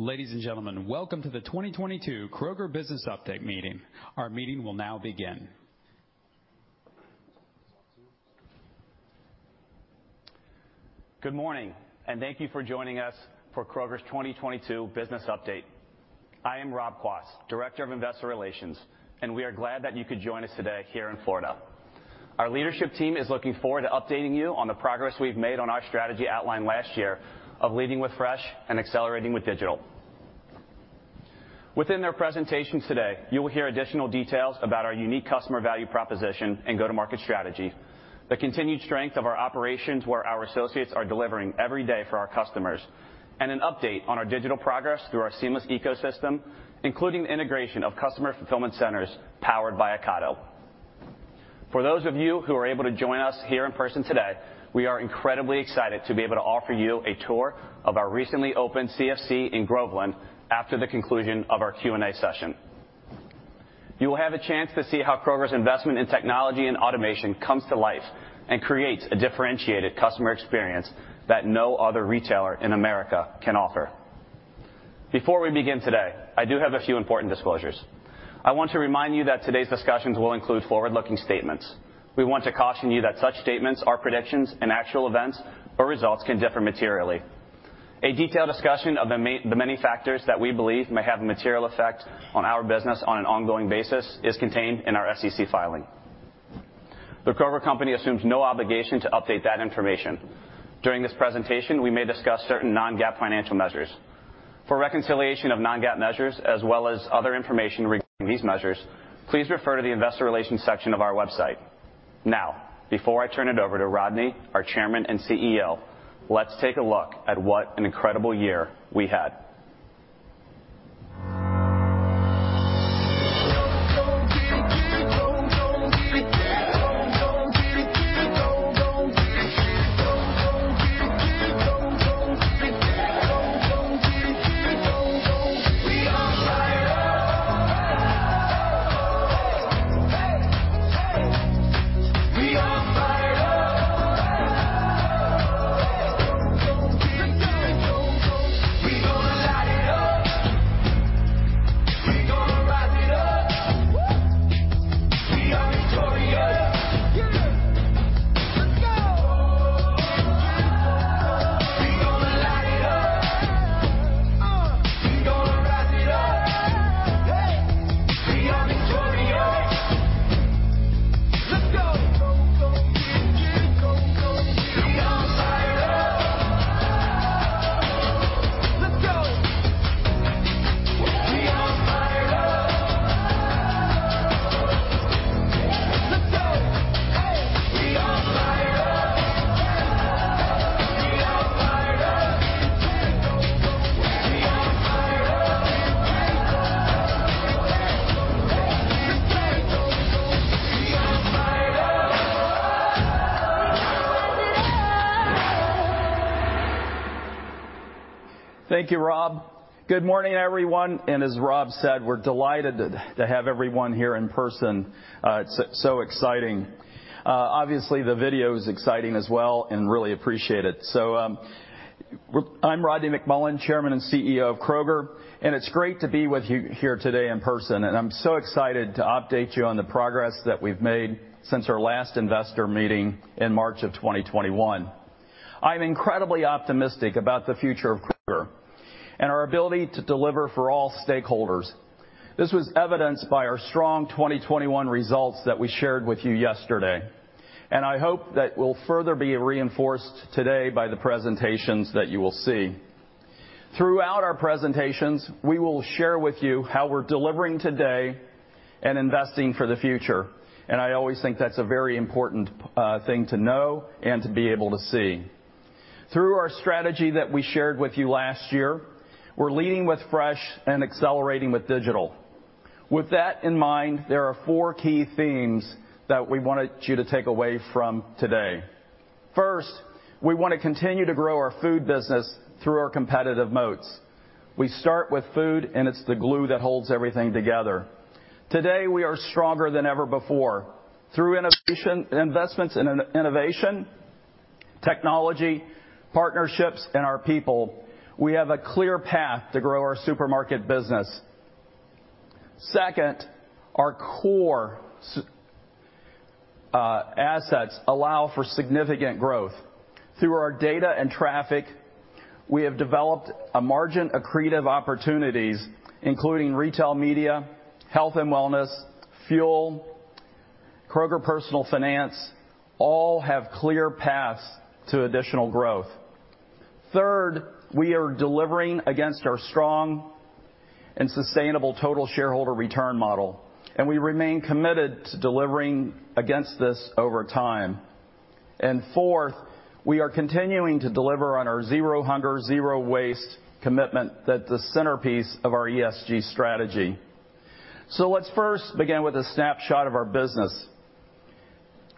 Ladies and gentlemen, welcome to the 2022 Kroger Business Update Meeting. Our meeting will now begin. Good morning, and thank you for joining us for Kroger's 2022 business update. I am Rob Quast, Director of Investor Relations, and we are glad that you could join us today here in Florida. Our leadership team is looking forward to updating you on the progress we've made on our strategy outlined last year of leading with fresh and accelerating with digital. Within their presentations today, you will hear additional details about our unique customer value proposition and go-to-market strategy, the continued strength of our operations where our associates are delivering every day for our customers, and an update on our digital progress through our Seamless ecosystem, including integration of customer fulfillment centers powered by Ocado. For those of you who are able to join us here in person today, we are incredibly excited to be able to offer you a tour of our recently opened CFC in Groveland after the conclusion of our Q&A session. You will have a chance to see how Kroger's investment in technology and automation comes to life and creates a differentiated customer experience that no other retailer in America can offer. Before we begin today, I do have a few important disclosures. I want to remind you that today's discussions will include forward-looking statements. We want to caution you that such statements are predictions, and actual events or results can differ materially. A detailed discussion of the many factors that we believe may have a material effect on our business on an ongoing basis is contained in our SEC filing. The Kroger Co. assumes no obligation to update that information. During this presentation, we may discuss certain non-GAAP financial measures. For reconciliation of non-GAAP measures as well as other information regarding these measures, please refer to the investor relations section of our website. Now, before I turn it over to Rodney, our Chairman and CEO, let's take a look at what an incredible year we had. We on fire. Oh. Hey. Oh. Hey, hey. We on fire. Oh. Hey. Oh. We gonna light it up. We gonna rise it up. We are victorious. Yeah. Let's go. Oh. We gonna light it up. Uh. We gonna rise it up. Hey. We are victorious. Let's go. We on fire. Oh. Let's go. We on fire. Oh. Let's go. Hey. We on fire. Oh. We on fire. We on fire. Oh. Hey. Hey. Let's go. We on fire. Oh. Thank you, Rob. Good morning, everyone. As Rob said, we're delighted to have everyone here in person. It's so exciting. Obviously the video is exciting as well, and really appreciate it. I'm Rodney McMullen, Chairman and CEO of Kroger, and it's great to be with you here today in person. I'm so excited to update you on the progress that we've made since our last investor meeting in March 2021. I'm incredibly optimistic about the future of Kroger and our ability to deliver for all stakeholders. This was evidenced by our strong 2021 results that we shared with you yesterday, and I hope that will further be reinforced today by the presentations that you will see. Throughout our presentations, we will share with you how we're delivering today and investing for the future. I always think that's a very important thing to know and to be able to see. Through our strategy that we shared with you last year, we're leading with fresh and accelerating with digital. With that in mind, there are four key themes that we wanted you to take away from today. First, we wanna continue to grow our food business through our competitive moats. We start with food, and it's the glue that holds everything together. Today, we are stronger than ever before. Through innovation investments in innovation, technology, partnerships, and our people, we have a clear path to grow our supermarket business. Second, our core assets allow for significant growth. Through our data and traffic, we have developed a margin accretive opportunities, including retail media, health and wellness, fuel, Kroger Personal Finance all have clear paths to additional growth. Third, we are delivering against our strong and sustainable total shareholder return model, and we remain committed to delivering against this over time. Fourth, we are continuing to deliver on our Zero Hunger Zero Waste commitment that is the centerpiece of our ESG strategy. Let's first begin with a snapshot of our business.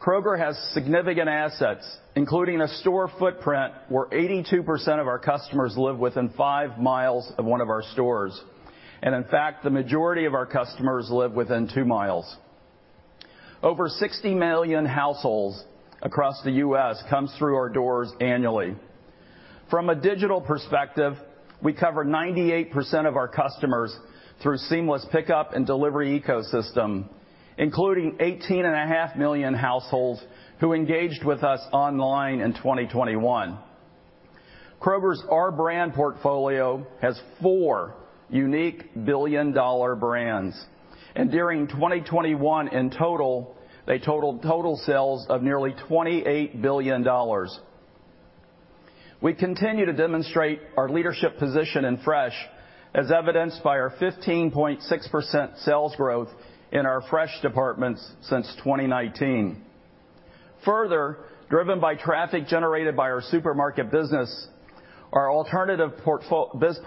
Kroger has significant assets, including a store footprint where 82% of our customers live within 5 mi of one of our stores. In fact, the majority of our customers live within 2 mi. Over 60 million households across the U.S. come through our doors annually. From a digital perspective, we cover 98% of our customers through Seamless pickup and delivery ecosystem, including 18.5 million households who engaged with us online in 2021. Kroger's Our Brands portfolio has four unique billion-dollar brands, and during 2021 in total, they totaled sales of nearly $28 billion. We continue to demonstrate our leadership position in fresh as evidenced by our 15.6% sales growth in our fresh departments since 2019. Further, driven by traffic generated by our supermarket business, our alternative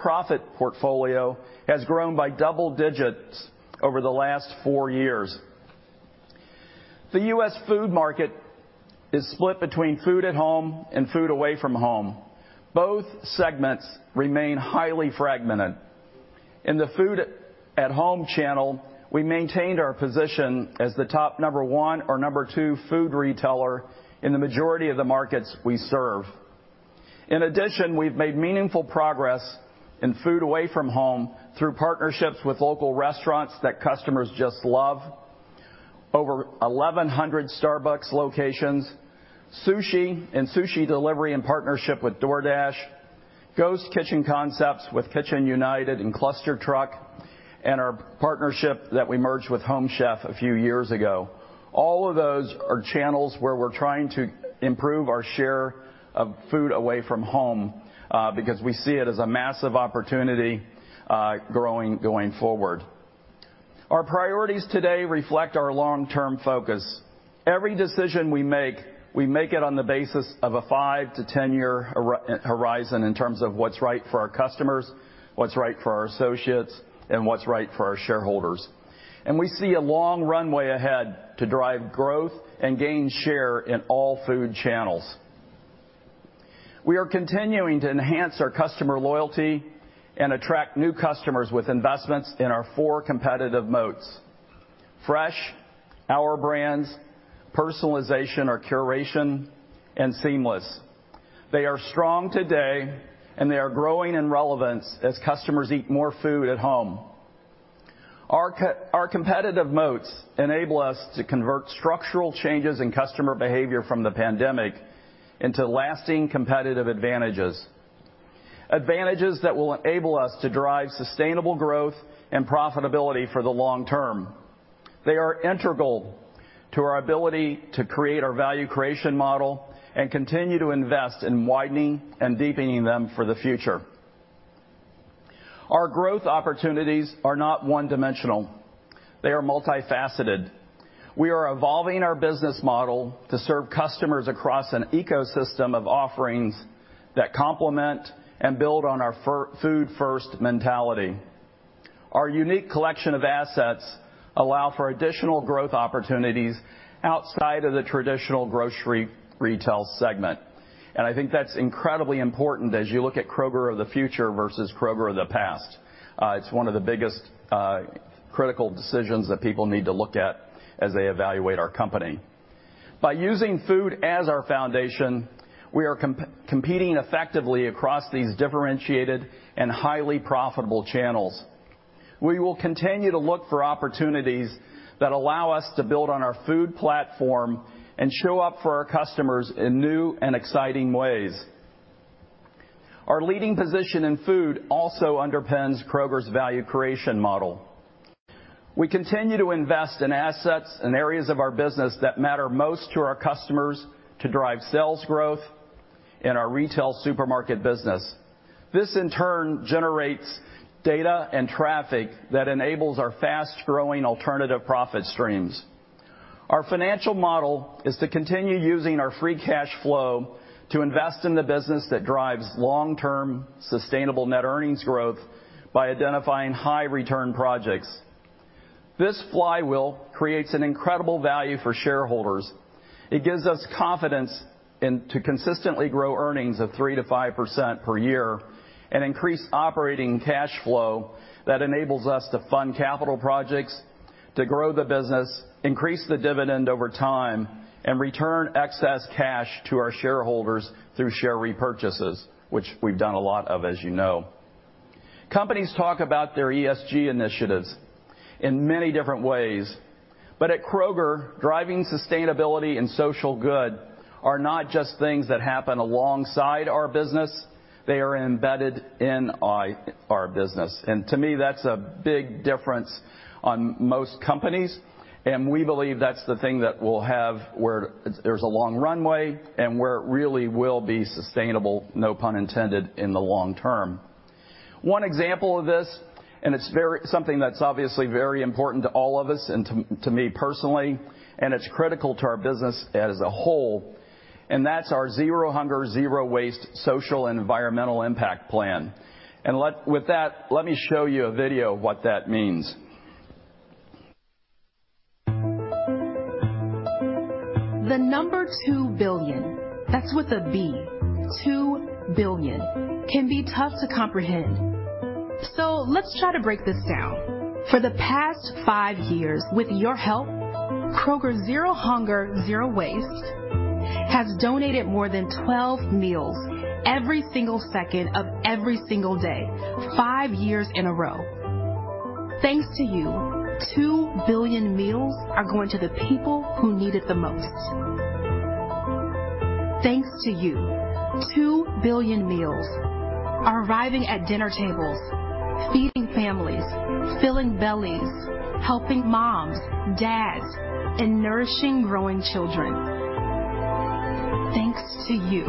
profit portfolio has grown by double digits over the last four years. The U.S. food market is split between food at home and food away from home. Both segments remain highly fragmented. In the food at home channel, we maintained our position as the top #1 or #2 food retailer in the majority of the markets we serve. In addition, we've made meaningful progress in food away from home through partnerships with local restaurants that customers just love. Over 1,100 Starbucks locations, sushi and sushi delivery in partnership with DoorDash, ghost kitchen concepts with Kitchen United and ClusterTruck, and our partnership that we merged with Home Chef a few years ago. All of those are channels where we're trying to improve our share of food away from home, because we see it as a massive opportunity, growing going forward. Our priorities today reflect our long-term focus. Every decision we make, we make it on the basis of a five- to 10-year horizon in terms of what's right for our customers, what's right for our associates, and what's right for our shareholders. We see a long runway ahead to drive growth and gain share in all food channels. We are continuing to enhance our customer loyalty and attract new customers with investments in our four competitive moats. Fresh, Our Brands, personalization or curation, and Seamless. They are strong today, and they are growing in relevance as customers eat more food at home. Our competitive moats enable us to convert structural changes in customer behavior from the pandemic into lasting competitive advantages that will enable us to drive sustainable growth and profitability for the long term. They are integral to our ability to create our value creation model and continue to invest in widening and deepening them for the future. Our growth opportunities are not one-dimensional. They are multifaceted. We are evolving our business model to serve customers across an ecosystem of offerings that complement and build on our food first mentality. Our unique collection of assets allow for additional growth opportunities outside of the traditional grocery retail segment. I think that's incredibly important as you look at Kroger of the future versus Kroger of the past. It's one of the biggest, critical decisions that people need to look at as they evaluate our company. By using food as our foundation, we are competing effectively across these differentiated and highly profitable channels. We will continue to look for opportunities that allow us to build on our food platform and show up for our customers in new and exciting ways. Our leading position in food also underpins Kroger's value creation model. We continue to invest in assets in areas of our business that matter most to our customers to drive sales growth in our retail supermarket business. This in turn generates data and traffic that enables our fast growing alternative profit streams. Our financial model is to continue using our free cash flow to invest in the business that drives long-term sustainable net earnings growth by identifying high return projects. This flywheel creates an incredible value for shareholders. It gives us confidence in to consistently grow earnings of 3%-5% per year and increase operating cash flow that enables us to fund capital projects, to grow the business, increase the dividend over time, and return excess cash to our shareholders through share repurchases, which we've done a lot of as you know. Companies talk about their ESG initiatives in many different ways. At Kroger, driving sustainability and social good are not just things that happen alongside our business. They are embedded in our business. To me, that's a big difference on most companies. We believe that's the thing that we'll have where there's a long runway and where it really will be sustainable, no pun intended, in the long term. One example of this, and it's very something that's obviously very important to all of us and to me personally, and it's critical to our business as a whole, and that's our Zero Hunger Zero Waste social and environmental impact plan. With that, let me show you a video of what that means. The number 2 billion, that's with a B, 2 billion, can be tough to comprehend. Let's try to break this down. For the past five years, with your help, Kroger Zero Hunger Zero Waste has donated more than 12 meals every single second of every single day, five years in a row. Thanks to you, 2 billion meals are going to the people who need it the most. Thanks to you, 2 billion meals are arriving at dinner tables, feeding families, filling bellies, helping moms, dads, and nourishing growing children. Thanks to you,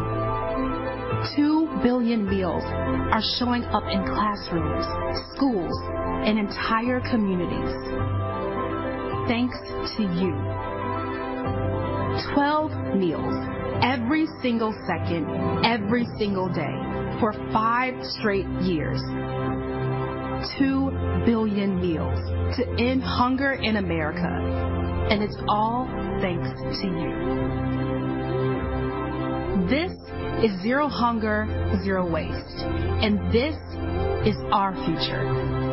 2 billion meals are showing up in classrooms, schools, and entire communities. Thanks to you, 12 meals every single second, every single day for five straight years. 2 billion meals to end hunger in America, and it's all thanks to you. This is Zero Hunger Zero Waste, and this is our future.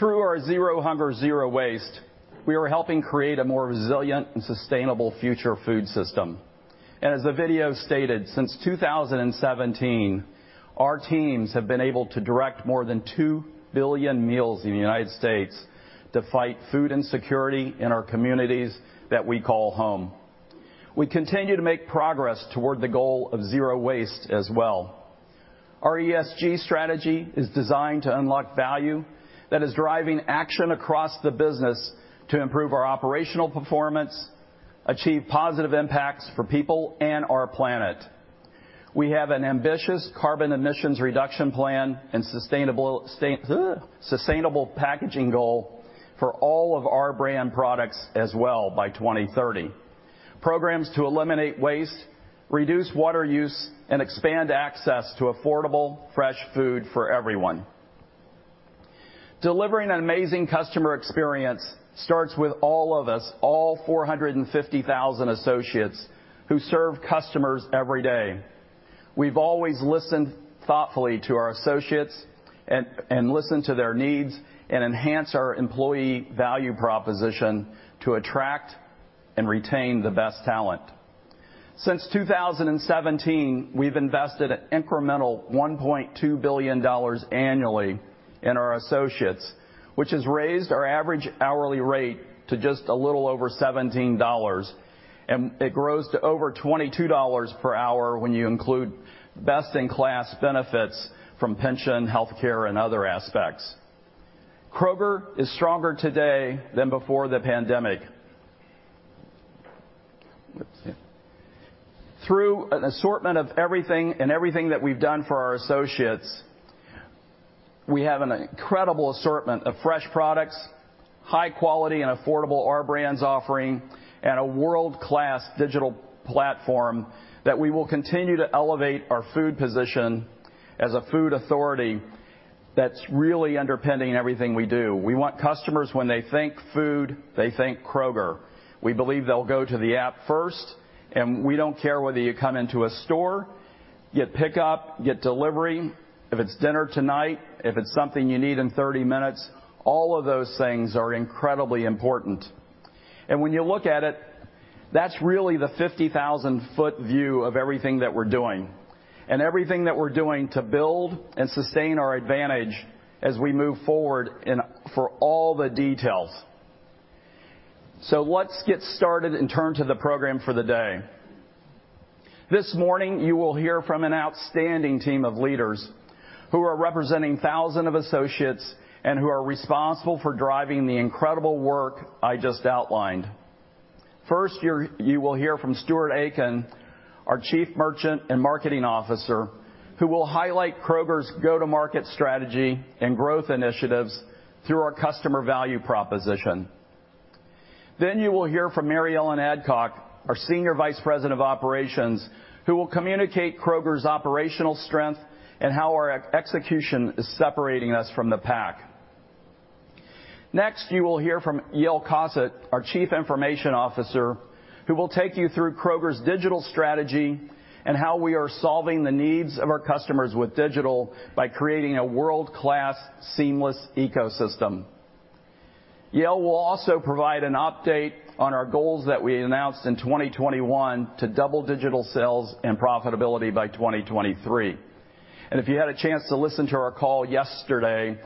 Through our Zero Hunger Zero Waste, we are helping create a more resilient and sustainable future food system. As the video stated, since 2017, our teams have been able to direct more than 2 billion meals in the United States to fight food insecurity in our communities that we call home. We continue to make progress toward the goal of zero waste as well. Our ESG strategy is designed to unlock value that is driving action across the business to improve our operational performance, achieve positive impacts for people and our planet. We have an ambitious carbon emissions reduction plan and sustainable packaging goal for all of our brand products as well by 2030. Programs to eliminate waste, reduce water use, and expand access to affordable fresh food for everyone. Delivering an amazing customer experience starts with all of us, all 450,000 associates who serve customers every day. We've always listened thoughtfully to our associates and listen to their needs and enhance our employee value proposition to attract and retain the best talent. Since 2017, we've invested an incremental $1.2 billion annually in our associates, which has raised our average hourly rate to just a little over $17, and it grows to over $22 per hour when you include best-in-class benefits from pension, healthcare, and other aspects. Kroger is stronger today than before the pandemic. Through an assortment of everything and everything that we've done for our associates, we have an incredible assortment of fresh products, high quality and affordable Our Brands offering, and a world-class digital platform that we will continue to elevate our food position as a food authority that's really underpinning everything we do. We want customers when they think food, they think Kroger. We believe they'll go to the app first, and we don't care whether you come into a store, get pickup, get delivery. If it's dinner tonight, if it's something you need in 30 minutes, all of those things are incredibly important. When you look at it, that's really the 50,000-foot view of everything that we're doing and everything that we're doing to build and sustain our advantage as we move forward in for all the details. Let's get started and turn to the program for the day. This morning, you will hear from an outstanding team of leaders who are representing thousands of associates and who are responsible for driving the incredible work I just outlined. First, you will hear from Stuart Aitken, our Chief Merchant and Marketing Officer, who will highlight Kroger's go-to-market strategy and growth initiatives through our customer value proposition. You will hear from Mary Ellen Adcock, our Senior Vice President of Operations, who will communicate Kroger's operational strength and how our execution is separating us from the pack. Next, you will hear from Yael Cosset, our Chief Information Officer, who will take you through Kroger's digital strategy and how we are solving the needs of our customers with digital by creating a world-class Seamless ecosystem. Yael will also provide an update on our goals that we announced in 2021 to double digital sales and profitability by 2023. If you had a chance to listen to our call yesterday,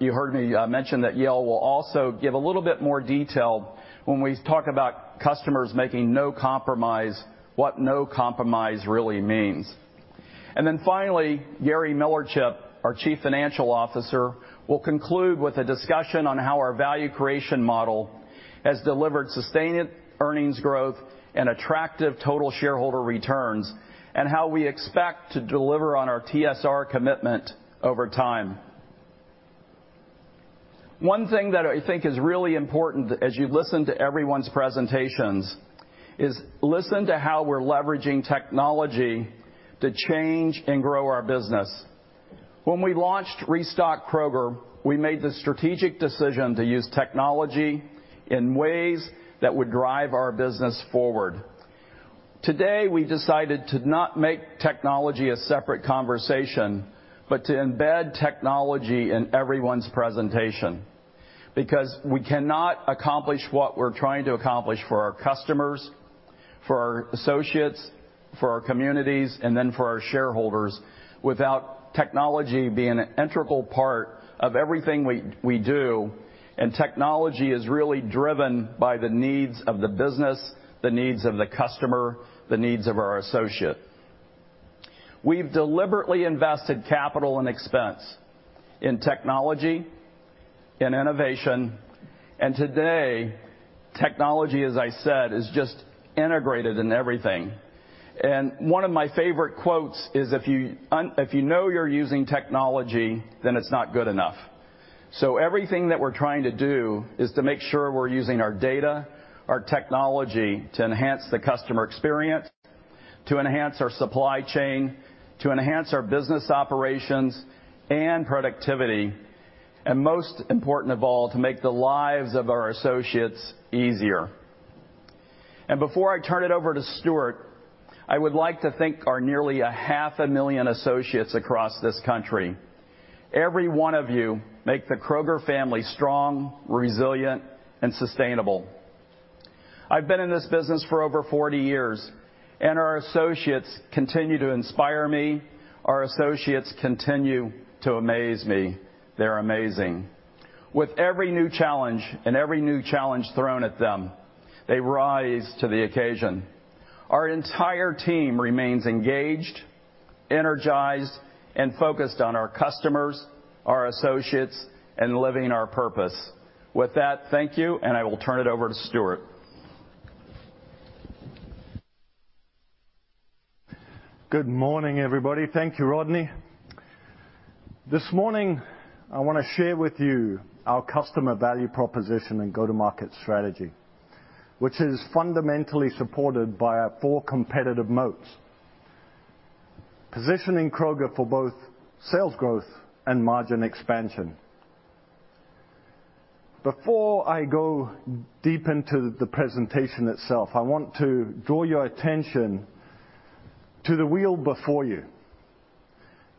you heard me mention that Yael will also give a little bit more detail when we talk about customers making no compromise, what no compromise really means. Finally, Gary Millerchip, our Chief Financial Officer, will conclude with a discussion on how our value creation model has delivered sustained earnings growth and attractive total shareholder returns, and how we expect to deliver on our TSR commitment over time. One thing that I think is really important as you listen to everyone's presentations is listen to how we're leveraging technology to change and grow our business. When we launched Restock Kroger, we made the strategic decision to use technology in ways that would drive our business forward. Today, we decided to not make technology a separate conversation, but to embed technology in everyone's presentation, because we cannot accomplish what we're trying to accomplish for our customers, for our associates, for our communities, and then for our shareholders without technology being an integral part of everything we do. Technology is really driven by the needs of the business, the needs of the customer, the needs of our associate. We've deliberately invested capital and expense in technology, in innovation, and today, technology, as I said, is just integrated in everything. One of my favorite quotes is, "If you know you're using technology, then it's not good enough." Everything that we're trying to do is to make sure we're using our data, our technology, to enhance the customer experience, to enhance our supply chain, to enhance our business operations and productivity, and most important of all, to make the lives of our associates easier. Before I turn it over to Stuart, I would like to thank our nearly 500,000 associates across this country. Every one of you make the Kroger family strong, resilient, and sustainable. I've been in this business for over 40 years, and our associates continue to inspire me. Our associates continue to amaze me. They're amazing. With every new challenge thrown at them, they rise to the occasion. Our entire team remains engaged, energized, and focused on our customers, our associates, and living our purpose. With that, thank you, and I will turn it over to Stuart. Good morning, everybody. Thank you, Rodney. This morning, I wanna share with you our customer value proposition and go-to-market strategy, which is fundamentally supported by our four competitive moats, positioning Kroger for both sales growth and margin expansion. Before I go deep into the presentation itself, I want to draw your attention to the wheel before you.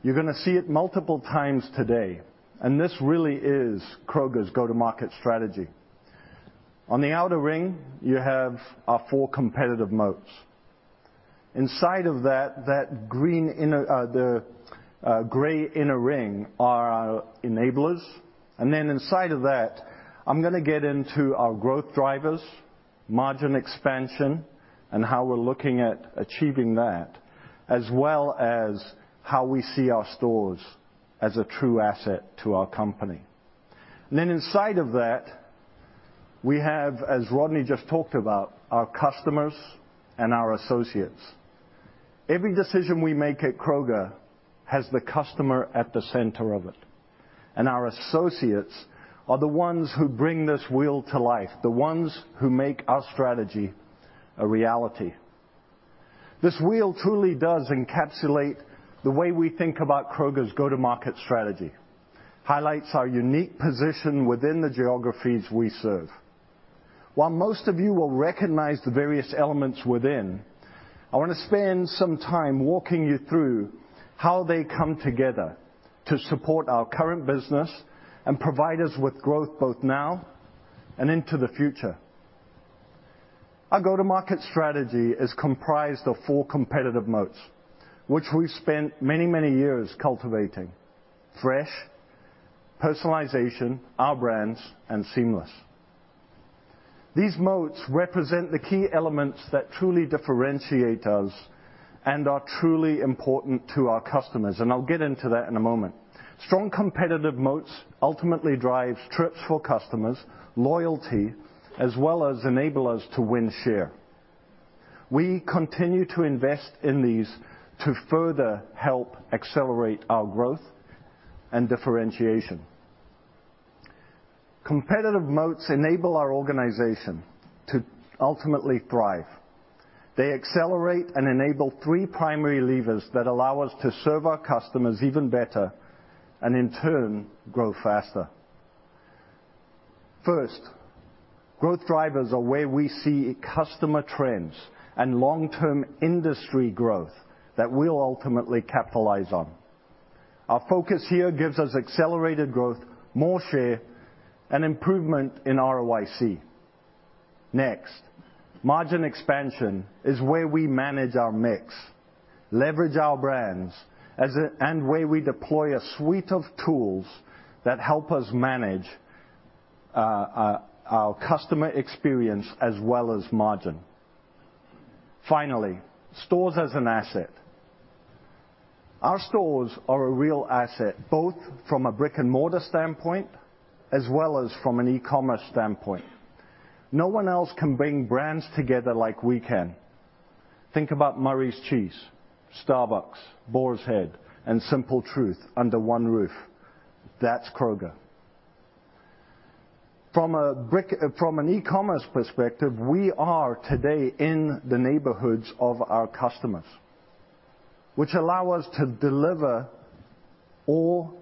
You're gonna see it multiple times today, and this really is Kroger's go-to-market strategy. On the outer ring, you have our four competitive moats. Inside of that green inner, the gray inner ring are our enablers. Inside of that, I'm gonna get into our growth drivers, margin expansion, and how we're looking at achieving that, as well as how we see our stores as a true asset to our company. Inside of that, we have, as Rodney just talked about, our customers and our associates. Every decision we make at Kroger has the customer at the center of it, and our associates are the ones who bring this wheel to life, the ones who make our strategy a reality. This wheel truly does encapsulate the way we think about Kroger's go-to-market strategy, highlights our unique position within the geographies we serve. While most of you will recognize the various elements within, I wanna spend some time walking you through how they come together to support our current business and provide us with growth both now and into the future. Our go-to-market strategy is comprised of four competitive moats, which we've spent many, many years cultivating. Fresh, Personalization, Our Brands, and Seamless. These moats represent the key elements that truly differentiate us and are truly important to our customers, and I'll get into that in a moment. Strong competitive moats ultimately drives trips for customers, loyalty, as well as enable us to win share. We continue to invest in these to further help accelerate our growth and differentiation. Competitive moats enable our organization to ultimately thrive. They accelerate and enable three primary levers that allow us to serve our customers even better and in turn, grow faster. First, growth drivers are where we see customer trends and long-term industry growth that we'll ultimately capitalize on. Our focus here gives us accelerated growth, more share, and improvement in ROIC. Next, margin expansion is where we manage our mix, leverage our brands and where we deploy a suite of tools that help us manage our customer experience as well as margin. Finally, stores as an asset. Our stores are a real asset, both from a brick-and-mortar standpoint as well as from an e-commerce standpoint. No one else can bring brands together like we can. Think about Murray's Cheese, Starbucks, Boar's Head, and Simple Truth under one roof. That's Kroger. From an eCommerce perspective, we are today in the neighborhoods of our customers, which allow us to deliver or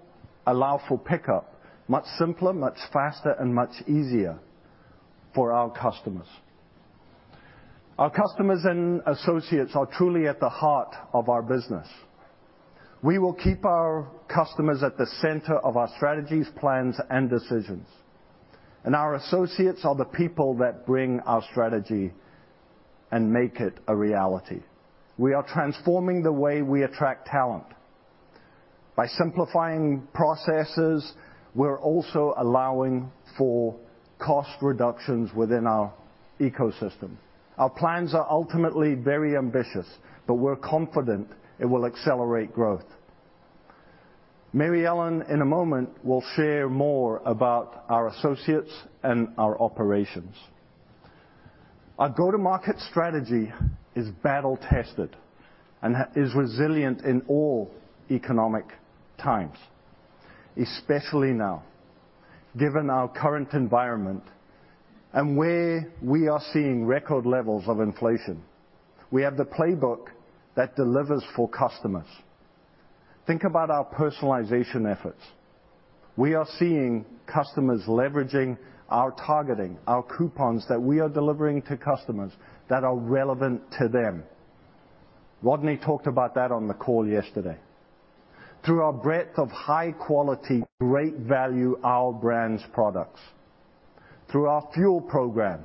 allow for pickup much simpler, much faster, and much easier for our customers. Our customers and associates are truly at the heart of our business. We will keep our customers at the center of our strategies, plans, and decisions. Our associates are the people that bring our strategy and make it a reality. We are transforming the way we attract talent. By simplifying processes, we're also allowing for cost reductions within our ecosystem. Our plans are ultimately very ambitious, but we're confident it will accelerate growth. Mary Ellen, in a moment, will share more about our associates and our operations. Our go-to-market strategy is battle-tested and is resilient in all economic times, especially now, given our current environment and where we are seeing record levels of inflation. We have the playbook that delivers for customers. Think about our personalization efforts. We are seeing customers leveraging our targeting, our coupons that we are delivering to customers that are relevant to them. Rodney talked about that on the call yesterday, through our breadth of high quality, great value, Our Brands products, through our fuel program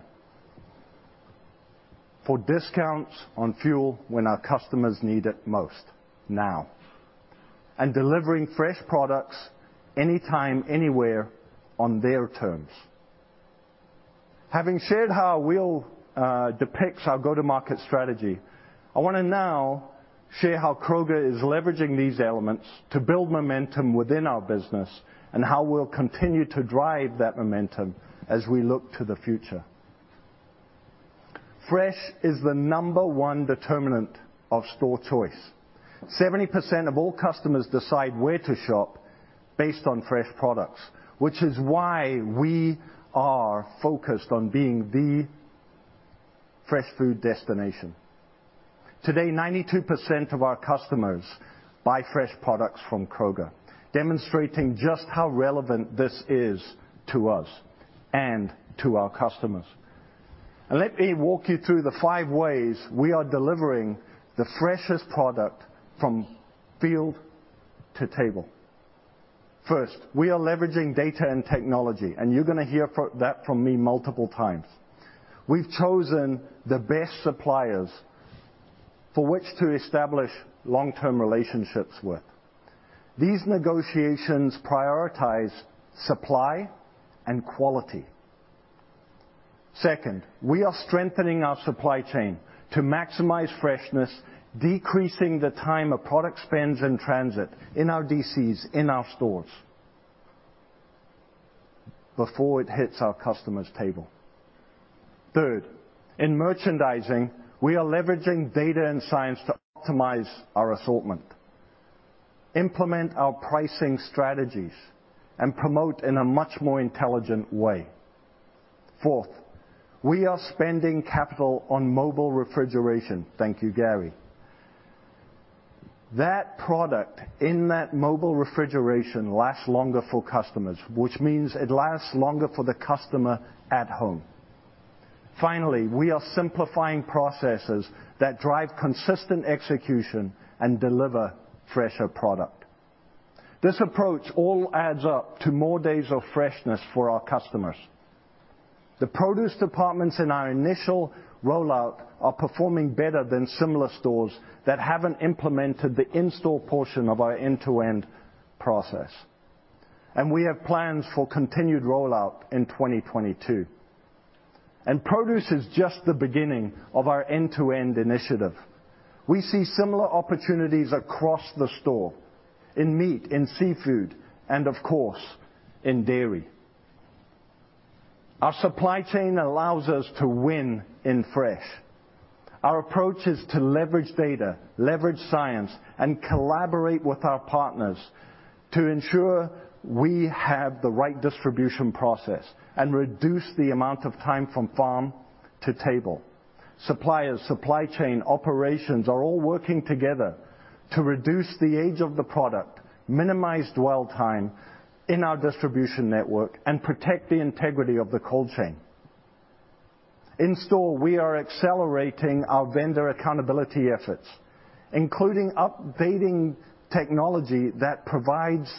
for discounts on fuel when our customers need it most, now, delivering fresh products anytime, anywhere, on their terms. Having shared how our wheel depicts our go-to-market strategy, I wanna now share how Kroger is leveraging these elements to build momentum within our business and how we'll continue to drive that momentum as we look to the future. Fresh is the number one determinant of store choice. 70% of all customers decide where to shop based on fresh products, which is why we are focused on being the fresh food destination. Today, 92% of our customers buy fresh products from Kroger, demonstrating just how relevant this is to us and to our customers. Let me walk you through the five ways we are delivering the freshest product from field to table. First, we are leveraging data and technology, and you're gonna hear that from me multiple times. We've chosen the best suppliers for which to establish long-term relationships with. These negotiations prioritize supply and quality. Second, we are strengthening our supply chain to maximize freshness, decreasing the time a product spends in transit in our DCs, in our stores before it hits our customer's table. Third, in merchandising, we are leveraging data and science to optimize our assortment, implement our pricing strategies, and promote in a much more intelligent way. Fourth, we are spending capital on mobile refrigeration. Thank you, Gary. That product in that mobile refrigeration lasts longer for customers, which means it lasts longer for the customer at home. Finally, we are simplifying processes that drive consistent execution and deliver fresher product. This approach all adds up to more days of freshness for our customers. The produce departments in our initial rollout are performing better than similar stores that haven't implemented the in-store portion of our end-to-end process. We have plans for continued rollout in 2022. Produce is just the beginning of our end-to-end initiative. We see similar opportunities across the store in meat, in seafood, and of course, in dairy. Our supply chain allows us to win in fresh. Our approach is to leverage data, leverage science, and collaborate with our partners to ensure we have the right distribution process and reduce the amount of time from farm to table. Suppliers, supply chain, operations are all working together to reduce the age of the product, minimize dwell time in our distribution network, and protect the integrity of the cold chain. In store, we are accelerating our vendor accountability efforts, including updating technology that provides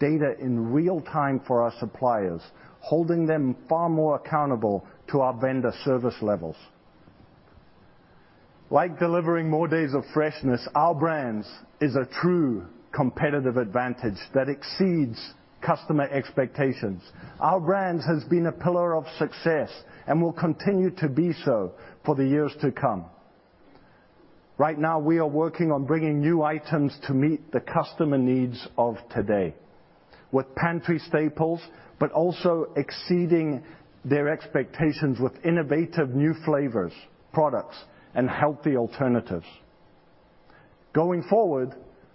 data in real-time for our suppliers, holding them far more accountable to our vendor service levels. Like delivering more days of freshness, Our Brands is a true competitive advantage that exceeds customer expectations. Our Brands has been a pillar of success and will continue to be so for the years to come. Right now, we are working on bringing new items to meet the customer needs of today. With pantry staples, but also exceeding their expectations with innovative new flavors, products, and healthy alternatives. Going forward,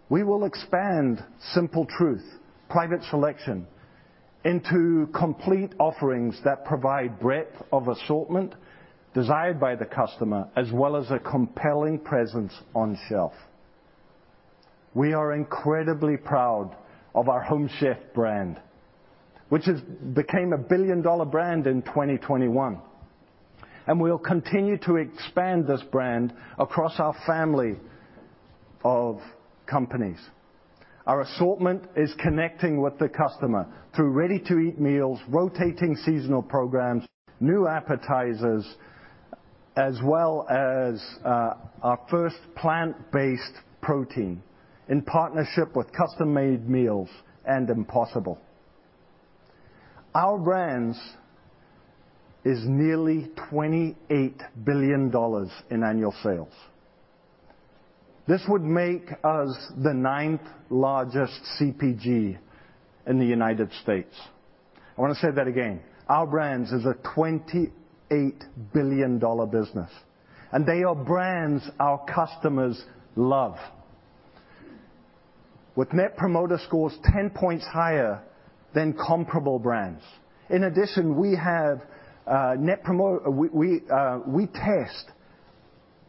we will expand Simple Truth, Private Selection into complete offerings that provide breadth of assortment desired by the customer, as well as a compelling presence on shelf. We are incredibly proud of our Home Chef brand, which became a billion-dollar brand in 2021, and we will continue to expand this brand across our family of companies. Our assortment is connecting with the customer through ready-to-eat meals, rotating seasonal programs, new appetizers, as well as our first plant-based protein in partnership with custom-made meals and Impossible. Our Brands is nearly $28 billion in annual sales. This would make us the ninth-largest CPG in the United States. I want to say that again. Our Brands is a $28 billion business, and they are brands our customers love, with net promoter scores 10 points higher than comparable brands. In addition, we test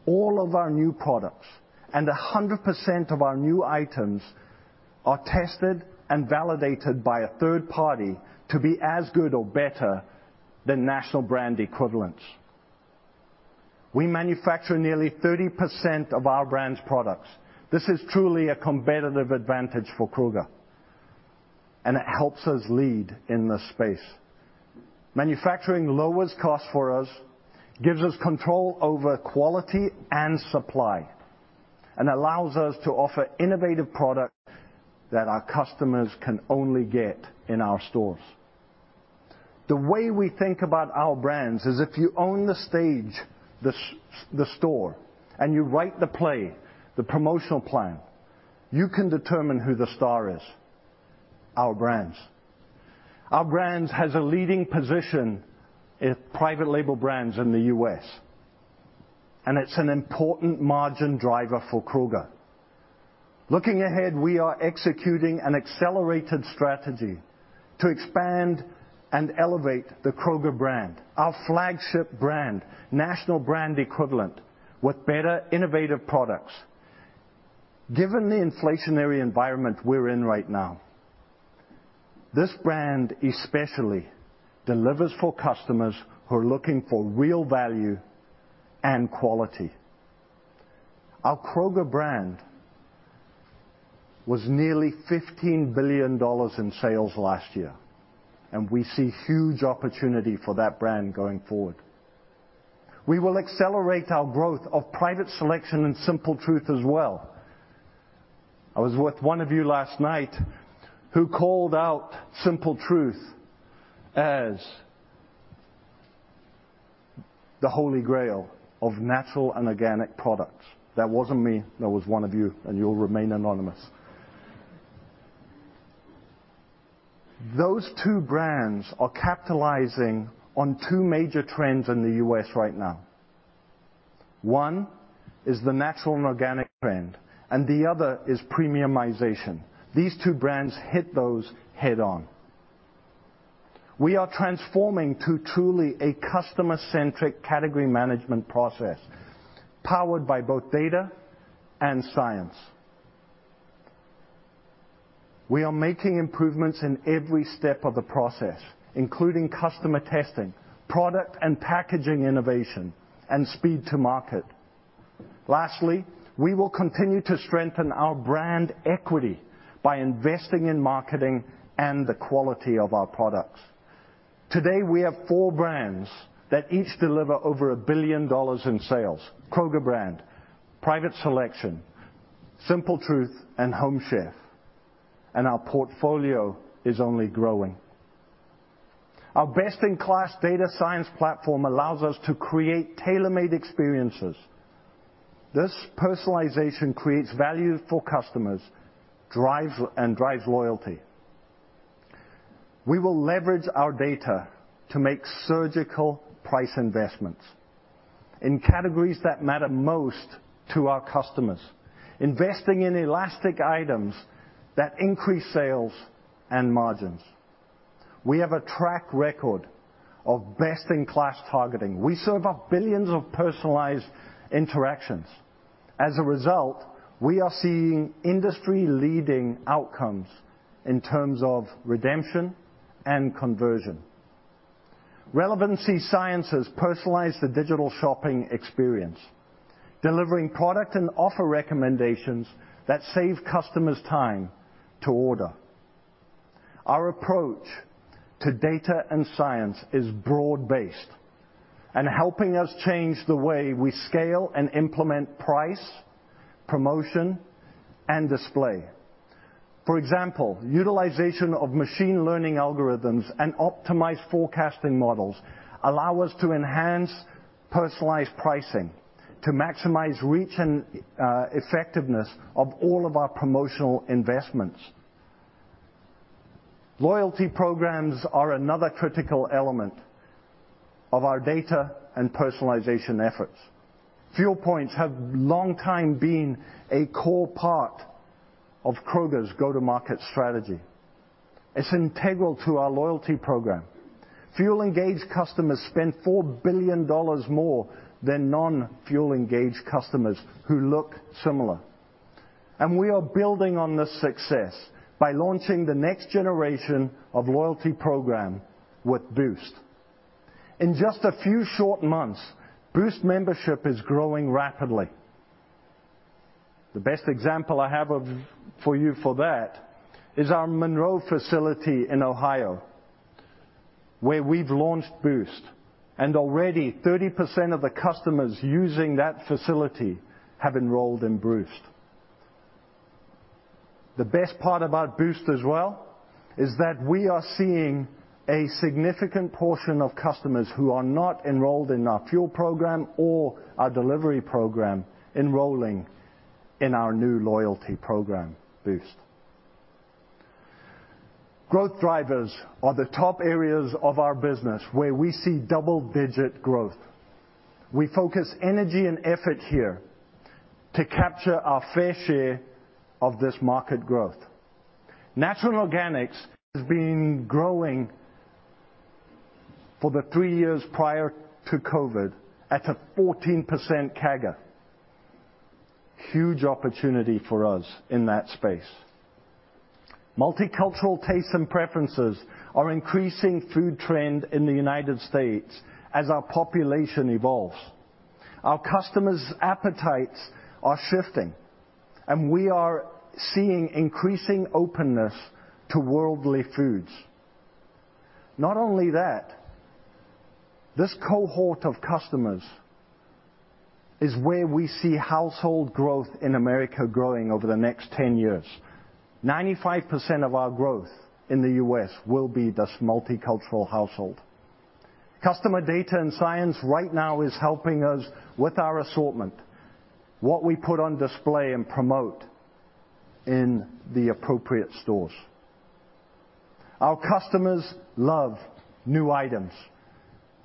all of our new products and 100% of our new items are tested and validated by a third party to be as good or better than national brand equivalents. We manufacture nearly 30% of our brand's products. This is truly a competitive advantage for Kroger, and it helps us lead in this space. Manufacturing lowers cost for us, gives us control over quality and supply, and allows us to offer innovative product that our customers can only get in our stores. The way we think about Our Brands is if you own the stage, the store, and you write the play, the promotional plan, you can determine who the star is, Our Brands. Our Brands has a leading position in private label brands in the U.S., and it's an important margin driver for Kroger. Looking ahead, we are executing an accelerated strategy to expand and elevate the Kroger Brand, our flagship brand, national brand equivalent with better, innovative products. Given the inflationary environment we're in right now, this brand especially delivers for customers who are looking for real value and quality. Our Kroger Brand was nearly $15 billion in sales last year, and we see huge opportunity for that brand going forward. We will accelerate our growth of Private Selection and Simple Truth as well. I was with one of you last night who called out Simple Truth as the Holy Grail of natural and organic products. That wasn't me, that was one of you, and you'll remain anonymous. Those two brands are capitalizing on two major trends in the U.S. right now. One is the natural and organic trend, and the other is premiumization. These two brands hit those head-on. We are transforming to truly a customer-centric category management process powered by both data and science. We are making improvements in every step of the process, including customer testing, product and packaging innovation, and speed to market. Lastly, we will continue to strengthen our brand equity by investing in marketing and the quality of our products. Today, we have four brands that each deliver over $1 billion in sales: Kroger Brand, Private Selection, Simple Truth, and Home Chef, and our portfolio is only growing. Our best-in-class data science platform allows us to create tailor-made experiences. This personalization creates value for customers, drives loyalty. We will leverage our data to make surgical price investments in categories that matter most to our customers, investing in elastic items that increase sales and margins. We have a track record of best-in-class targeting. We serve up billions of personalized interactions. As a result, we are seeing industry-leading outcomes in terms of redemption and conversion. Relevancy sciences personalize the digital shopping experience, delivering product and offer recommendations that save customers time to order. Our approach to data and science is broad-based and helping us change the way we scale and implement price, promotion, and display. For example, utilization of machine learning algorithms and optimized forecasting models allow us to enhance personalized pricing. To maximize reach and effectiveness of all of our promotional investments. Loyalty programs are another critical element of our data and personalization efforts. Fuel points have long been a core part of Kroger's go-to-market strategy. It's integral to our loyalty program. Fuel engaged customers spend $4 billion more than non-fuel engaged customers who look similar. We are building on this success by launching the next generation of loyalty program with Boost. In just a few short months, Boost membership is growing rapidly. The best example I have of that is our Monroe facility in Ohio, where we've launched Boost, and already 30% of the customers using that facility have enrolled in Boost. The best part about Boost as well is that we are seeing a significant portion of customers who are not enrolled in our fuel program or our delivery program enrolling in our new loyalty program, Boost. Growth drivers are the top areas of our business where we see double-digit growth. We focus energy and effort here to capture our fair share of this market growth. Natural organics has been growing for the three years prior to COVID at a 14% CAGR. Huge opportunity for us in that space. Multicultural tastes and preferences are increasing food trend in the United States as our population evolves. Our customers' appetites are shifting, and we are seeing increasing openness to worldly foods. Not only that, this cohort of customers is where we see household growth in America growing over the next 10 years. 95% of our growth in the U.S. will be this multicultural household. Customer data and science right now is helping us with our assortment, what we put on display and promote in the appropriate stores. Our customers love new items,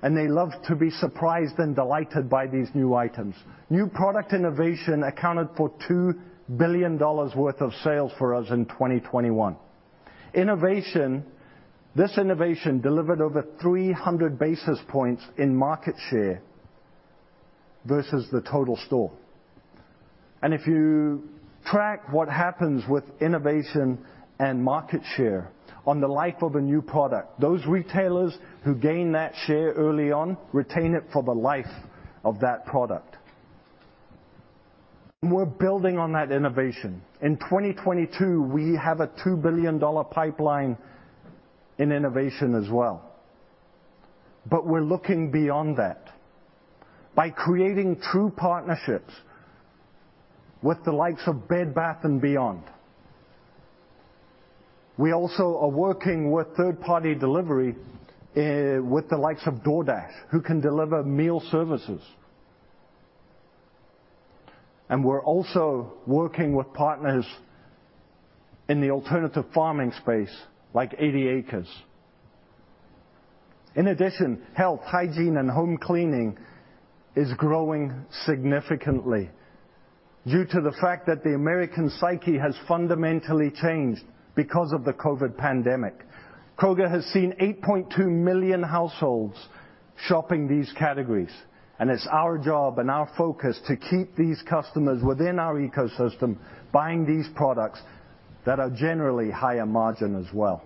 and they love to be surprised and delighted by these new items. New product innovation accounted for $2 billion worth of sales for us in 2021. Innovation, this innovation delivered over 300 basis points in market share versus the total store. If you track what happens with innovation and market share on the life of a new product, those retailers who gain that share early on retain it for the life of that product. We're building on that innovation. In 2022, we have a $2 billion pipeline in innovation as well. We're looking beyond that by creating true partnerships with the likes of Bed Bath & Beyond. We also are working with third-party delivery with the likes of DoorDash, who can deliver meal services. We're also working with partners in the alternative farming space, like 80 Acres Farms. In addition, health, hygiene, and home cleaning is growing significantly due to the fact that the American psyche has fundamentally changed because of the COVID pandemic. Kroger has seen 8.2 million households shopping these categories, and it's our job and our focus to keep these customers within our ecosystem buying these products that are generally higher margin as well.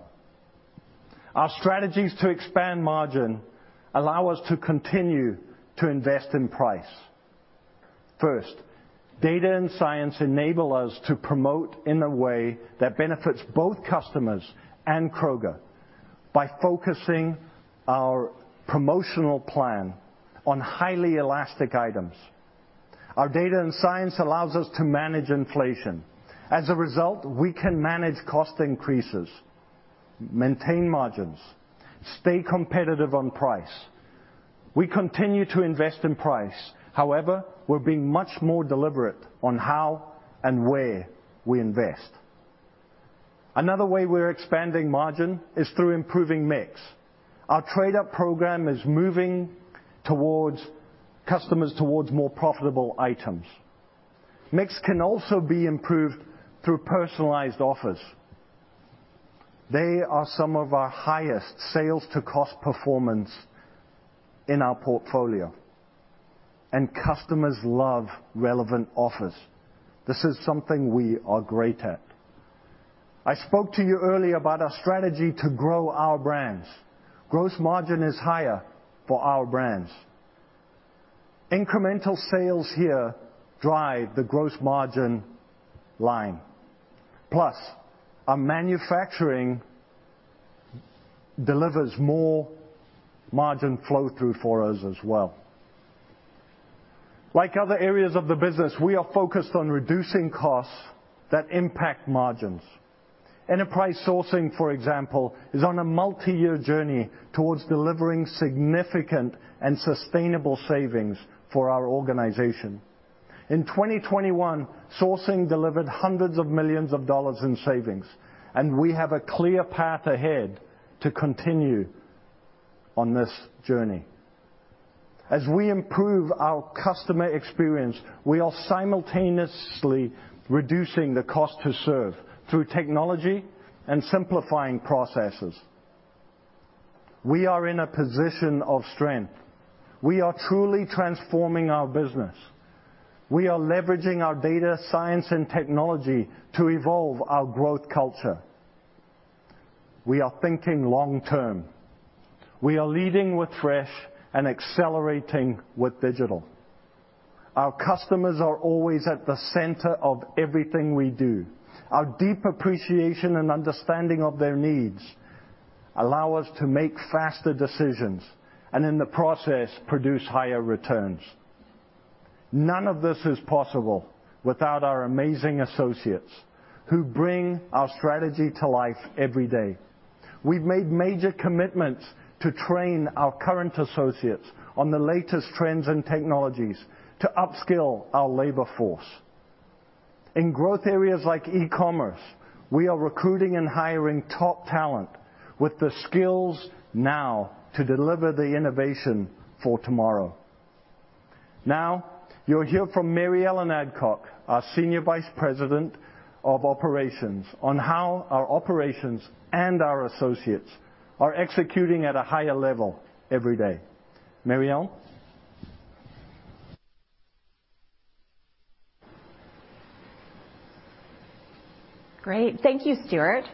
Our strategies to expand margin allow us to continue to invest in price. First, data and science enable us to promote in a way that benefits both customers and Kroger by focusing our promotional plan on highly elastic items. Our data and science allows us to manage inflation. As a result, we can manage cost increases, maintain margins, stay competitive on price. We continue to invest in price. However, we're being much more deliberate on how and where we invest. Another way we're expanding margin is through improving mix. Our trade-up program is moving customers towards more profitable items. Mix can also be improved through personalized offers. They are some of our highest sales to cost performance in our portfolio, and customers love relevant offers. This is something we are great at. I spoke to you earlier about our strategy to grow our brands. Gross margin is higher for our brands. Incremental sales here drive the gross margin line. Plus, our manufacturing delivers more margin flow through for us as well. Like other areas of the business, we are focused on reducing costs that impact margins. Enterprise sourcing, for example, is on a multiyear journey towards delivering significant and sustainable savings for our organization. In 2021, sourcing delivered $hundreds of millions in savings, and we have a clear path ahead to continue on this journey. As we improve our customer experience, we are simultaneously reducing the cost to serve through technology and simplifying processes. We are in a position of strength. We are truly transforming our business. We are leveraging our data science and technology to evolve our growth culture. We are thinking long term. We are leading with fresh and accelerating with digital. Our customers are always at the center of everything we do. Our deep appreciation and understanding of their needs allow us to make faster decisions and in the process, produce higher returns. None of this is possible without our amazing associates who bring our strategy to life every day. We've made major commitments to train our current associates on the latest trends and technologies to upskill our labor force. In growth areas like e-commerce, we are recruiting and hiring top talent with the skills now to deliver the innovation for tomorrow. Now, you'll hear from Mary Ellen Adcock, our Senior Vice President of Operations, on how our operations and our associates are executing at a higher level every day. Mary Ellen? Great. Thank you, Stuart.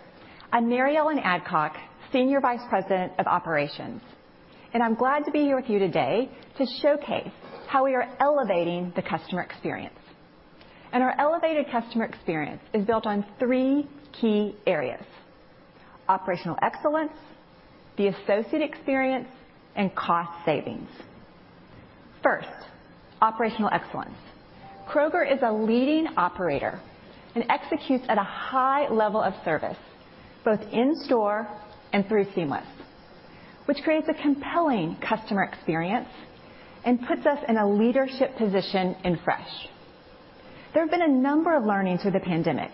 I'm Mary Ellen Adcock, Senior Vice President of Operations, and I'm glad to be here with you today to showcase how we are elevating the customer experience. Our elevated customer experience is built on three key areas. Operational excellence, the associate experience, and cost savings. First, operational excellence. Kroger is a leading operator and executes at a high level of service, both in store and through Seamless, which creates a compelling customer experience and puts us in a leadership position in fresh. There have been a number of learnings through the pandemic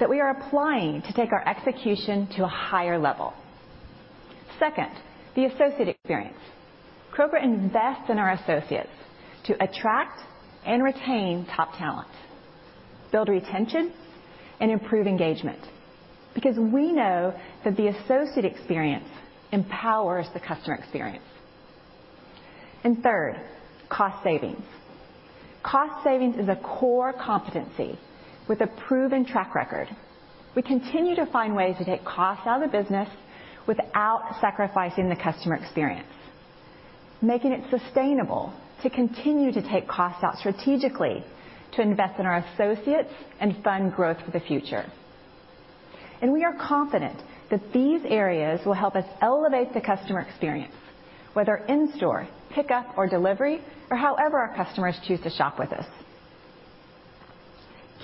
that we are applying to take our execution to a higher level. Second, the associate experience. Kroger invests in our associates to attract and retain top talent, build retention, and improve engagement because we know that the associate experience empowers the customer experience. Third, cost savings. Cost savings is a core competency with a proven track record. We continue to find ways to take costs out of the business without sacrificing the customer experience, making it sustainable to continue to take costs out strategically, to invest in our associates and fund growth for the future. We are confident that these areas will help us elevate the customer experience, whether in-store, pickup or delivery or however our customers choose to shop with us.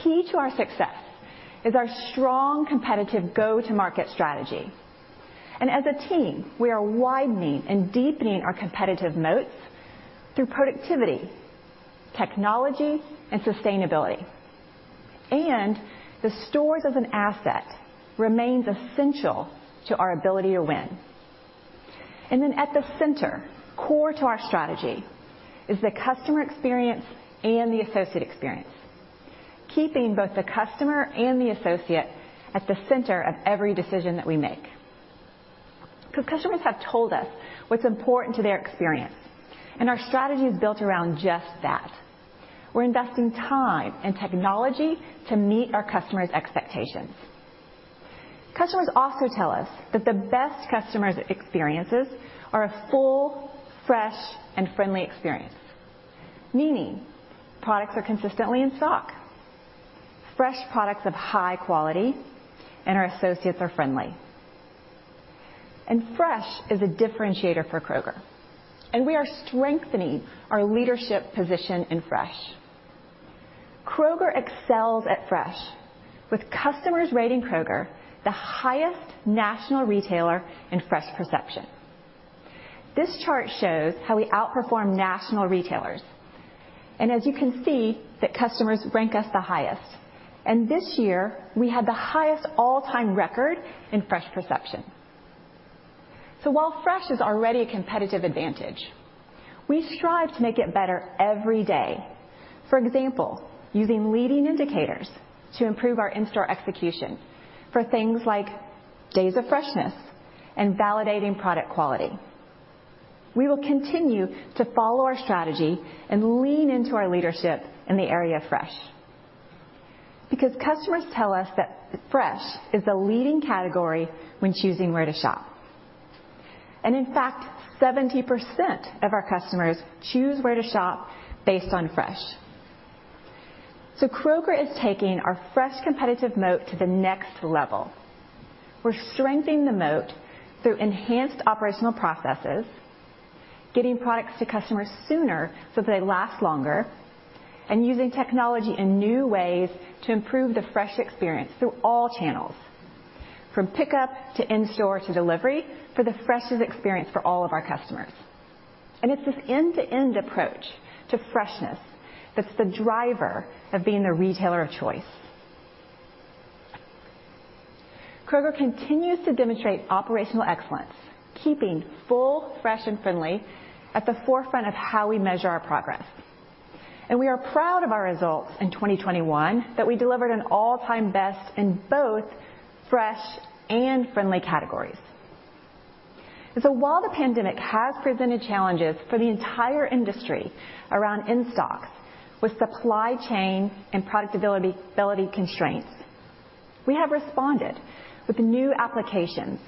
Key to our success is our strong competitive go-to-market strategy. As a team, we are widening and deepening our competitive moats through productivity, technology, and sustainability. The stores as an asset remains essential to our ability to win. At the center, core to our strategy is the customer experience and the associate experience, keeping both the customer and the associate at the center of every decision that we make. 'Cause customers have told us what's important to their experience, and our strategy is built around just that. We're investing time and technology to meet our customers' expectations. Customers also tell us that the best customers' experiences are a full, fresh, and friendly experience, meaning products are consistently in stock, fresh products of high quality, and our associates are friendly. Fresh is a differentiator for Kroger, and we are strengthening our leadership position in fresh. Kroger excels at fresh with customers rating Kroger the highest national retailer in fresh perception. This chart shows how we outperform national retailers. As you can see that customers rank us the highest. This year, we had the highest all-time record in fresh perception. While fresh is already a competitive advantage, we strive to make it better every day. For example, using leading indicators to improve our in-store execution for things like days of freshness and validating product quality. We will continue to follow our strategy and lean into our leadership in the area of fresh. Customers tell us that fresh is the leading category when choosing where to shop. In fact, 70% of our customers choose where to shop based on fresh. Kroger is taking our fresh competitive moat to the next level. We're strengthening the moat through enhanced operational processes. Getting products to customers sooner so they last longer, and using technology in new ways to improve the fresh experience through all channels, from pickup to in-store to delivery for the freshest experience for all of our customers. It's this end-to-end approach to freshness that's the driver of being the retailer of choice. Kroger continues to demonstrate operational excellence, keeping full, fresh, and friendly at the forefront of how we measure our progress. We are proud of our results in 2021 that we delivered an all-time best in both fresh and friendly categories. While the pandemic has presented challenges for the entire industry around in-stocks with supply chain and product availability constraints, we have responded with new applications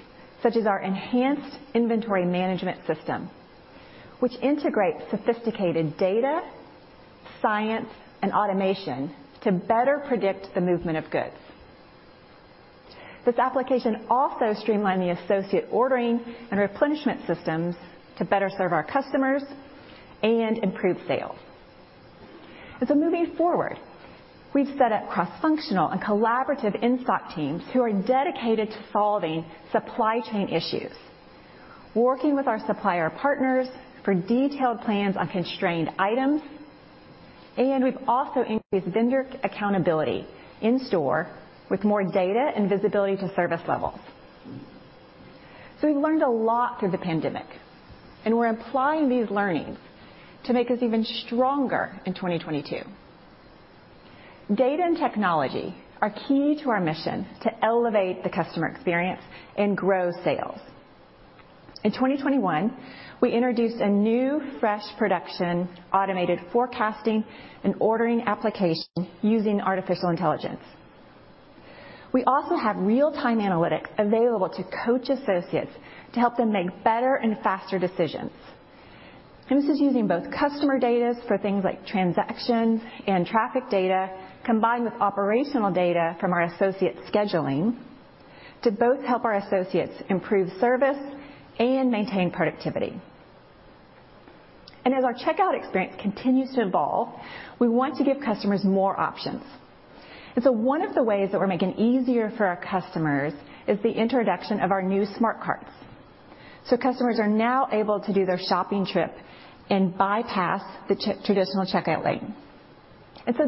such as our enhanced inventory management system, which integrates sophisticated data, science, and automation to better predict the movement of goods. This application also streamlined the associate ordering and replenishment systems to better serve our customers and improve sales. Moving forward, we've set up cross-functional and collaborative in-stock teams who are dedicated to solving supply chain issues, working with our supplier partners for detailed plans on constrained items, and we've also increased vendor accountability in-store with more data and visibility to service levels. We've learned a lot through the pandemic, and we're applying these learnings to make us even stronger in 2022. Data and technology are key to our mission to elevate the customer experience and grow sales. In 2021, we introduced a new fresh production automated forecasting and ordering application using artificial intelligence. We also have real-time analytics available to coach associates to help them make better and faster decisions. This is using both customer data for things like transactions and traffic data combined with operational data from our associate scheduling to both help our associates improve service and maintain productivity. As our checkout experience continues to evolve, we want to give customers more options. One of the ways that we're making it easier for our customers is the introduction of our new smart carts. Customers are now able to do their shopping trip and bypass the traditional checkout lane.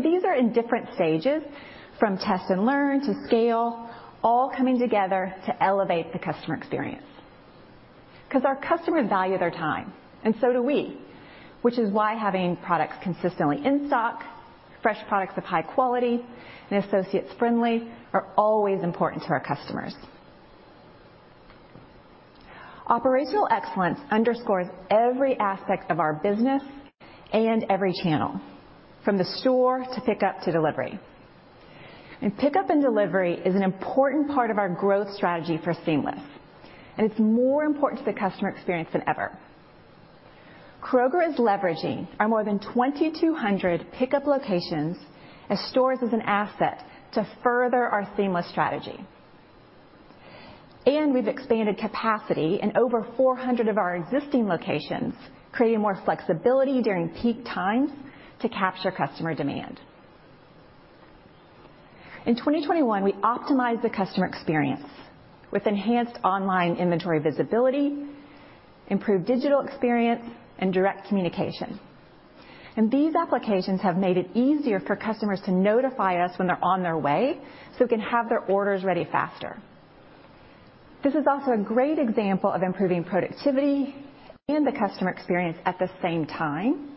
These are in different stages from test and learn to scale, all coming together to elevate the customer experience. 'Cause our customers value their time, and so do we, which is why having products consistently in stock, fresh products of high quality, and associates friendly are always important to our customers. Operational excellence underscores every aspect of our business and every channel, from the store to pickup to delivery. Pickup and delivery is an important part of our growth strategy for Seamless, and it's more important to the customer experience than ever. Kroger is leveraging our more than 2,200 pickup locations as stores as an asset to further our Seamless strategy. We've expanded capacity in over 400 of our existing locations, creating more flexibility during peak times to capture customer demand. In 2021, we optimized the customer experience with enhanced online inventory visibility, improved digital experience, and direct communication. These applications have made it easier for customers to notify us when they're on their way, so we can have their orders ready faster. This is also a great example of improving productivity and the customer experience at the same time,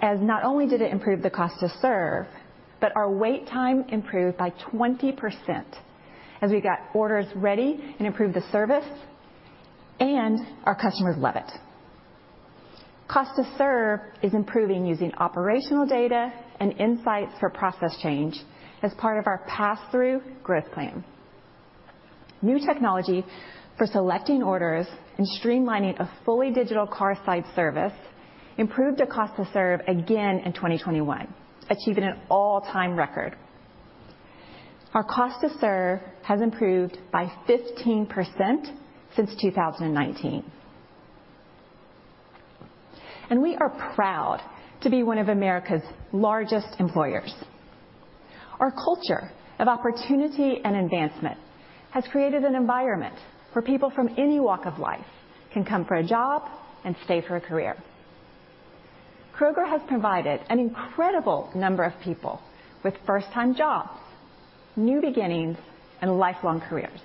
as not only did it improve the cost to serve, but our wait time improved by 20% as we got orders ready and improved the service, and our customers love it. Cost to serve is improving using operational data and insights for process change as part of our passthrough growth plan. New technology for selecting orders and streamlining a fully digital curbside service improved our cost to serve again in 2021, achieving an all-time record. Our cost to serve has improved by 15% since 2019. We are proud to be one of America's largest employers. Our culture of opportunity and advancement has created an environment where people from any walk of life can come for a job and stay for a career. Kroger has provided an incredible number of people with first-time jobs, new beginnings, and lifelong careers.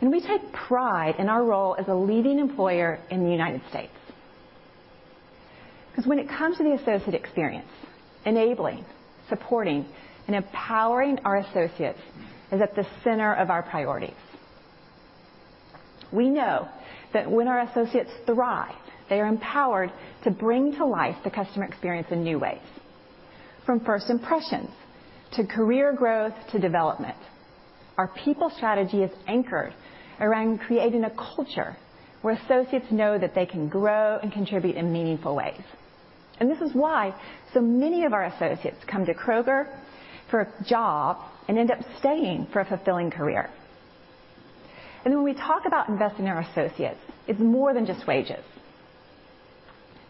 We take pride in our role as a leading employer in the United States. 'Cause when it comes to the associate experience, enabling, supporting, and empowering our associates is at the center of our priorities. We know that when our associates thrive, they are empowered to bring to life the customer experience in new ways, from first impressions to career growth to development. Our people strategy is anchored around creating a culture where associates know that they can grow and contribute in meaningful ways. This is why so many of our associates come to Kroger for a job and end up staying for a fulfilling career. When we talk about investing in our associates, it's more than just wages.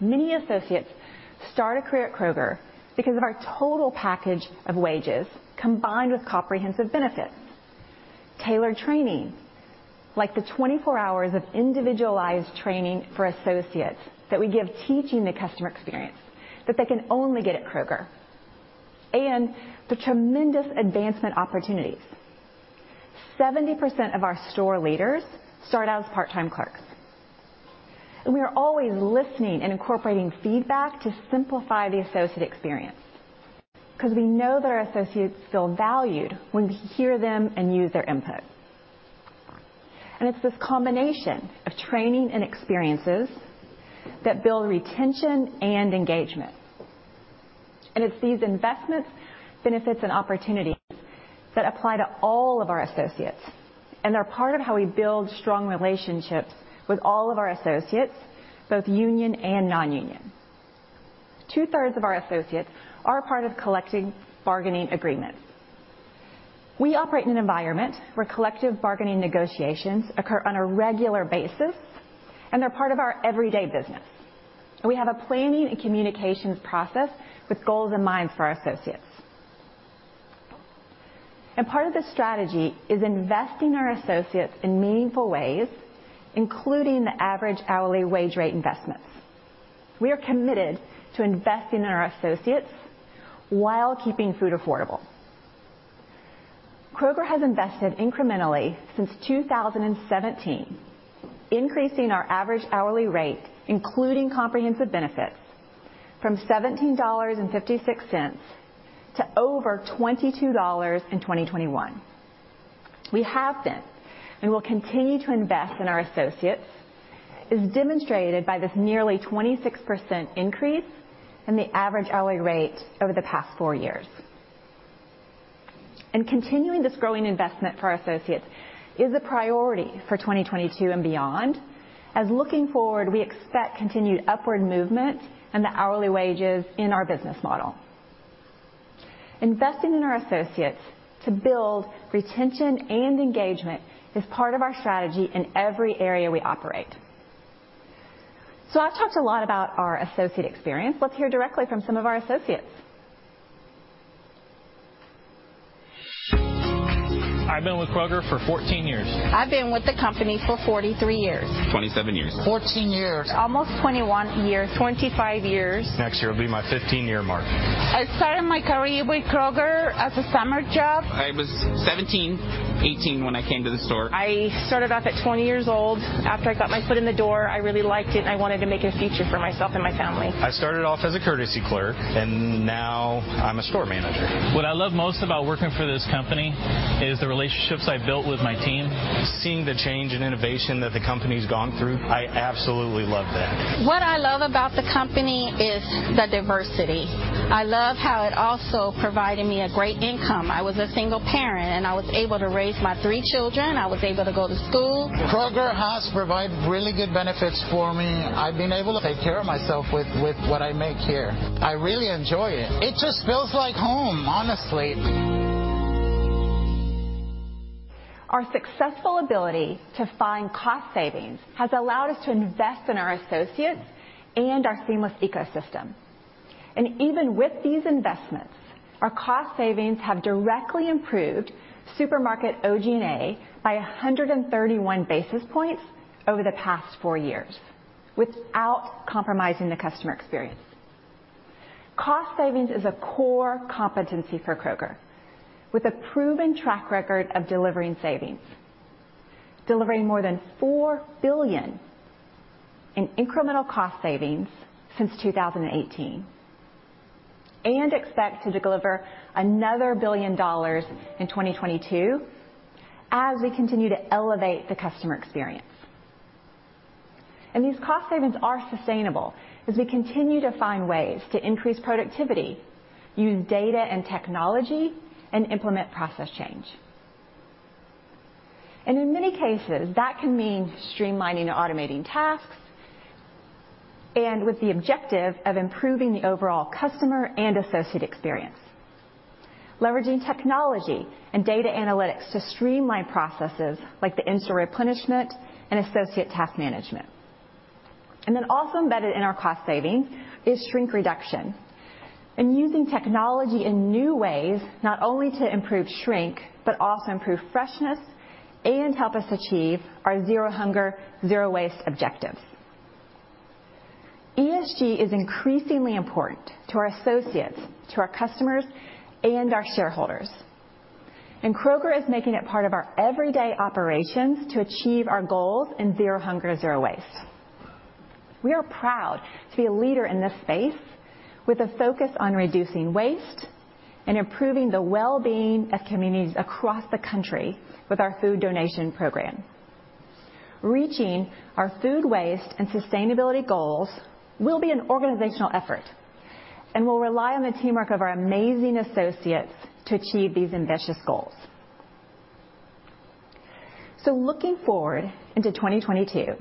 Many associates start a career at Kroger because of our total package of wages combined with comprehensive benefits, tailored training, like the 24 hours of individualized training for associates that we give teaching the customer experience that they can only get at Kroger, and the tremendous advancement opportunities. 70% of our store leaders start out as part-time clerks. We are always listening and incorporating feedback to simplify the associate experience, 'cause we know that our associates feel valued when we hear them and use their input. It's this combination of training and experiences that build retention and engagement. It's these investments, benefits, and opportunities that apply to all of our associates, and they're part of how we build strong relationships with all of our associates, both union and non-union. 2/3 of our associates are a part of collective bargaining agreements. We operate in an environment where collective bargaining negotiations occur on a regular basis, and they're part of our everyday business. We have a planning and communications process with goals in mind for our associates. Part of the strategy is investing in our associates in meaningful ways, including the average hourly wage rate investments. We are committed to investing in our associates while keeping food affordable. Kroger has invested incrementally since 2017, increasing our average hourly rate, including comprehensive benefits, from $17.56 to over $22 in 2021. We have been, and will continue to invest in our associates, as demonstrated by this nearly 26% increase in the average hourly rate over the past four years. Continuing this growing investment for our associates is a priority for 2022 and beyond, as looking forward, we expect continued upward movement in the hourly wages in our business model. Investing in our associates to build retention and engagement is part of our strategy in every area we operate. I've talked a lot about our associate experience. Let's hear directly from some of our associates. I've been with Kroger for 14 years. I've been with the company for 43 years. 27 years. 14 years. Almost 21 years. 25 years. Next year will be my 15-year mark. I started my career with Kroger as a summer job. I was 17, 18 when I came to the store. I started off at 20 years old. After I got my foot in the door, I really liked it, and I wanted to make a future for myself and my family. I started off as a courtesy clerk, and now I'm a store manager. What I love most about working for this company is the relationships I've built with my team. Seeing the change and innovation that the company's gone through, I absolutely love that. What I love about the company is the diversity. I love how it also provided me a great income. I was a single parent, and I was able to raise my three children. I was able to go to school. Kroger has provided really good benefits for me. I've been able to take care of myself with what I make here. I really enjoy it. It just feels like home, honestly. Our successful ability to find cost savings has allowed us to invest in our associates and our Seamless ecosystem. Even with these investments, our cost savings have directly improved supermarket OG&A by 131 basis points over the past four years without compromising the customer experience. Cost savings is a core competency for Kroger, with a proven track record of delivering savings, delivering more than $4 billion in incremental cost savings since 2018, and we expect to deliver another $1 billion in 2022 as we continue to elevate the customer experience. These cost savings are sustainable as we continue to find ways to increase productivity, use data and technology, and implement process change. In many cases, that can mean streamlining and automating tasks, and with the objective of improving the overall customer and associate experience. Leveraging technology and data analytics to streamline processes like the in-store replenishment and associate task management. Then also embedded in our cost savings is shrink reduction. Using technology in new ways, not only to improve shrink, but also improve freshness and help us achieve our Zero Hunger Zero Waste objective. ESG is increasingly important to our associates, to our customers, and our shareholders. Kroger is making it part of our everyday operations to achieve our goals in Zero Hunger Zero Waste. We are proud to be a leader in this space with a focus on reducing waste and improving the well-being of communities across the country with our food donation program. Reaching our food waste and sustainability goals will be an organizational effort, and we'll rely on the teamwork of our amazing associates to achieve these ambitious goals. Looking forward into 2022,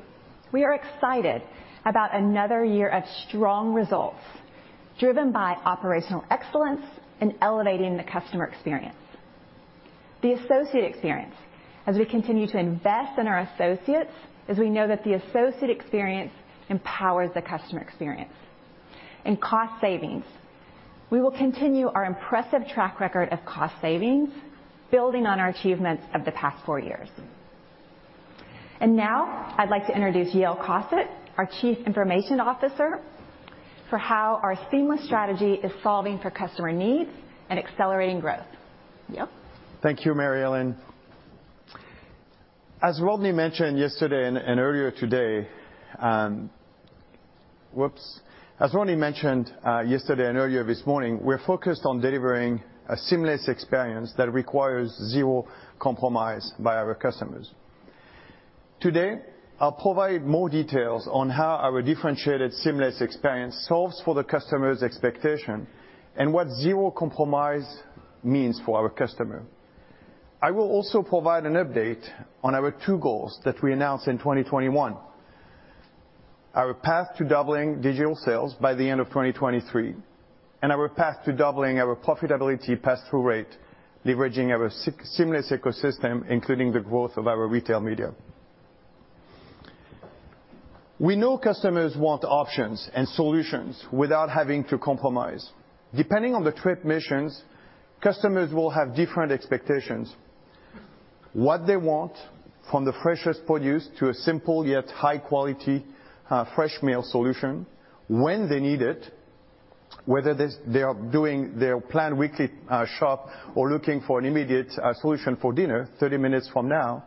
we are excited about another year of strong results. Driven by operational excellence and elevating the customer experience. The associate experience, as we continue to invest in our associates, as we know that the associate experience empowers the customer experience. In cost savings, we will continue our impressive track record of cost savings, building on our achievements of the past four years. Now I'd like to introduce Yael Cosset, our Chief Information Officer, for how our Seamless strategy is solving for customer needs and accelerating growth. Yael. Thank you, Mary Ellen Adcock. As Rodney McMullen mentioned yesterday and earlier this morning, we're focused on delivering a Seamless experience that requires zero compromise by our customers. Today, I'll provide more details on how our differentiated Seamless experience solves for the customer's expectation and what zero compromise means for our customer. I will also provide an update on our two goals that we announced in 2021. Our path to doubling digital sales by the end of 2023, and our path to doubling our profitability pass-through rate, leveraging our Seamless ecosystem, including the growth of our retail media. We know customers want options and solutions without having to compromise. Depending on the trip missions, customers will have different expectations. What they want, from the freshest produce to a simple yet high-quality fresh meal solution. When they need it, whether they are doing their planned weekly shop or looking for an immediate solution for dinner 30 minutes from now,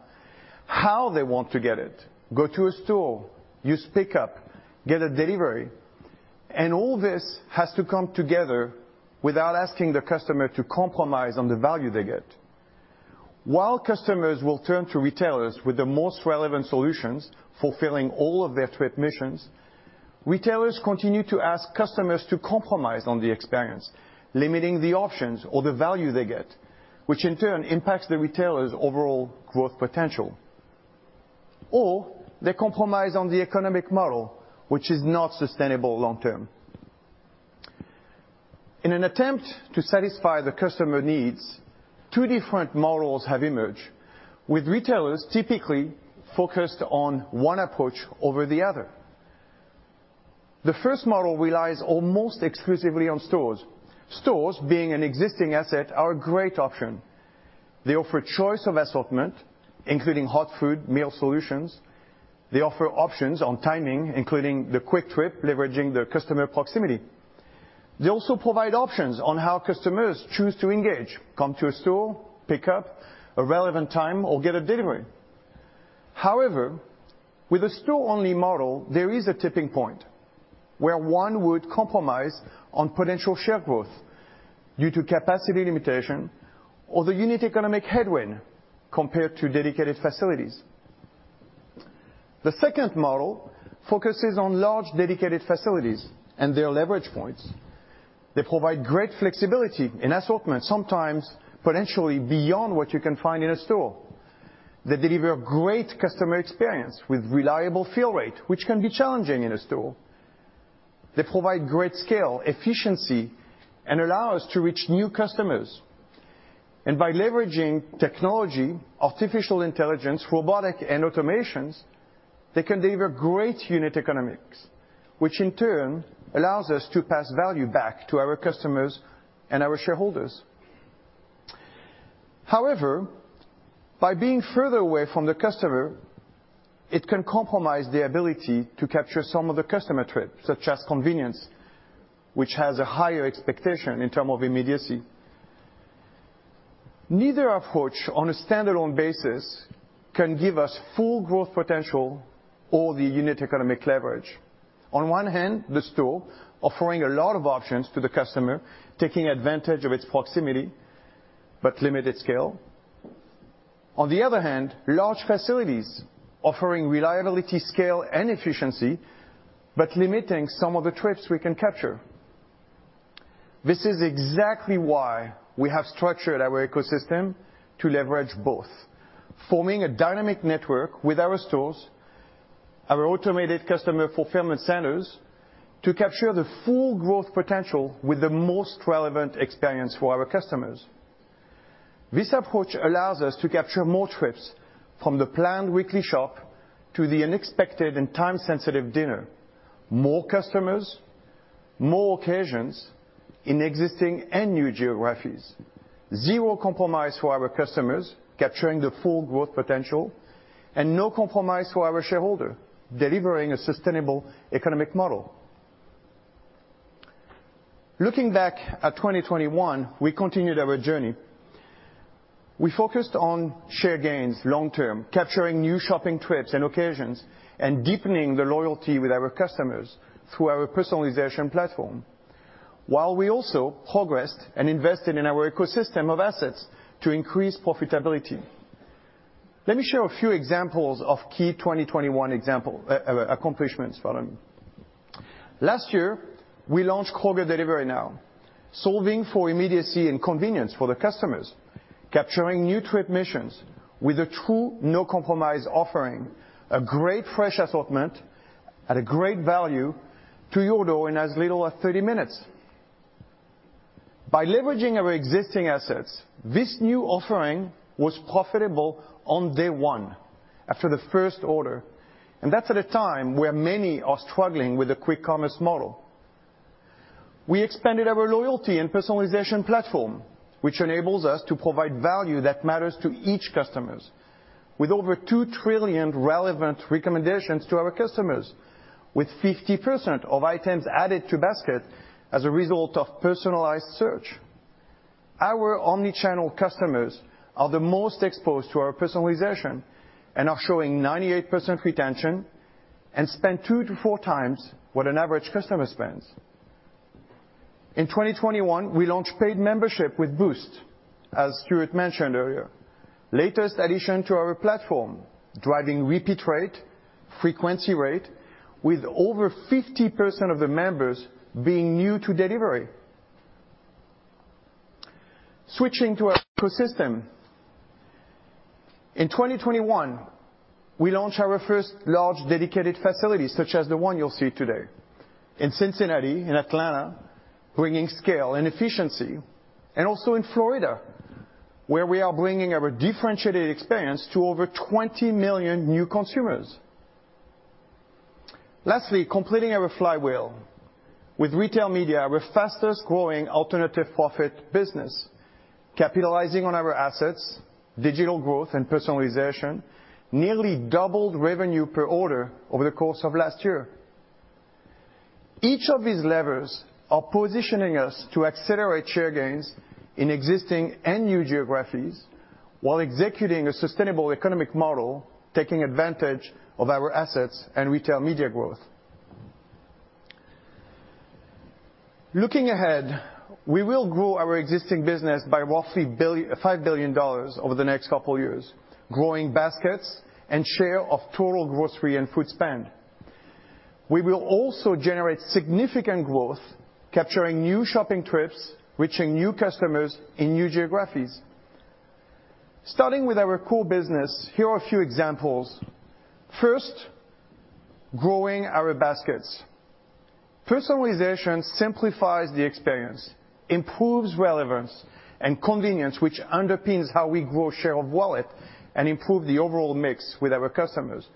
how they want to get it: go to a store, use pickup, get a delivery. All this has to come together without asking the customer to compromise on the value they get. While customers will turn to retailers with the most relevant solutions fulfilling all of their trip missions, retailers continue to ask customers to compromise on the experience, limiting the options or the value they get, which in turn impacts the retailer's overall growth potential. They compromise on the economic model, which is not sustainable long term. In an attempt to satisfy the customer needs, two different models have emerged, with retailers typically focused on one approach over the other. The first model relies almost exclusively on stores. Stores being an existing asset are a great option. They offer choice of assortment, including hot food, meal solutions. They offer options on timing, including the quick trip, leveraging the customer proximity. They also provide options on how customers choose to engage, come to a store, pick up a relevant time, or get a delivery. However, with a store-only model, there is a tipping point where one would compromise on potential share growth due to capacity limitation or the unit economic headwind compared to dedicated facilities. The second model focuses on large dedicated facilities and their leverage points. They provide great flexibility in assortment, sometimes potentially beyond what you can find in a store. They deliver great customer experience with reliable fill rate, which can be challenging in a store. They provide great scale, efficiency, and allow us to reach new customers. By leveraging technology, artificial intelligence, robotics and automation, they can deliver great unit economics, which in turn allows us to pass value back to our customers and our shareholders. However, by being further away from the customer, it can compromise the ability to capture some of the customer trips, such as convenience, which has a higher expectation in terms of immediacy. Neither approach on a standalone basis can give us full growth potential or the unit economic leverage. On one hand, the store offering a lot of options to the customer, taking advantage of its proximity but limited scale. On the other hand, large facilities offering reliability, scale and efficiency, but limiting some of the trips we can capture. This is exactly why we have structured our ecosystem to leverage both, forming a dynamic network with our stores, our automated customer fulfillment centers to capture the full growth potential with the most relevant experience for our customers. This approach allows us to capture more trips from the planned weekly shop to the unexpected and time-sensitive dinner. More customers, more occasions in existing and new geographies. Zero compromise for our customers, capturing the full growth potential. No compromise for our shareholder, delivering a sustainable economic model. Looking back at 2021, we continued our journey. We focused on share gains long term, capturing new shopping trips and occasions, and deepening the loyalty with our customers through our personalization platform. While we also progressed and invested in our ecosystem of assets to increase profitability. Let me share a few examples of key 2021 accomplishments for them. Last year, we launched Kroger Delivery Now, solving for immediacy and convenience for the customers. Capturing new trip missions with a true no compromise offering, a great fresh assortment at a great value to your door in as little as 30 minutes. By leveraging our existing assets, this new offering was profitable on day one after the first order, and that's at a time where many are struggling with a quick commerce model. We expanded our loyalty and personalization platform, which enables us to provide value that matters to each customers. With over 2 trillion relevant recommendations to our customers. With 50% of items added to basket as a result of personalized search. Our omni-channel customers are the most exposed to our personalization and are showing 98% retention and spend 2x-4x what an average customer spends. In 2021, we launched paid membership with Boost, as Stuart mentioned earlier. Latest addition to our platform, driving repeat rate, frequency rate with over 50% of the members being new to delivery. Switching to our ecosystem. In 2021, we launched our first large dedicated facility, such as the one you'll see today in Cincinnati, in Atlanta, bringing scale and efficiency, and also in Florida, where we are bringing our differentiated experience to over 20 million new consumers. Lastly, completing our flywheel with retail media, our fastest growing alternative profit business, capitalizing on our assets, digital growth and personalization, nearly doubled revenue per order over the course of last year. Each of these levers are positioning us to accelerate share gains in existing and new geographies while executing a sustainable economic model, taking advantage of our assets and retail media growth. Looking ahead, we will grow our existing business by roughly $5 billion over the next couple of years, growing baskets and share of total grocery and food spend. We will also generate significant growth, capturing new shopping trips, reaching new customers in new geographies. Starting with our core business, here are a few examples. First, growing our baskets. Personalization simplifies the experience, improves relevance and convenience, which underpins how we grow share of wallet and improve the overall mix with our customers,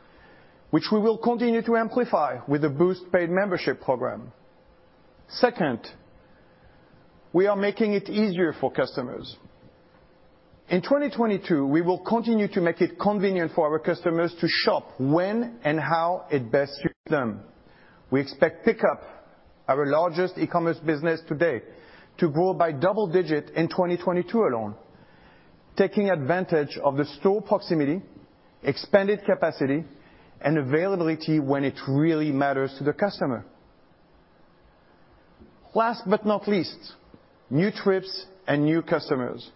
which we will continue to amplify with the Boost paid membership program. Second, we are making it easier for customers. In 2022, we will continue to make it convenient for our customers to shop when and how it best suits them. We expect Pickup, our largest e-commerce business today, to grow by double-digit in 2022 alone, taking advantage of the store proximity, expanded capacity and availability when it really matters to the customer. Last but not least, new trips and new customers.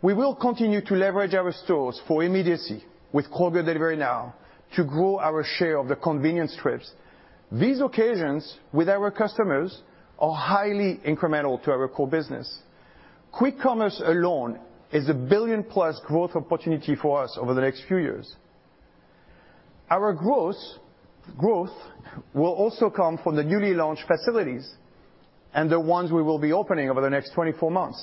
We will continue to leverage our stores for immediacy with Kroger Delivery Now to grow our share of the convenience trips. These occasions with our customers are highly incremental to our core business. Quick commerce alone is a billion-plus growth opportunity for us over the next few years. Our growth will also come from the newly launched facilities and the ones we will be opening over the next 24 months,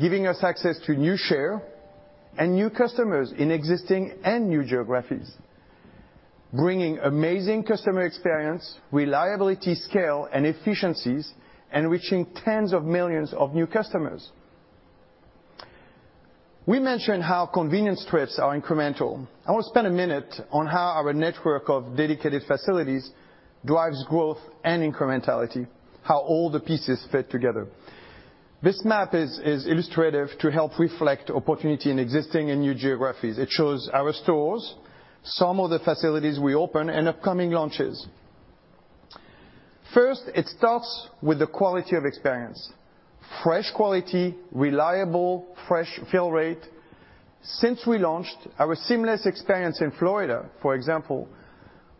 giving us access to new share and new customers in existing and new geographies, bringing amazing customer experience, reliability, scale and efficiencies, and reaching tens of millions of new customers. We mentioned how convenience trips are incremental. I wanna spend a minute on how our network of dedicated facilities drives growth and incrementality, how all the pieces fit together. This map is illustrative to help reflect opportunity in existing and new geographies. It shows our stores, some of the facilities we open and upcoming launches. First, it starts with the quality of experience. Fresh quality, reliable fresh fill rate. Since we launched our Seamless experience in Florida, for example,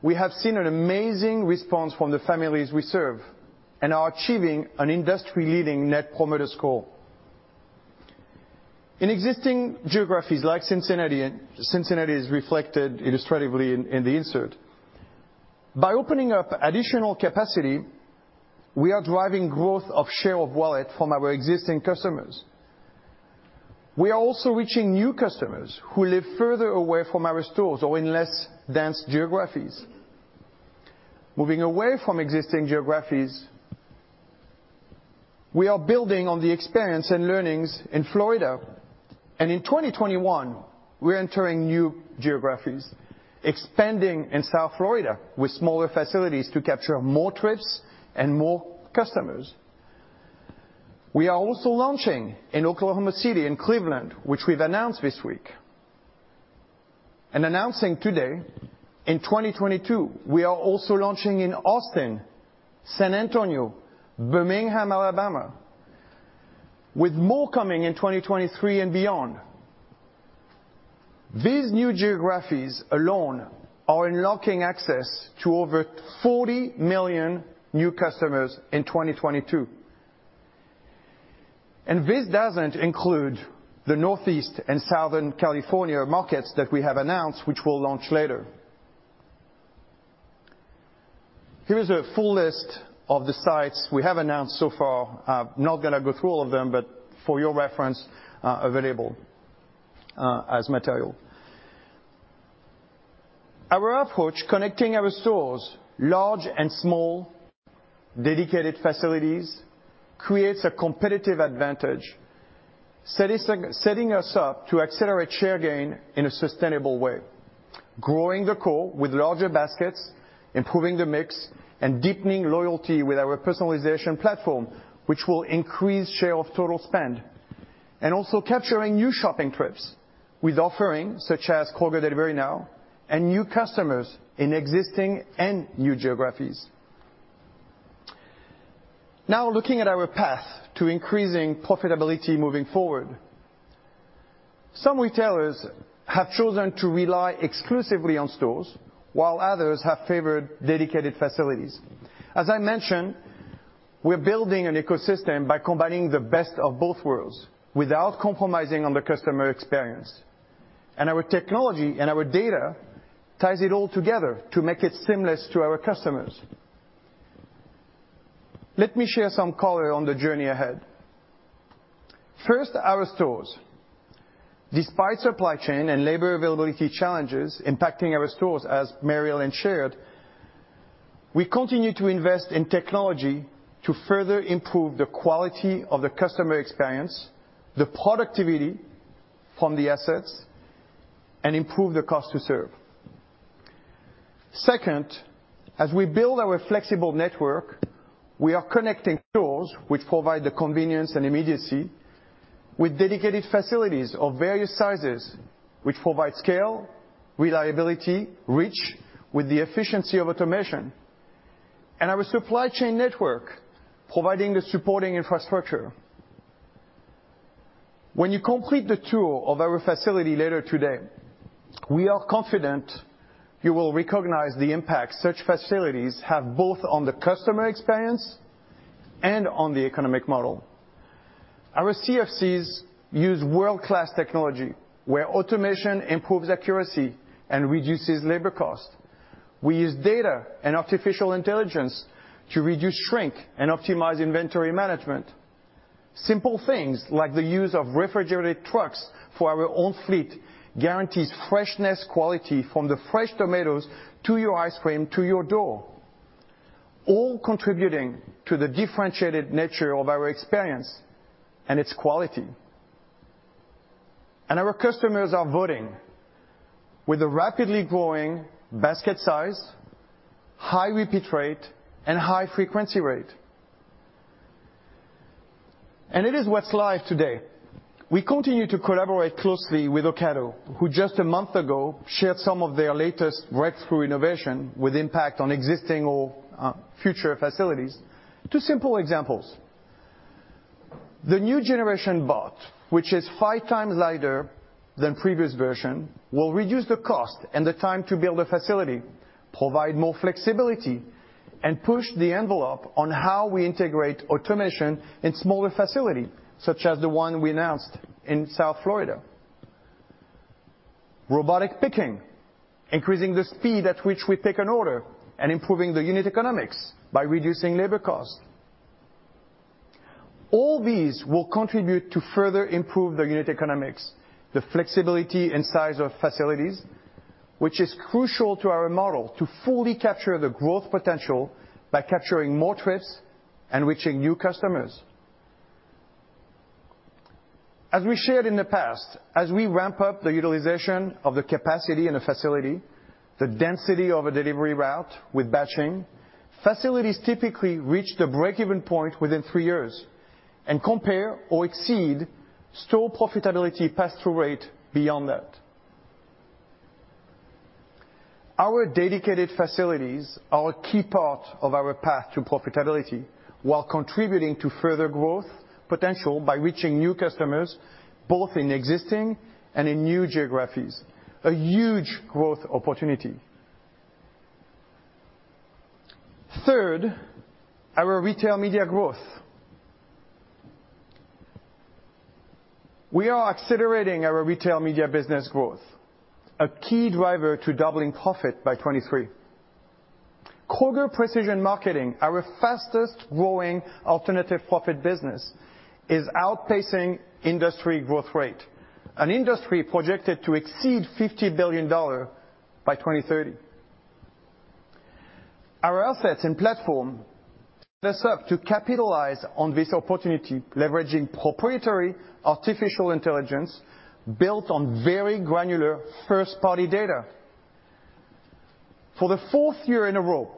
we have seen an amazing response from the families we serve and are achieving an industry-leading net promoter score. In existing geographies like Cincinnati, and Cincinnati is reflected illustratively in the insert. By opening up additional capacity, we are driving growth of share of wallet from our existing customers. We are also reaching new customers who live further away from our stores or in less dense geographies. Moving away from existing geographies, we are building on the experience and learnings in Florida, and in 2021, we're entering new geographies, expanding in South Florida with smaller facilities to capture more trips and more customers. We are also launching in Oklahoma City and Cleveland, which we've announced this week. Announcing today, in 2022, we are also launching in Austin, San Antonio, Birmingham, Alabama, with more coming in 2023 and beyond. These new geographies alone are unlocking access to over 40 million new customers in 2022. This doesn't include the Northeast and Southern California markets that we have announced, which we'll launch later. Here is a full list of the sites we have announced so far. Not gonna go through all of them, but for your reference, available as material. Our approach, connecting our stores, large and small, dedicated facilities, creates a competitive advantage, setting us up to accelerate share gain in a sustainable way, growing the core with larger baskets, improving the mix, and deepening loyalty with our personalization platform, which will increase share of total spend. Also capturing new shopping trips with offerings such as Kroger Delivery Now and new customers in existing and new geographies. Now, looking at our path to increasing profitability moving forward, some retailers have chosen to rely exclusively on stores, while others have favored dedicated facilities. As I mentioned, we're building an ecosystem by combining the best of both worlds without compromising on the customer experience. Our technology and our data ties it all together to make it seamless to our customers. Let me share some color on the journey ahead. First, our stores. Despite supply chain and labor availability challenges impacting our stores, as Mary Ellen Adcock shared, we continue to invest in technology to further improve the quality of the customer experience, the productivity from the assets, and improve the cost to serve. Second, as we build our flexible network, we are connecting stores which provide the convenience and immediacy with dedicated facilities of various sizes, which provide scale, reliability, reach, with the efficiency of automation, and our supply chain network providing the supporting infrastructure. When you complete the tour of our facility later today, we are confident you will recognize the impact such facilities have both on the customer experience and on the economic model. Our CFCs use world-class technology, where automation improves accuracy and reduces labor cost. We use data and artificial intelligence to reduce shrink and optimize inventory management. Simple things like the use of refrigerated trucks for our own fleet guarantees freshness quality from the fresh tomatoes to your ice cream to your door, all contributing to the differentiated nature of our experience and its quality. Our customers are voting with a rapidly growing basket size, high repeat rate, and high frequency rate. It is what's live today. We continue to collaborate closely with Ocado, who just a month ago shared some of their latest breakthrough innovation with impact on existing or future facilities. Two simple examples. The new generation bot, which is five times lighter than previous version, will reduce the cost and the time to build a facility, provide more flexibility, and push the envelope on how we integrate automation in smaller facility, such as the one we announced in South Florida. Robotic picking, increasing the speed at which we pick an order, and improving the unit economics by reducing labor cost. All these will contribute to further improve the unit economics, the flexibility and size of facilities, which is crucial to our model to fully capture the growth potential by capturing more trips and reaching new customers. As we shared in the past, as we ramp up the utilization of the capacity in a facility, the density of a delivery route with batching, facilities typically reach the break-even point within three years and compare or exceed store profitability pass-through rate beyond that. Our dedicated facilities are a key part of our path to profitability, while contributing to further growth potential by reaching new customers, both in existing and in new geographies, a huge growth opportunity. Third, our retail media growth. We are accelerating our retail media business growth, a key driver to doubling profit by 2023. Kroger Precision Marketing, our fastest-growing alternative profit business, is outpacing industry growth rate, an industry projected to exceed $50 billion by 2030. Our assets and platform set us up to capitalize on this opportunity, leveraging proprietary artificial intelligence built on very granular first-party data. For the fourth year in a row,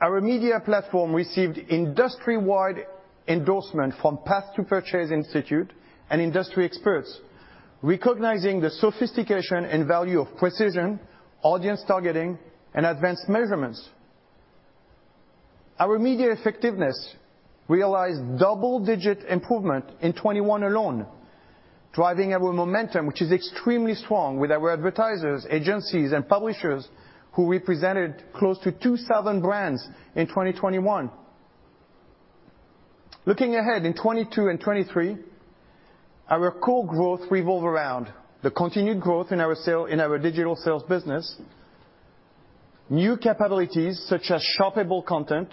our media platform received industry-wide endorsement from Path to Purchase Institute and industry experts, recognizing the sophistication and value of precision, audience targeting, and advanced measurements. Our media effectiveness realized double-digit improvement in 2021 alone, driving our momentum, which is extremely strong with our advertisers, agencies, and publishers who represented close to 2,000 brands in 2021. Looking ahead in 2022 and 2023, our core growth revolve around the continued growth in our sale, in our digital sales business, new capabilities such as shoppable content,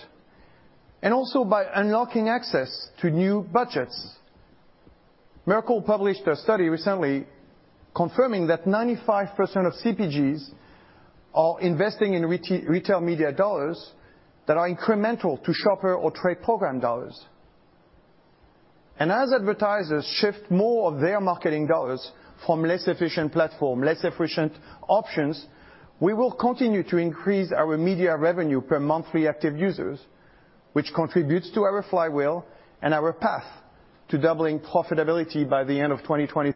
and also by unlocking access to new budgets. Merkle published a study recently confirming that 95% of CPGs are investing in retail media dollars that are incremental to shopper or trade program dollars. As advertisers shift more of their marketing dollars from less efficient platform, less efficient options, we will continue to increase our media revenue per monthly active users, which contributes to our flywheel and our path to doubling profitability by the end of 2023.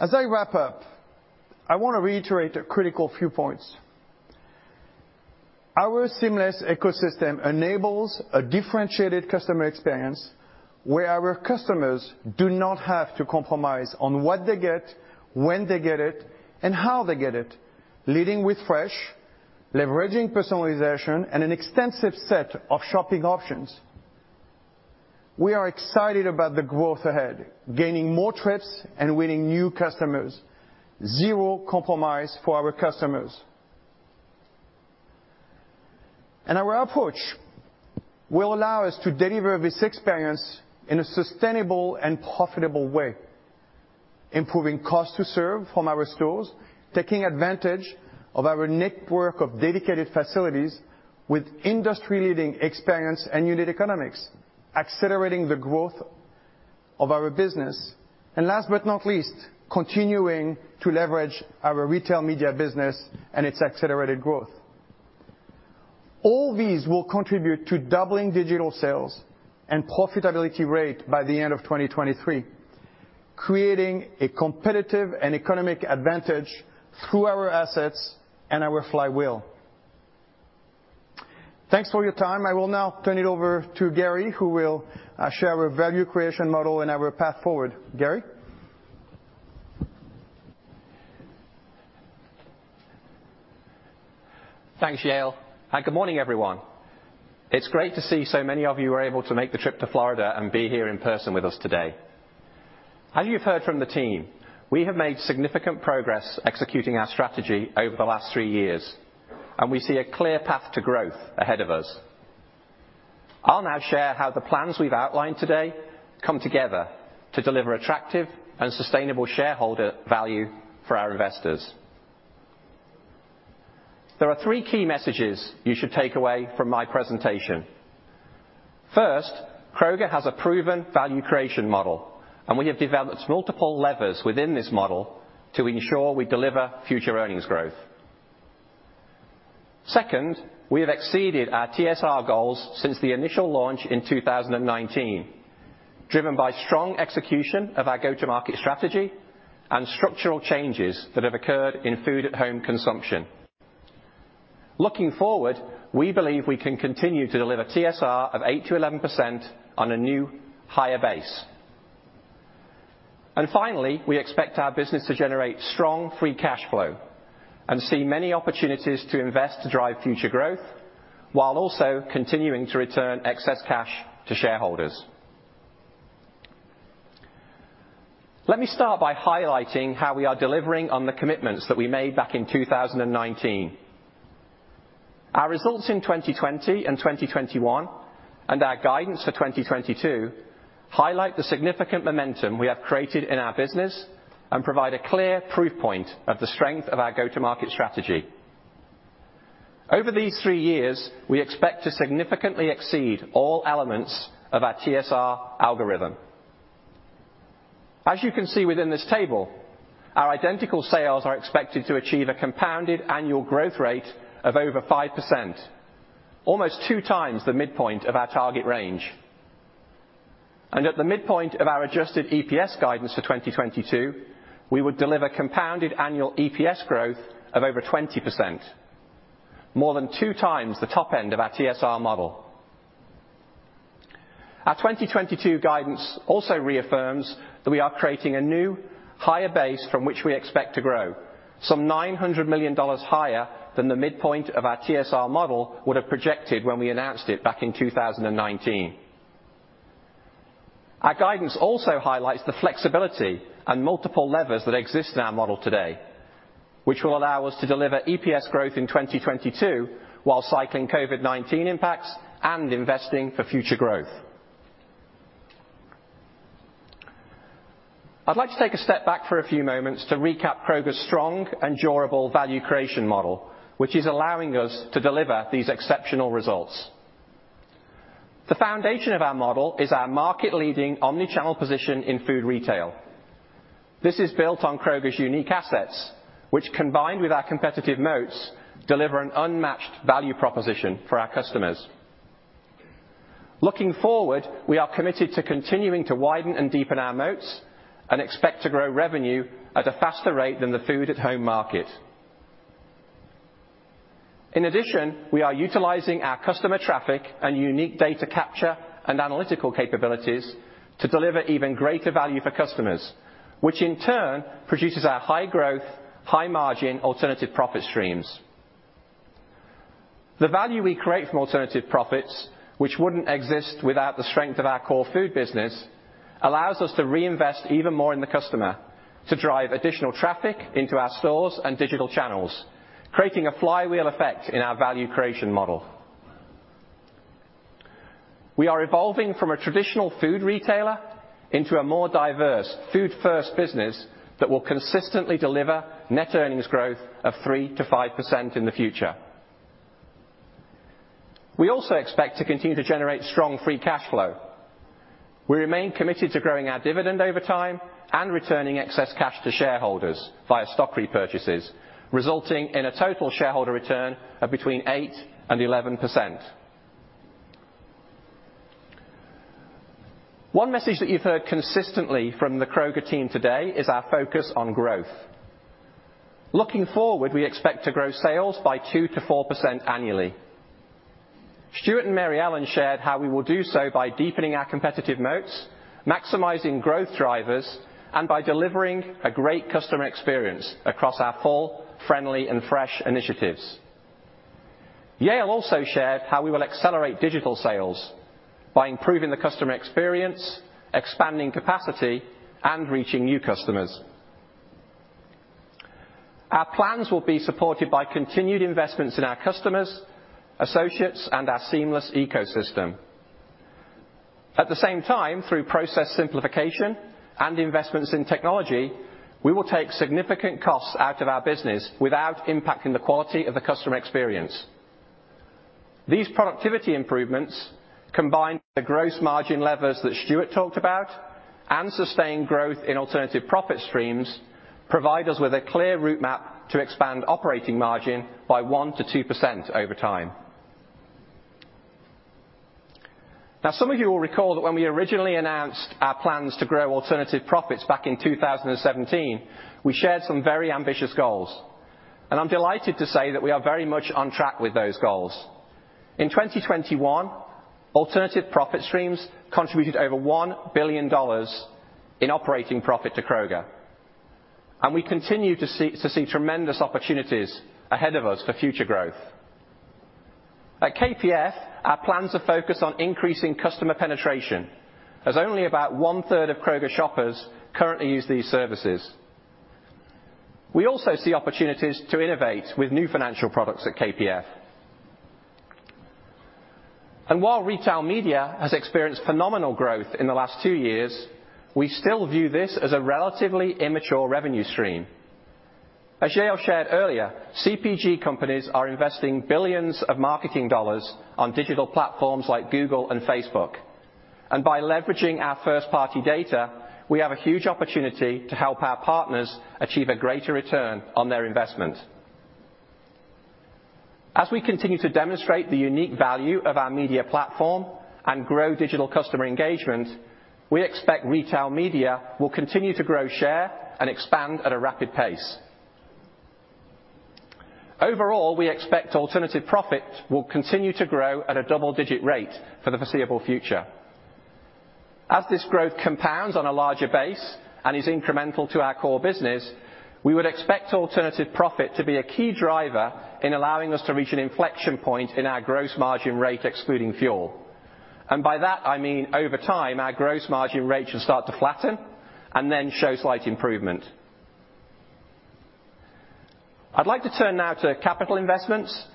As I wrap up, I want to reiterate a critical few points. Our Seamless ecosystem enables a differentiated customer experience where our customers do not have to compromise on what they get, when they get it, and how they get it, leading with fresh, leveraging personalization and an extensive set of shopping options. We are excited about the growth ahead, gaining more trips and winning new customers. Zero compromise for our customers. Our approach will allow us to deliver this experience in a sustainable and profitable way. Improving cost to serve from our stores, taking advantage of our network of dedicated facilities with industry-leading experience and unit economics, accelerating the growth of our business, and last but not least, continuing to leverage our retail media business and its accelerated growth. All these will contribute to doubling digital sales and profitability rate by the end of 2023, creating a competitive and economic advantage through our assets and our flywheel. Thanks for your time. I will now turn it over to Gary, who will share our value creation model and our path forward. Gary? Thanks, Yael, and good morning, everyone. It's great to see so many of you were able to make the trip to Florida and be here in person with us today. As you've heard from the team, we have made significant progress executing our strategy over the last three years, and we see a clear path to growth ahead of us. I'll now share how the plans we've outlined today come together to deliver attractive and sustainable shareholder value for our investors. There are three key messages you should take away from my presentation. First, Kroger has a proven value creation model, and we have developed multiple levers within this model to ensure we deliver future earnings growth. Second, we have exceeded our TSR goals since the initial launch in 2019, driven by strong execution of our go-to-market strategy and structural changes that have occurred in food at home consumption. Looking forward, we believe we can continue to deliver TSR of 8%-11% on a new higher base. Finally, we expect our business to generate strong free cash flow and see many opportunities to invest to drive future growth while also continuing to return excess cash to shareholders. Let me start by highlighting how we are delivering on the commitments that we made back in 2019. Our results in 2020 and 2021, and our guidance for 2022 highlight the significant momentum we have created in our business and provide a clear proof point of the strength of our go-to-market strategy. Over these three years, we expect to significantly exceed all elements of our TSR algorithm. As you can see within this table, our identical sales are expected to achieve a compounded annual growth rate of over 5%, almost 2x the midpoint of our target range. At the midpoint of our adjusted EPS guidance for 2022, we would deliver compounded annual EPS growth of over 20%, more than 2x the top end of our TSR model. Our 2022 guidance also reaffirms that we are creating a new higher base from which we expect to grow, some $900 million higher than the midpoint of our TSR model would have projected when we announced it back in 2019. Our guidance also highlights the flexibility and multiple levers that exist in our model today, which will allow us to deliver EPS growth in 2022 while cycling COVID-19 impacts and investing for future growth. I'd like to take a step back for a few moments to recap Kroger's strong and durable value creation model, which is allowing us to deliver these exceptional results. The foundation of our model is our market leading omnichannel position in food retail. This is built on Kroger's unique assets, which combined with our competitive moats, deliver an unmatched value proposition for our customers. Looking forward, we are committed to continuing to widen and deepen our moats and expect to grow revenue at a faster rate than the food at home market. In addition, we are utilizing our customer traffic and unique data capture and analytical capabilities to deliver even greater value for customers, which in turn produces our high growth, high margin alternative profit streams. The value we create from alternative profits, which wouldn't exist without the strength of our core food business, allows us to reinvest even more in the customer to drive additional traffic into our stores and digital channels, creating a flywheel effect in our value creation model. We are evolving from a traditional food retailer into a more diverse food-first business that will consistently deliver net earnings growth of 3%-5% in the future. We also expect to continue to generate strong free cash flow. We remain committed to growing our dividend over time and returning excess cash to shareholders via stock repurchases, resulting in a total shareholder return of between 8% and 11%. One message that you've heard consistently from the Kroger team today is our focus on growth. Looking forward, we expect to grow sales by 2%-4% annually. Stuart Aitken and Mary Ellen Adcock shared how we will do so by deepening our competitive moats, maximizing growth drivers, and by delivering a great customer experience across our full, friendly, and fresh initiatives. Yael Cosset also shared how we will accelerate digital sales by improving the customer experience, expanding capacity, and reaching new customers. Our plans will be supported by continued investments in our customers, associates, and our Seamless ecosystem. At the same time, through process simplification and investments in technology, we will take significant costs out of our business without impacting the quality of the customer experience. These productivity improvements, combined with the gross margin levers that Stuart talked about and sustained growth in alternative profit streams, provide us with a clear route map to expand operating margin by 1%-2% over time. Now, some of you will recall that when we originally announced our plans to grow alternative profits back in 2017, we shared some very ambitious goals, and I'm delighted to say that we are very much on track with those goals. In 2021, alternative profit streams contributed over $1 billion in operating profit to Kroger, and we continue to see tremendous opportunities ahead of us for future growth. At KPF, our plans are focused on increasing customer penetration as only about one-third of Kroger shoppers currently use these services. We also see opportunities to innovate with new financial products at KPF. While retail media has experienced phenomenal growth in the last two years, we still view this as a relatively immature revenue stream. As Yael shared earlier, CPG companies are investing billions of dollars on digital platforms like Google and Facebook. By leveraging our first-party data, we have a huge opportunity to help our partners achieve a greater return on their investment. As we continue to demonstrate the unique value of our media platform and grow digital customer engagement, we expect retail media will continue to grow share and expand at a rapid pace. Overall, we expect alternative profit will continue to grow at a double-digit rate for the foreseeable future. As this growth compounds on a larger base and is incremental to our core business, we would expect alternative profit to be a key driver in allowing us to reach an inflection point in our gross margin rate, excluding fuel. By that, I mean over time, our gross margin rate should start to flatten and then show slight improvement. I'd like to turn now to capital investments.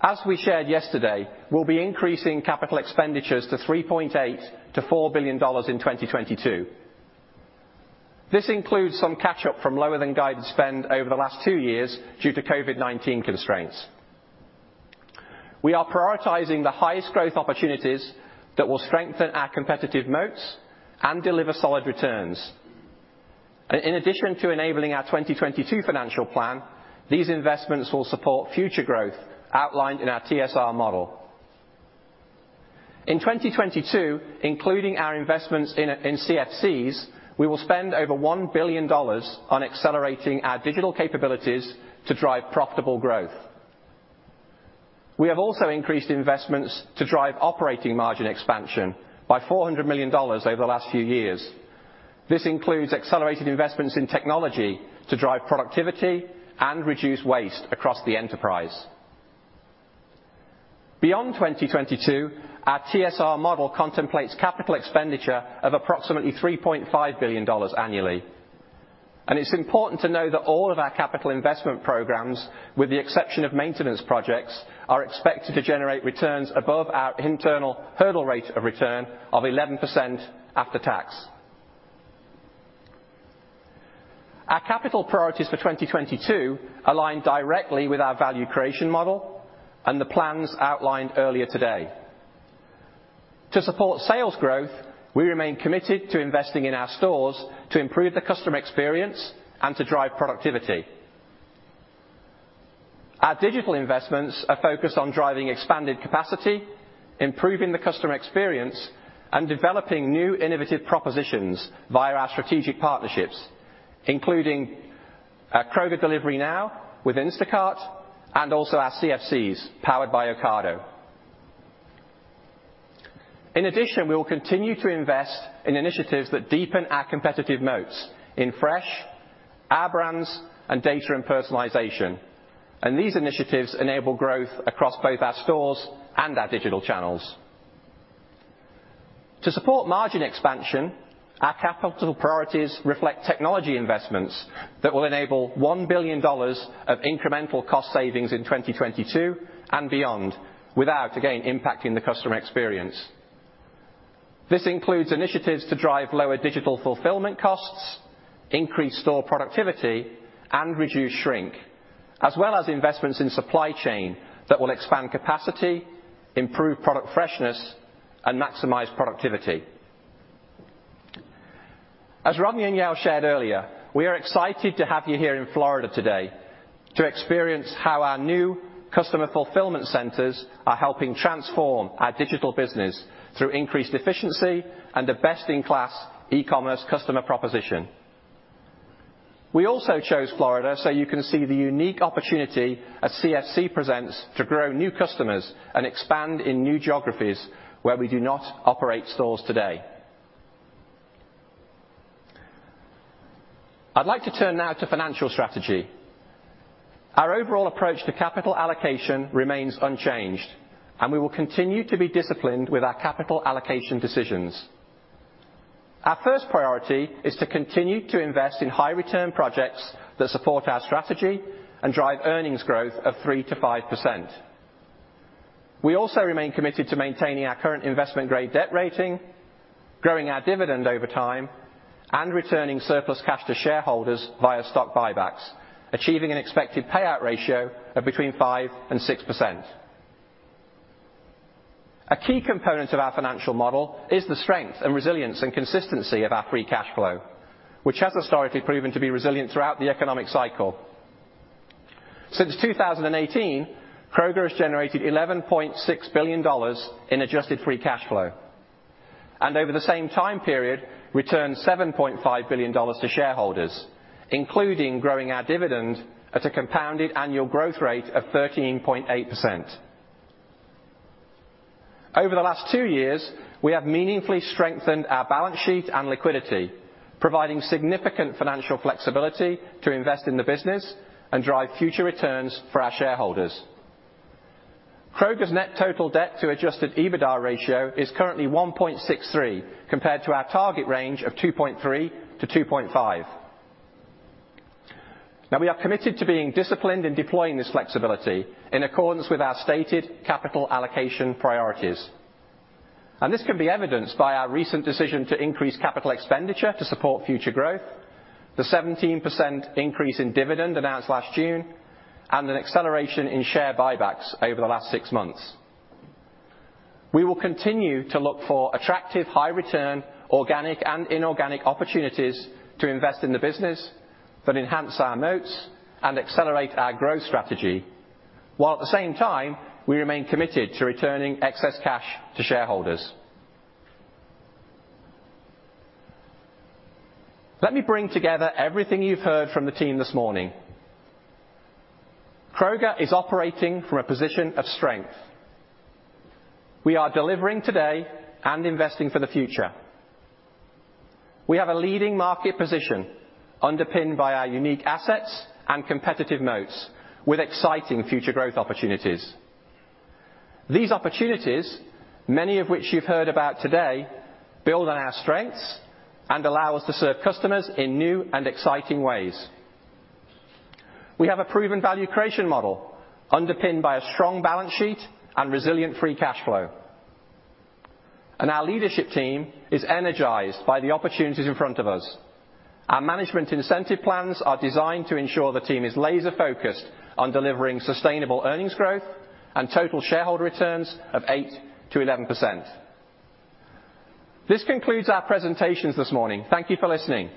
As we shared yesterday, we'll be increasing capital expenditures to $3.8 billion-$4 billion in 2022. This includes some catch-up from lower than guided spend over the last two years due to COVID-19 constraints. We are prioritizing the highest growth opportunities that will strengthen our competitive moats and deliver solid returns. In addition to enabling our 2022 financial plan, these investments will support future growth outlined in our TSR model. In 2022, including our investments in CFCs, we will spend over $1 billion on accelerating our digital capabilities to drive profitable growth. We have also increased investments to drive operating margin expansion by $400 million over the last few years. This includes accelerated investments in technology to drive productivity and reduce waste across the enterprise. Beyond 2022, our TSR model contemplates capital expenditure of approximately $3.5 billion annually. It's important to know that all of our capital investment programs, with the exception of maintenance projects, are expected to generate returns above our internal hurdle rate of return of 11% after tax. Our capital priorities for 2022 align directly with our value creation model and the plans outlined earlier today. To support sales growth, we remain committed to investing in our stores to improve the customer experience and to drive productivity. Our digital investments are focused on driving expanded capacity, improving the customer experience, and developing new innovative propositions via our strategic partnerships, including our Kroger Delivery Now with Instacart and also our CFCs powered by Ocado. In addition, we will continue to invest in initiatives that deepen our competitive moats in fresh, Our Brands, and data and personalization. These initiatives enable growth across both our stores and our digital channels. To support margin expansion, our capital priorities reflect technology investments that will enable $1 billion of incremental cost savings in 2022 and beyond without, again, impacting the customer experience. This includes initiatives to drive lower digital fulfillment costs, increase store productivity, and reduce shrink, as well as investments in supply chain that will expand capacity, improve product freshness, and maximize productivity. As Rodney and Yael shared earlier, we are excited to have you here in Florida today to experience how our new customer fulfillment centers are helping transform our digital business through increased efficiency and a best-in-class e-commerce customer proposition. We also chose Florida so you can see the unique opportunity a CFC presents to grow new customers and expand in new geographies where we do not operate stores today. I'd like to turn now to financial strategy. Our overall approach to capital allocation remains unchanged, and we will continue to be disciplined with our capital allocation decisions. Our first priority is to continue to invest in high return projects that support our strategy and drive earnings growth of 3%-5%. We also remain committed to maintaining our current investment-grade debt rating, growing our dividend over time, and returning surplus cash to shareholders via stock buybacks, achieving an expected payout ratio of between 5%-6%. A key component of our financial model is the strength and resilience and consistency of our free cash flow, which has historically proven to be resilient throughout the economic cycle. Since 2018, Kroger has generated $11.6 billion in adjusted free cash flow, and over the same time period, returned $7.5 billion to shareholders, including growing our dividend at a compounded annual growth rate of 13.8%. Over the last two years, we have meaningfully strengthened our balance sheet and liquidity, providing significant financial flexibility to invest in the business and drive future returns for our shareholders. Kroger's net total debt to adjusted EBITDA ratio is currently 1.63, compared to our target range of 2.3-2.5. Now, we are committed to being disciplined in deploying this flexibility in accordance with our stated capital allocation priorities. This can be evidenced by our recent decision to increase capital expenditure to support future growth, the 17% increase in dividend announced last June, and an acceleration in share buybacks over the last six months. We will continue to look for attractive high return organic and inorganic opportunities to invest in the business that enhance our moats and accelerate our growth strategy, while at the same time, we remain committed to returning excess cash to shareholders. Let me bring together everything you've heard from the team this morning. Kroger is operating from a position of strength. We are delivering today and investing for the future. We have a leading market position underpinned by our unique assets and competitive moats with exciting future growth opportunities. These opportunities, many of which you've heard about today, build on our strengths and allow us to serve customers in new and exciting ways. We have a proven value creation model underpinned by a strong balance sheet and resilient free cash flow. Our leadership team is energized by the opportunities in front of us. Our management incentive plans are designed to ensure the team is laser focused on delivering sustainable earnings growth and total shareholder returns of 8%-11%. This concludes our presentations this morning. Thank you for listening.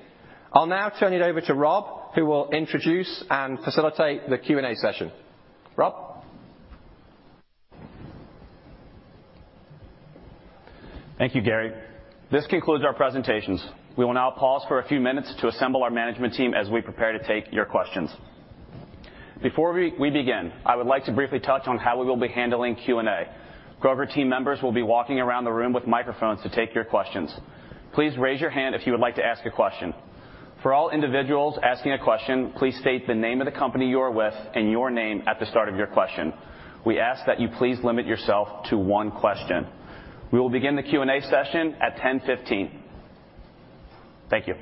I'll now turn it over to Rob, who will introduce and facilitate the Q&A session. Rob? Thank you, Gary. This concludes our presentations. We will now pause for a few minutes to assemble our management team as we prepare to take your questions. Before we begin, I would like to briefly touch on how we will be handling Q&A. Kroger team members will be walking around the room with microphones to take your questions. Please raise your hand if you would like to ask a question. For all individuals asking a question, please state the name of the company you are with and your name at the start of your question. We ask that you please limit yourself to one question. We will begin the Q&A session at 10:15 A.M. Thank you.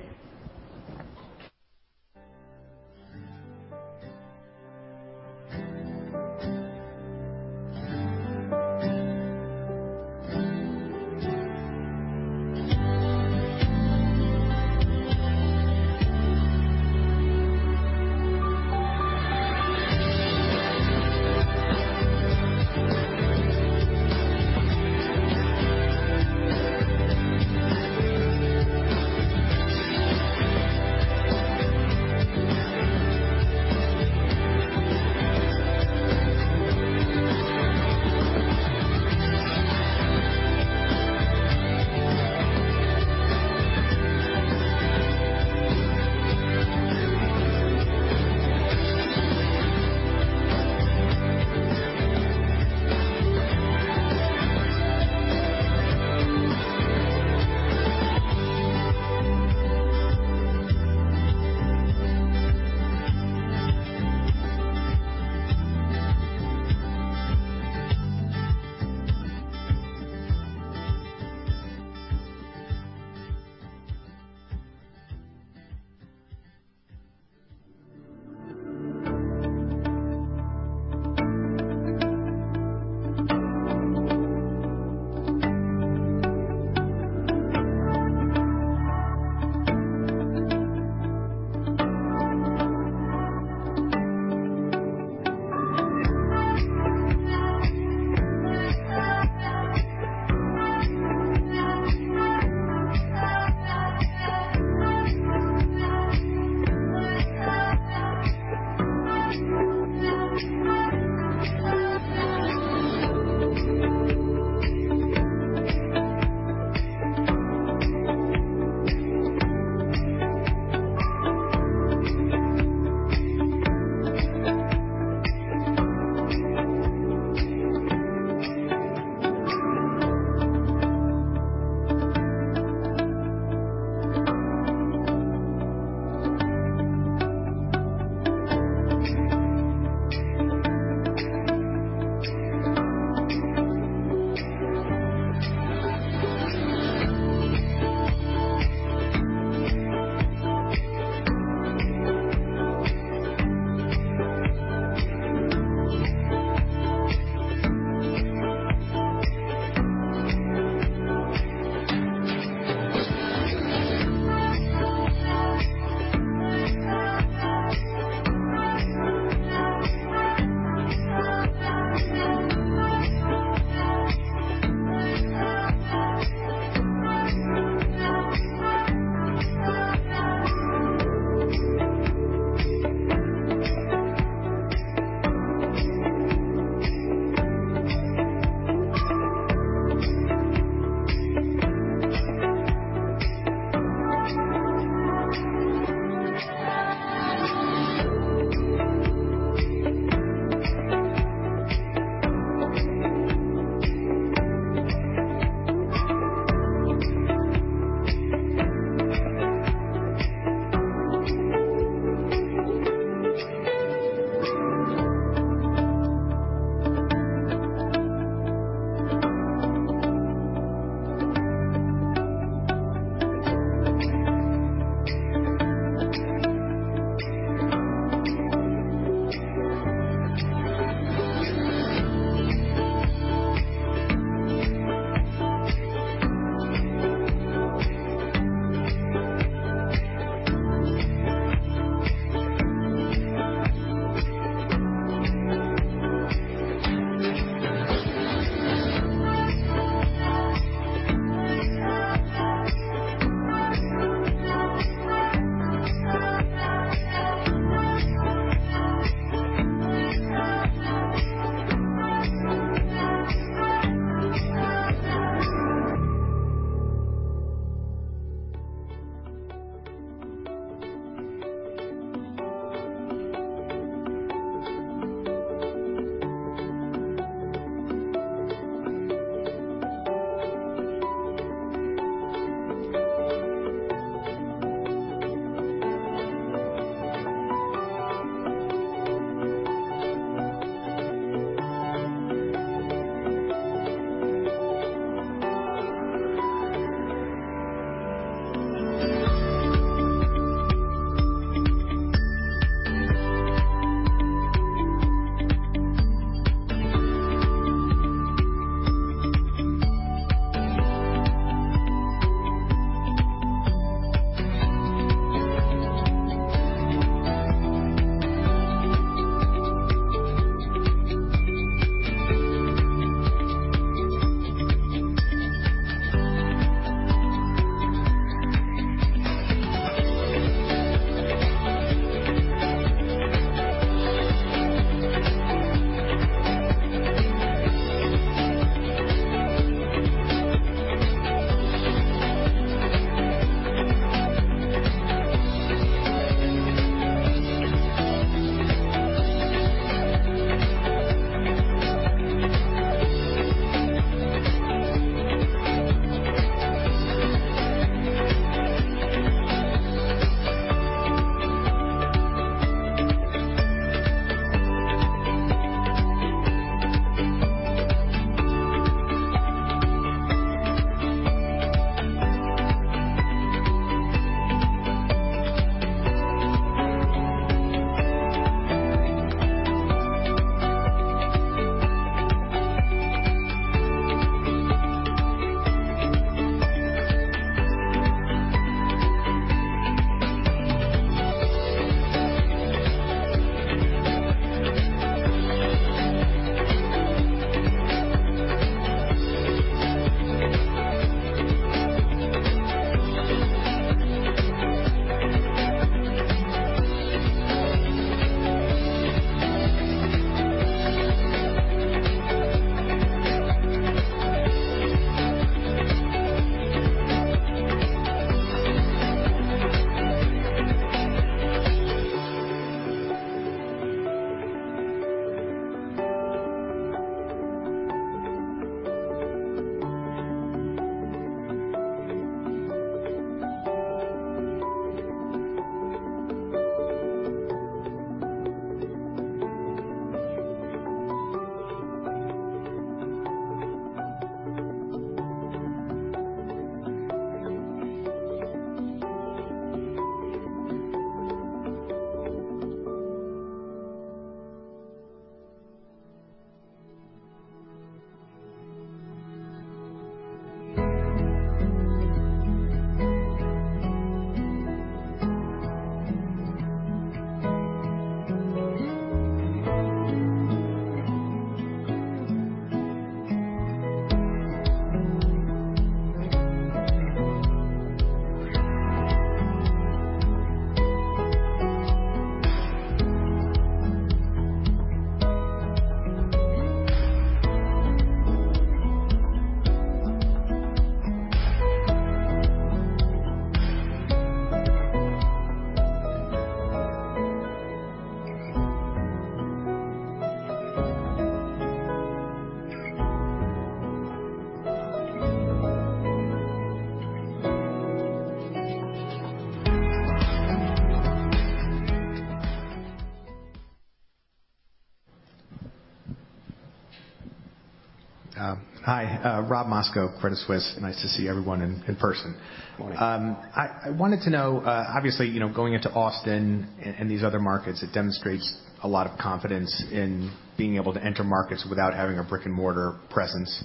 Robert Moskow, Credit Suisse. Nice to see everyone in person. Morning. I wanted to know, obviously, you know, going into Austin and these other markets, it demonstrates a lot of confidence in being able to enter markets without having a brick-and-mortar presence.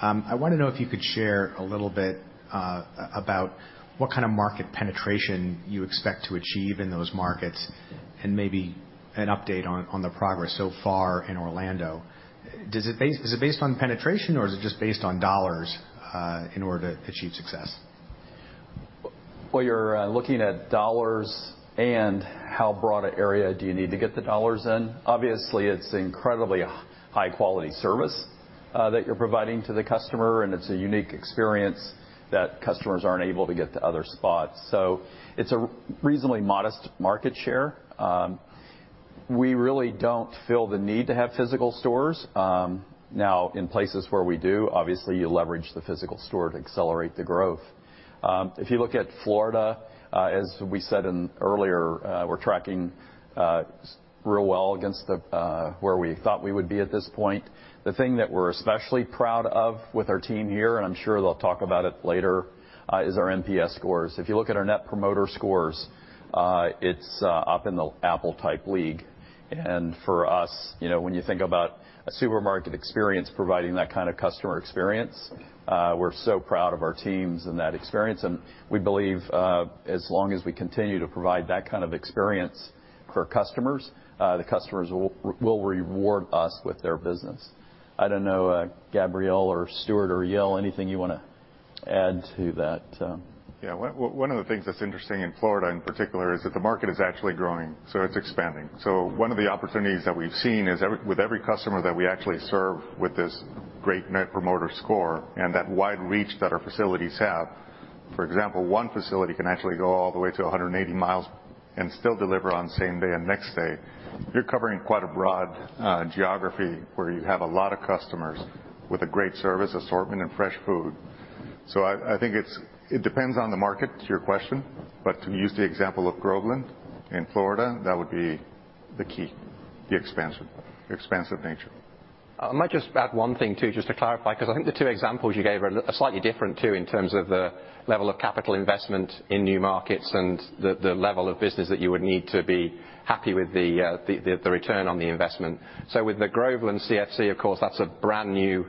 I wanna know if you could share a little bit, about what kind of market penetration you expect to achieve in those markets, and maybe an update on the progress so far in Orlando. Is it based on penetration, or is it just based on dollars, in order to achieve success? Well, you're looking at dollars and how broad an area do you need to get the dollars in. Obviously, it's incredibly high quality service that you're providing to the customer, and it's a unique experience that customers aren't able to get to other spots. It's a reasonably modest market share. We really don't feel the need to have physical stores. Now in places where we do, obviously you leverage the physical store to accelerate the growth. If you look at Florida, as we said earlier, we're tracking real well against the where we thought we would be at this point. The thing that we're especially proud of with our team here, and I'm sure they'll talk about it later, is our NPS scores. If you look at our net promoter scores, it's up in the Apple type league. For us, you know, when you think about a supermarket experience providing that kind of customer experience, we're so proud of our teams and that experience. We believe, as long as we continue to provide that kind of experience for customers, the customers will reward us with their business. I don't know, Gabriel or Stuart or Yael, anything you wanna add to that? Yeah. One of the things that's interesting in Florida in particular is that the market is actually growing, so it's expanding. One of the opportunities that we've seen is every customer that we actually serve with this great net promoter score and that wide reach that our facilities have. For example, one facility can actually go all the way to 180 mi and still deliver on same day and next day. You're covering quite a broad geography, where you have a lot of customers with a great service assortment and fresh food. I think it depends on the market, to your question. To use the example of Groveland in Florida, that would be the key, the expansion, expansive nature. I might just add one thing too, just to clarify, 'cause I think the two examples you gave are slightly different too in terms of the level of capital investment in new markets and the level of business that you would need to be happy with the return on the investment. With the Groveland CFC, of course, that's a brand-new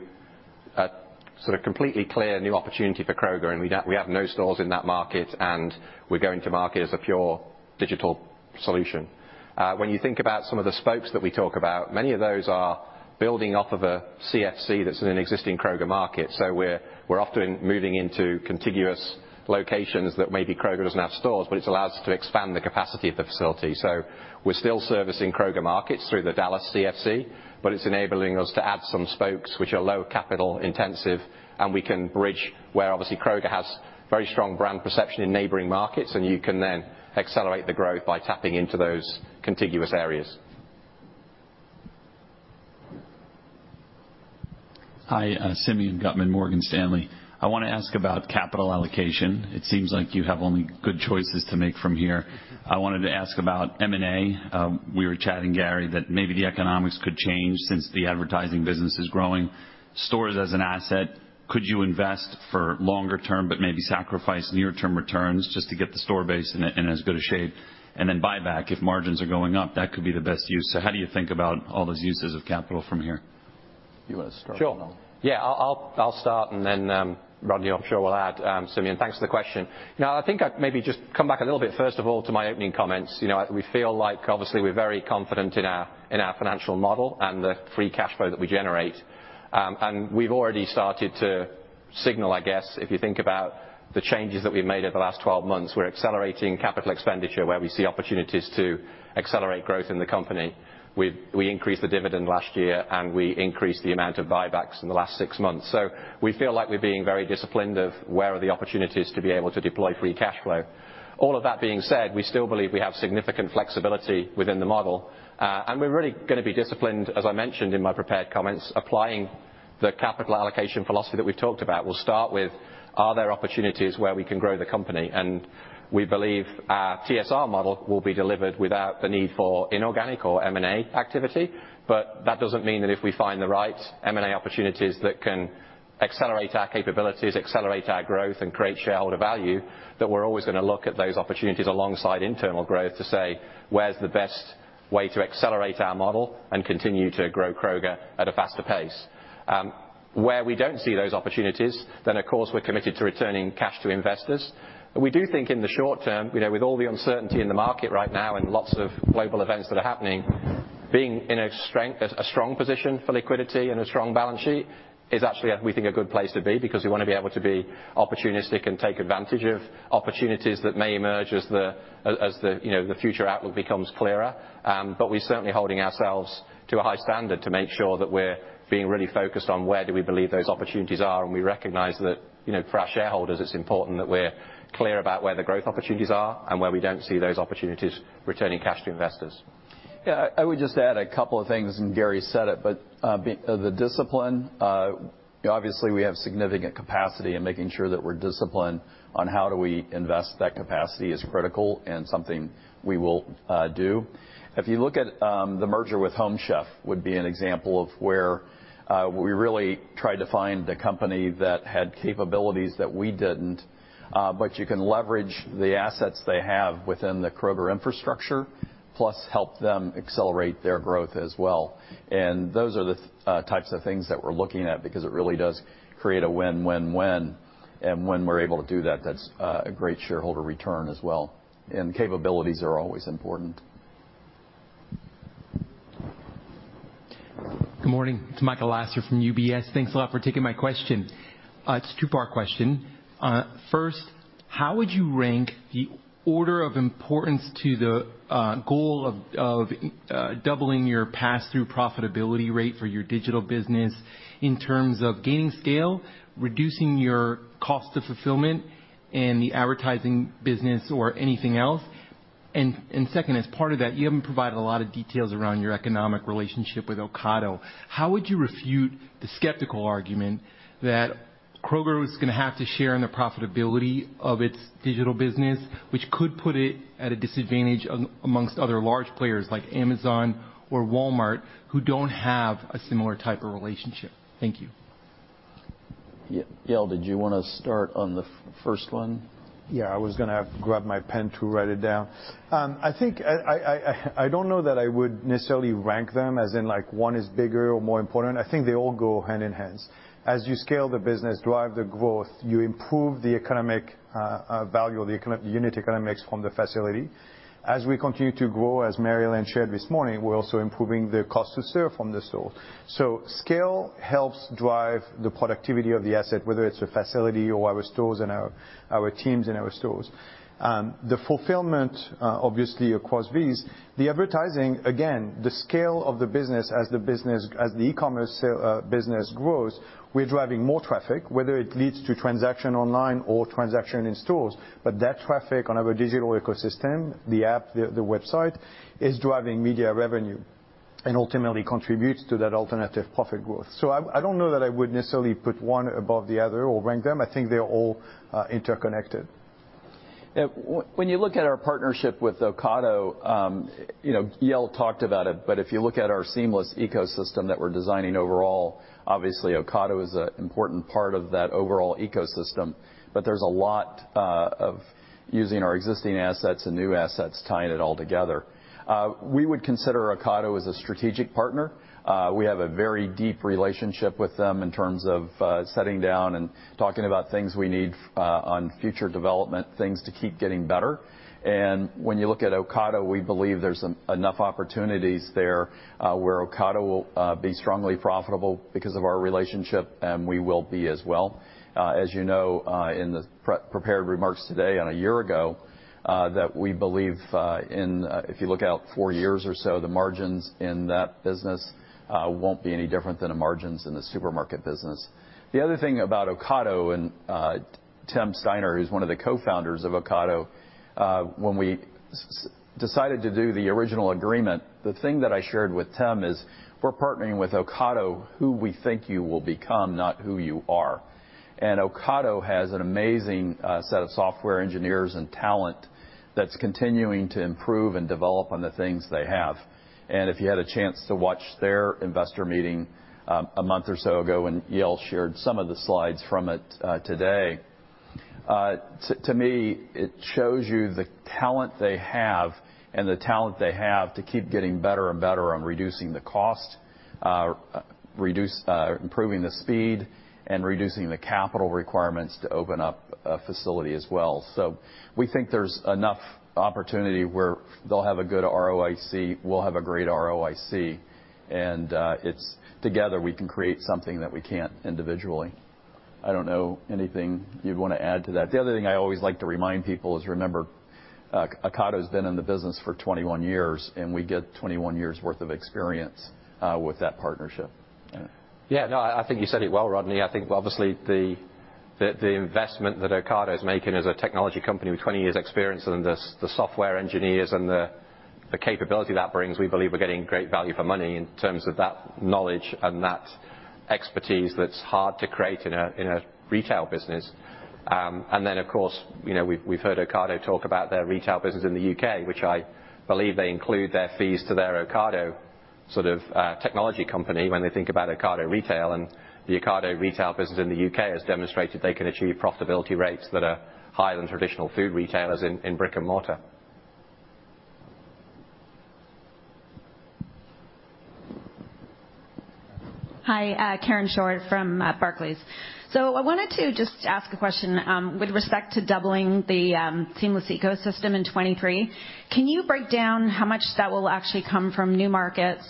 sort of completely clear new opportunity for Kroger, and we have no stores in that market, and we're going to market as a pure digital solution. When you think about some of the spokes that we talk about, many of those are building off of a CFC that's in an existing Kroger market. We're often moving into contiguous locations that maybe Kroger doesn't have stores, but it allows us to expand the capacity of the facility. We're still servicing Kroger markets through the Dallas CFC, but it's enabling us to add some spokes which are lower capital intensive, and we can bridge where obviously Kroger has very strong brand perception in neighboring markets, and you can then accelerate the growth by tapping into those contiguous areas. Hi, Simeon Gutman, Morgan Stanley. I wanna ask about capital allocation. It seems like you have only good choices to make from here. I wanted to ask about M&A. We were chatting, Gary, that maybe the economics could change since the advertising business is growing. Stores as an asset, could you invest for longer term but maybe sacrifice near-term returns just to get the store base in as good a shape? Then buyback, if margins are going up, that could be the best use. How do you think about all those uses of capital from here? You wanna start? Sure. Yeah. I'll start and then, Rodney I'm sure will add. Simeon, thanks for the question. Now I think I'd maybe just come back a little bit, first of all, to my opening comments. You know, we feel like obviously we're very confident in our, in our financial model and the free cash flow that we generate. And we've already started to signal, I guess, if you think about the changes that we've made over the last 12 months, we're accelerating capital expenditure where we see opportunities to accelerate growth in the company. We increased the dividend last year, and we increased the amount of buybacks in the last six months. We feel like we're being very disciplined about where are the opportunities to be able to deploy free cash flow. All of that being said, we still believe we have significant flexibility within the model, and we're really gonna be disciplined, as I mentioned in my prepared comments, applying the capital allocation philosophy that we've talked about. We'll start with, are there opportunities where we can grow the company? We believe our TSR model will be delivered without the need for inorganic or M&A activity. That doesn't mean that if we find the right M&A opportunities that can accelerate our capabilities, accelerate our growth, and create shareholder value, that we're always gonna look at those opportunities alongside internal growth to say, where's the best way to accelerate our model and continue to grow Kroger at a faster pace? Where we don't see those opportunities, then of course, we're committed to returning cash to investors. We do think in the short term, you know, with all the uncertainty in the market right now and lots of global events that are happening, being in a strong position for liquidity and a strong balance sheet is actually, we think, a good place to be because we wanna be able to be opportunistic and take advantage of opportunities that may emerge as the future outlook becomes clearer. We're certainly holding ourselves to a high standard to make sure that we're being really focused on where do we believe those opportunities are. We recognize that, you know, for our shareholders, it's important that we're clear about where the growth opportunities are and where we don't see those opportunities returning cash to investors. Yeah. I would just add a couple of things, and Gary said it. The discipline, you know, obviously, we have significant capacity, and making sure that we're disciplined on how we invest that capacity is critical and something we will do. If you look at the merger with Home Chef would be an example of where we really tried to find a company that had capabilities that we didn't, but you can leverage the assets they have within the Kroger infrastructure, plus help them accelerate their growth as well. Those are the types of things that we're looking at because it really does create a win-win-win. When we're able to do that's a great shareholder return as well. Capabilities are always important. Good morning. It's Michael Lasser from UBS. Thanks a lot for taking my question. It's a two-part question. First, how would you rank the order of importance to the goal of doubling your passthrough profitability rate for your digital business in terms of gaining scale, reducing your cost of fulfillment in the advertising business or anything else? And second, as part of that, you haven't provided a lot of details around your economic relationship with Ocado. How would you refute the skeptical argument that Kroger is gonna have to share in the profitability of its digital business, which could put it at a disadvantage amongst other large players like Amazon or Walmart, who don't have a similar type of relationship? Thank you. Yael, did you wanna start on the first one? Yeah, I was gonna grab my pen to write it down. I think I don't know that I would necessarily rank them as in, like, one is bigger or more important. I think they all go hand in hand. As you scale the business, drive the growth, you improve the economic value of the unit economics from the facility. As we continue to grow, as Mary Ellen shared this morning, we're also improving the cost to serve from the store. Scale helps drive the productivity of the asset, whether it's a facility or our stores and our teams in our stores. The fulfillment obviously across these. The advertising, again, the scale of the business as the e-commerce sales business grows, we're driving more traffic, whether it leads to transaction online or transaction in stores. That traffic on our digital ecosystem, the app, the website, is driving media revenue and ultimately contributes to that alternative profit growth. I don't know that I would necessarily put one above the other or rank them. I think they're all interconnected. Yeah. When you look at our partnership with Ocado, you know, Yael talked about it, but if you look at our Seamless ecosystem that we're designing overall, obviously, Ocado is a important part of that overall ecosystem, but there's a lot of using our existing assets and new assets, tying it all together. We would consider Ocado as a strategic partner. We have a very deep relationship with them in terms of sitting down and talking about things we need on future development, things to keep getting better. When you look at Ocado, we believe there's enough opportunities there where Ocado will be strongly profitable because of our relationship, and we will be as well. As you know, in the prepared remarks today and a year ago, that we believe, if you look out four years or so, the margins in that business won't be any different than the margins in the supermarket business. The other thing about Ocado and Tim Steiner, who's one of the cofounders of Ocado, when we decided to do the original agreement, the thing that I shared with Tim is we're partnering with Ocado, who we think you will become, not who you are. Ocado has an amazing set of software engineers and talent that's continuing to improve and develop on the things they have. If you had a chance to watch their investor meeting, a month or so ago, and Yael shared some of the slides from it today, to me, it shows you the talent they have and the talent they have to keep getting better and better on reducing the cost, improving the speed and reducing the capital requirements to open up a facility as well. We think there's enough opportunity where they'll have a good ROIC, we'll have a great ROIC, and it's together we can create something that we can't individually. I don't know anything you'd wanna add to that. The other thing I always like to remind people is remember, Ocado's been in the business for 21 years, and we get 21 years' worth of experience with that partnership. Yeah, no, I think you said it well, Rodney. I think obviously the investment that Ocado's making as a technology company with 20 years experience and the software engineers and the capability that brings, we believe we're getting great value for money in terms of that knowledge and that expertise that's hard to create in a retail business. Then, of course, you know, we've heard Ocado talk about their retail business in the U.K., which I believe they include their fees to their Ocado sort of technology company when they think about Ocado Retail. The Ocado Retail business in the U.K. has demonstrated they can achieve profitability rates that are higher than traditional food retailers in brick and mortar. Hi, Karen Short from Barclays. I wanted to just ask a question with respect to doubling the Seamless ecosystem in 2023. Can you break down how much that will actually come from new markets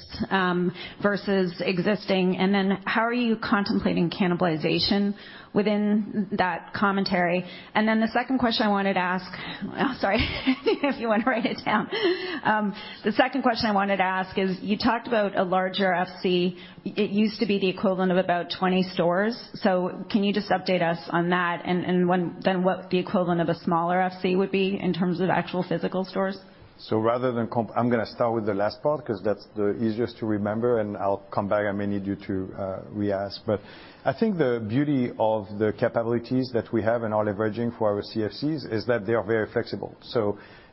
versus existing? And then how are you contemplating cannibalization within that commentary? And then the second question I wanted to ask is, you talked about a larger FC. It used to be the equivalent of about 20 stores. Can you just update us on that and then what the equivalent of a smaller FC would be in terms of actual physical stores? I'm gonna start with the last part 'cause that's the easiest to remember, and I'll come back. I may need you to re-ask. I think the beauty of the capabilities that we have and are leveraging for our CFCs is that they are very flexible.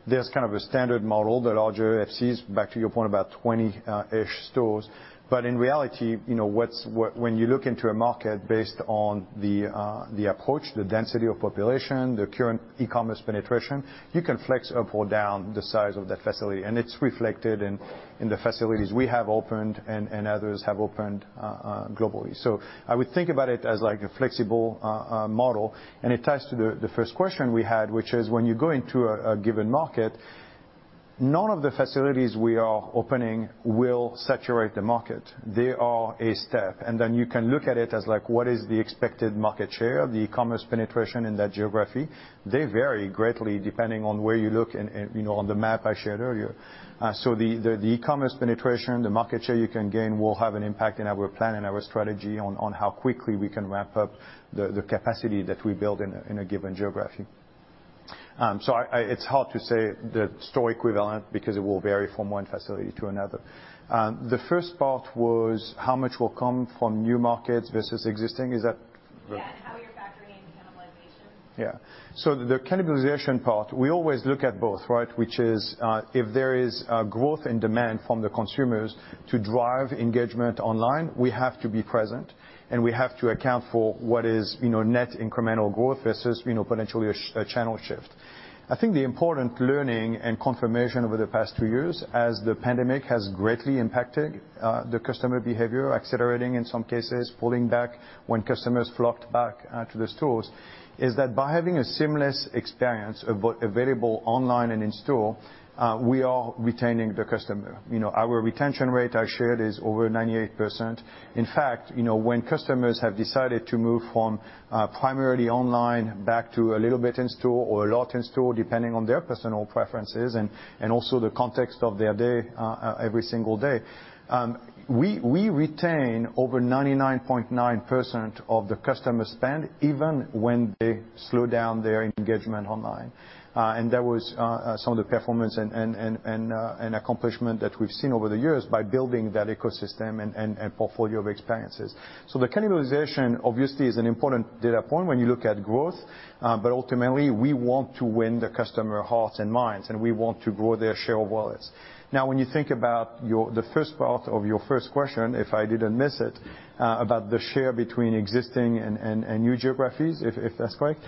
There's kind of a standard model, the larger FCs, back to your point about 20 ish stores. In reality, you know, what's when you look into a market based on the approach, the density of population, the current e-commerce penetration, you can flex up or down the size of that facility, and it's reflected in the facilities we have opened and others have opened globally. I would think about it as like a flexible model, and it ties to the first question we had, which is when you go into a given market, none of the facilities we are opening will saturate the market. They are a step, and then you can look at it as like what is the expected market share of the e-commerce penetration in that geography. They vary greatly depending on where you look and, you know, on the map I shared earlier. So the e-commerce penetration, the market share you can gain will have an impact in our plan and our strategy on how quickly we can ramp up the capacity that we build in a given geography. So it's hard to say the store equivalent because it will vary from one facility to another. The first part was how much will come from new markets versus existing. Is that the Yeah, how you're factoring in cannibalization. Yeah. The cannibalization part, we always look at both, right? Which is, if there is growth and demand from the consumers to drive engagement online, we have to be present, and we have to account for what is, you know, net incremental growth versus, you know, potentially a channel shift. I think the important learning and confirmation over the past two years as the pandemic has greatly impacted the customer behavior, accelerating in some cases, pulling back when customers flocked back to the stores, is that by having a Seamless experience available online and in store, we are retaining the customer. You know, our retention rate I shared is over 98%. In fact, you know, when customers have decided to move from primarily online back to a little bit in store or a lot in store, depending on their personal preferences and also the context of their day, every single day, we retain over 99.9% of the customer spend even when they slow down their engagement online. And that was some of the performance and accomplishment that we've seen over the years by building that ecosystem and portfolio of experiences. The cannibalization obviously is an important data point when you look at growth, but ultimately, we want to win the customer hearts and minds, and we want to grow their share of wallets. Now when you think about the first part of your first question, if I didn't miss it, about the share between existing and new geographies, if that's correct,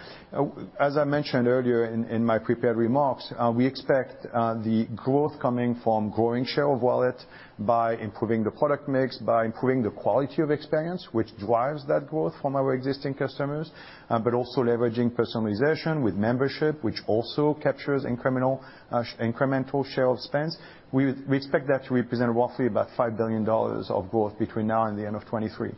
as I mentioned earlier in my prepared remarks, we expect the growth coming from growing share of wallet by improving the product mix, by improving the quality of experience, which drives that growth from our existing customers, but also leveraging personalization with membership, which also captures incremental share of spends. We expect that to represent roughly about $5 billion of growth between now and the end of 2023.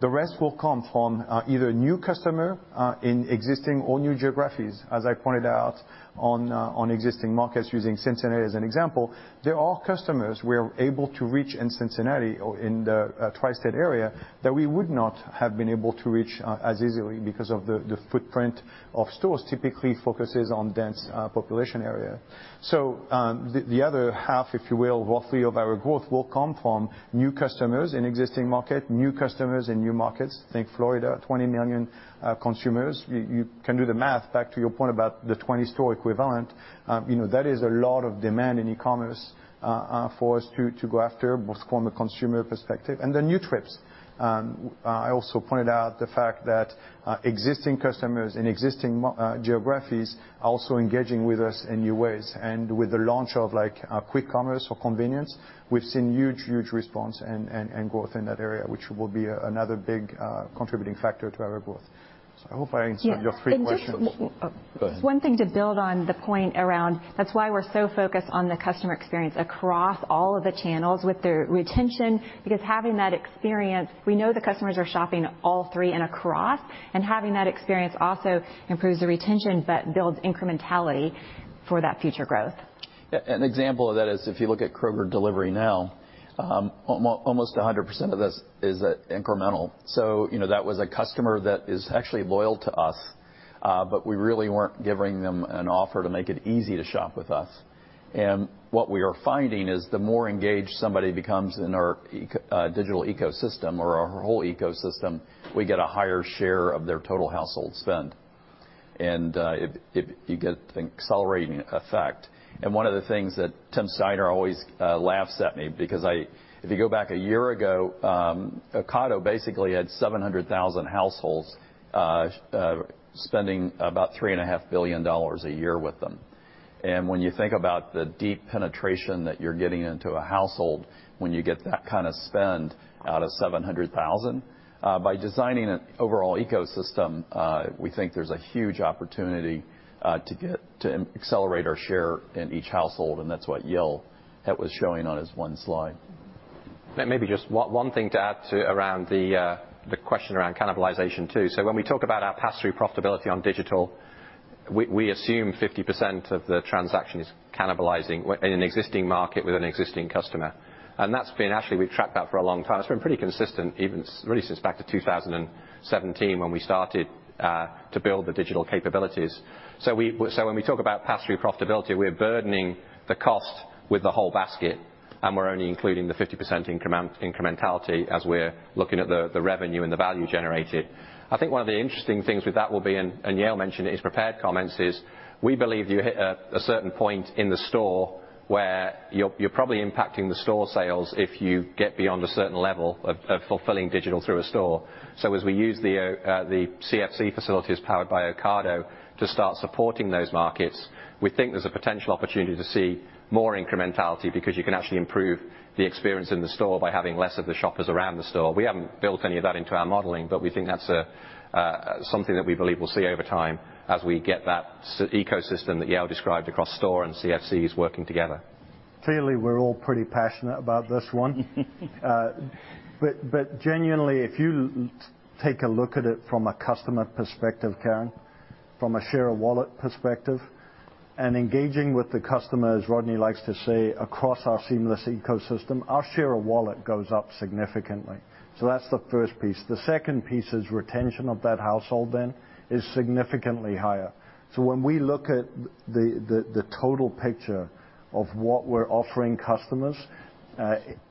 The rest will come from either new customer in existing or new geographies. As I pointed out on existing markets using Cincinnati as an example, there are customers we're able to reach in Cincinnati or in the tri-state area that we would not have been able to reach as easily because of the footprint of stores typically focuses on dense population area. The other half, if you will, roughly of our growth will come from new customers in existing market, new customers in new markets. Think Florida, 20 million consumers. You can do the math back to your point about the 20 store equivalent. You know, that is a lot of demand in e-commerce for us to go after both from a consumer perspective and the new trips. I also pointed out the fact that existing customers in existing geographies are also engaging with us in new ways and with the launch of like quick commerce for convenience. We've seen huge response and growth in that area, which will be another big contributing factor to our growth. I hope I answered your three questions. Yeah. Go ahead. One thing to build on the point around, that's why we're so focused on the customer experience across all of the channels with the retention because having that experience, we know the customers are shopping all three and across. Having that experience also improves the retention but builds incrementality for that future growth. An example of that is if you look at Kroger Delivery Now, almost 100% of this is incremental. You know, that was a customer that is actually loyal to us, but we really weren't giving them an offer to make it easy to shop with us. What we are finding is the more engaged somebody becomes in our digital ecosystem or our whole ecosystem, we get a higher share of their total household spend. You get an accelerating effect. One of the things that Tim Steiner always laughs at me because if you go back a year ago, Ocado basically had 700,000 households spending about $3.5 billion a year with them. When you think about the deep penetration that you're getting into a household, when you get that kind of spend out of 700,000, by designing an overall ecosystem, we think there's a huge opportunity to accelerate our share in each household, and that's what Yael, that was showing on his one slide. Maybe just one thing to add around the question around cannibalization too. When we talk about our pass-through profitability on digital, we assume 50% of the transaction is cannibalizing in an existing market with an existing customer. And that's been actually, we've tracked that for a long time. It's been pretty consistent, even really since back to 2017 when we started to build the digital capabilities. When we talk about pass-through profitability, we're burdening the cost with the whole basket, and we're only including the 50% incrementality as we're looking at the revenue and the value generated. I think one of the interesting things with that will be, and Yael mentioned in his prepared comments, is we believe you hit a certain point in the store where you're probably impacting the store sales if you get beyond a certain level of fulfilling digital through a store. As we use the CFC facilities powered by Ocado to start supporting those markets, we think there's a potential opportunity to see more incrementality because you can actually improve the experience in the store by having less of the shoppers around the store. We haven't built any of that into our modeling, but we think that's something that we believe we'll see over time as we get that ecosystem that Yael described across store and CFCs working together. Clearly, we're all pretty passionate about this one. Genuinely, if you take a look at it from a customer perspective, Karen, from a share of wallet perspective, and engaging with the customer, as Rodney likes to say, across our Seamless ecosystem, our share of wallet goes up significantly. That's the first piece. The second piece is retention of that household then is significantly higher. When we look at the total picture of what we're offering customers,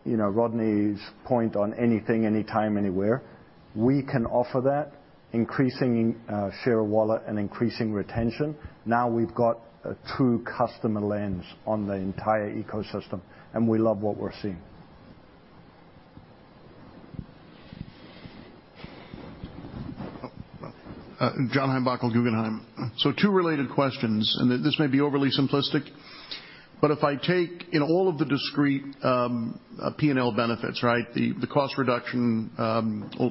you know, Rodney's point on anything, anytime, anywhere, we can offer that increasing share of wallet and increasing retention. Now we've got a true customer lens on the entire ecosystem, and we love what we're seeing. John Heinbockel, Guggenheim. Two related questions, and this may be overly simplistic, but if I take in all of the discrete P&L benefits, right? The cost reduction,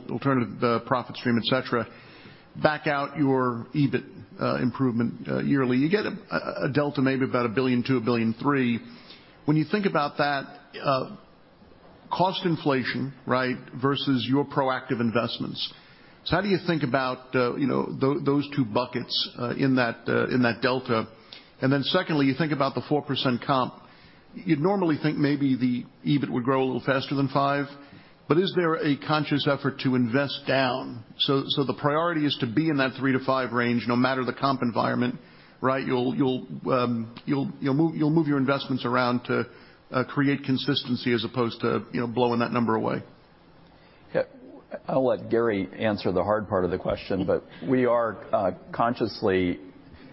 alternative profit stream, et cetera, back out your EBIT improvement yearly. You get a delta maybe about $1.2 billion-$1.3 billion. When you think about that cost inflation, right, versus your proactive investments, how do you think about, you know, those two buckets in that delta? And then secondly, you think about the 4% comp. You'd normally think maybe the EBIT would grow a little faster than 5%. But is there a conscious effort to invest down? The priority is to be in that 3%-5% range, no matter the comp environment, right? You'll move your investments around to create consistency as opposed to, you know, blowing that number away. Yeah. I'll let Gary answer the hard part of the question, but we are consciously.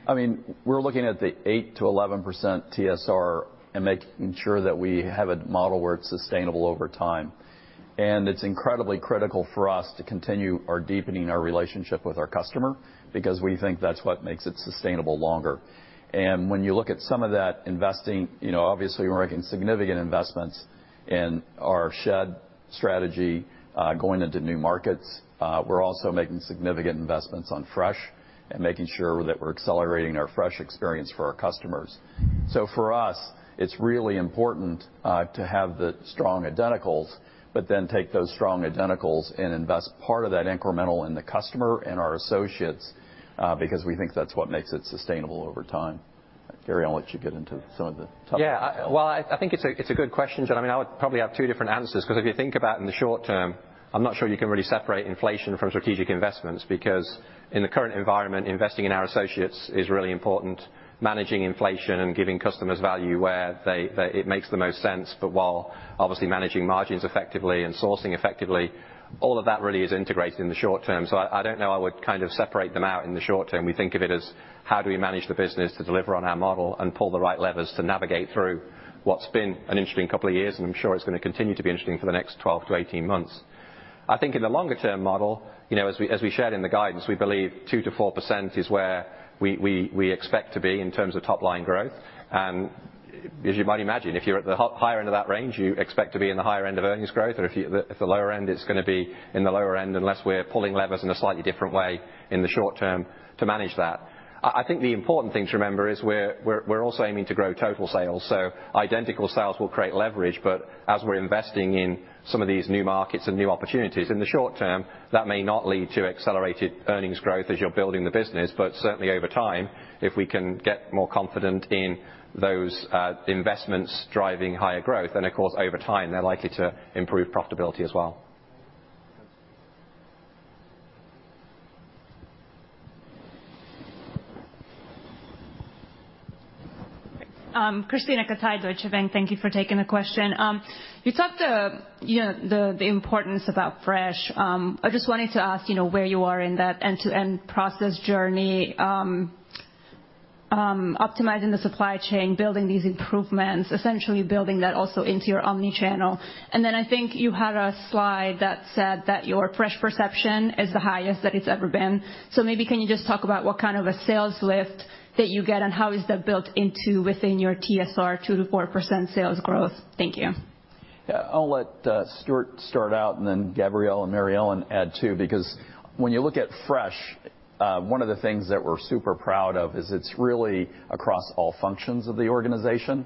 I mean, we're looking at the 8%-11% TSR and making sure that we have a model where it's sustainable over time. It's incredibly critical for us to continue deepening our relationship with our customer because we think that's what makes it sustainable longer. When you look at some of that investing, you know, obviously, we're making significant investments in our shed strategy going into new markets. We're also making significant investments on fresh and making sure that we're accelerating our fresh experience for our customers. For us, it's really important to have the strong identicals, but then take those strong identicals and invest part of that incremental in the customer and our associates because we think that's what makes it sustainable over time. Gary, I'll let you get into some of the tougher details. Yeah. Well, I think it's a good question, John. I mean, I would probably have two different answers, because if you think about in the short term, I'm not sure you can really separate inflation from strategic investments, because in the current environment, investing in our associates is really important. Managing inflation and giving customers value where it makes the most sense. While obviously managing margins effectively and sourcing effectively, all of that really is integrated in the short term. I don't know if I would kind of separate them out in the short term. We think of it as how do we manage the business to deliver on our model and pull the right levers to navigate through what's been an interesting couple of years, and I'm sure it's going to continue to be interesting for the next 12-18 months. I think in the longer-term model, you know, as we shared in the guidance, we believe 2%-4% is where we expect to be in terms of top-line growth. As you might imagine, if you're at the higher end of that range, you expect to be in the higher end of earnings growth. If you're at the lower end, it's going to be in the lower end unless we're pulling levers in a slightly different way in the short term to manage that. I think the important thing to remember is we're also aiming to grow total sales. Identical sales will create leverage. As we're investing in some of these new markets and new opportunities in the short term, that may not lead to accelerated earnings growth as you're building the business. Certainly over time, if we can get more confident in those investments driving higher growth, then of course, over time, they're likely to improve profitability as well. Krisztina Katai, Deutsche Bank. Thank you for taking the question. You talked about the importance of fresh. I just wanted to ask, you know, where you are in that end-to-end process journey, optimizing the supply chain, building these improvements, essentially building that also into your omnichannel. I think you had a slide that said that your fresh perception is the highest that it's ever been. Maybe you can just talk about what kind of a sales lift that you get, and how that is built into your TSR 2%-4% sales growth. Thank you. Yeah. I'll let Stuart start out and then Gabriel and Mary Ellen add too, because when you look at fresh, one of the things that we're super proud of is it's really across all functions of the organization.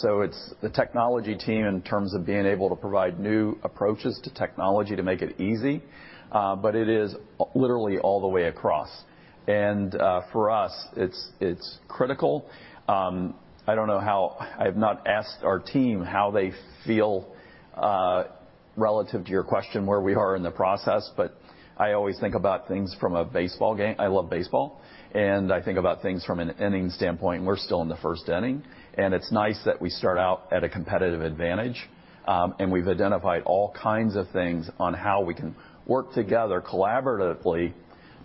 So it's the technology team in terms of being able to provide new approaches to technology to make it easy. But it is literally all the way across. For us, it's critical. I don't know how I've not asked our team how they feel relative to your question, where we are in the process, but I always think about things from a baseball game. I love baseball, and I think about things from an inning standpoint. We're still in the first inning, and it's nice that we start out at a competitive advantage. We've identified all kinds of things on how we can work together collaboratively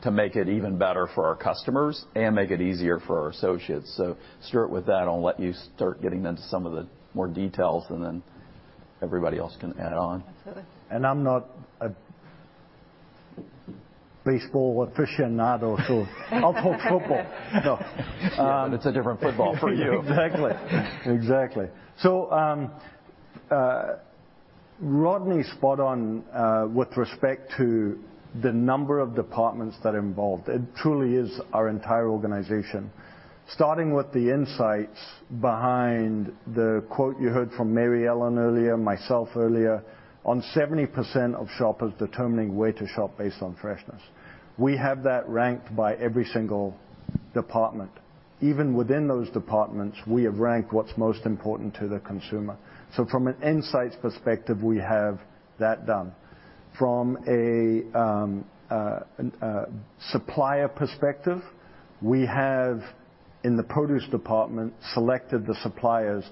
to make it even better for our customers and make it easier for our associates. Stuart, with that, I'll let you start getting into some of the more details, and then everybody else can add on. I'm not a baseball aficionado, so I'll call football. It's a different football for you. Exactly. Rodney's spot on with respect to the number of departments that are involved. It truly is our entire organization. Starting with the insights behind the quote you heard from Mary Ellen earlier, myself earlier, on 70% of shoppers determining where to shop based on freshness. We have that ranked by every single department. Even within those departments, we have ranked what's most important to the consumer. From an insights perspective, we have that done. From a supplier perspective, we have, in the produce department, selected the suppliers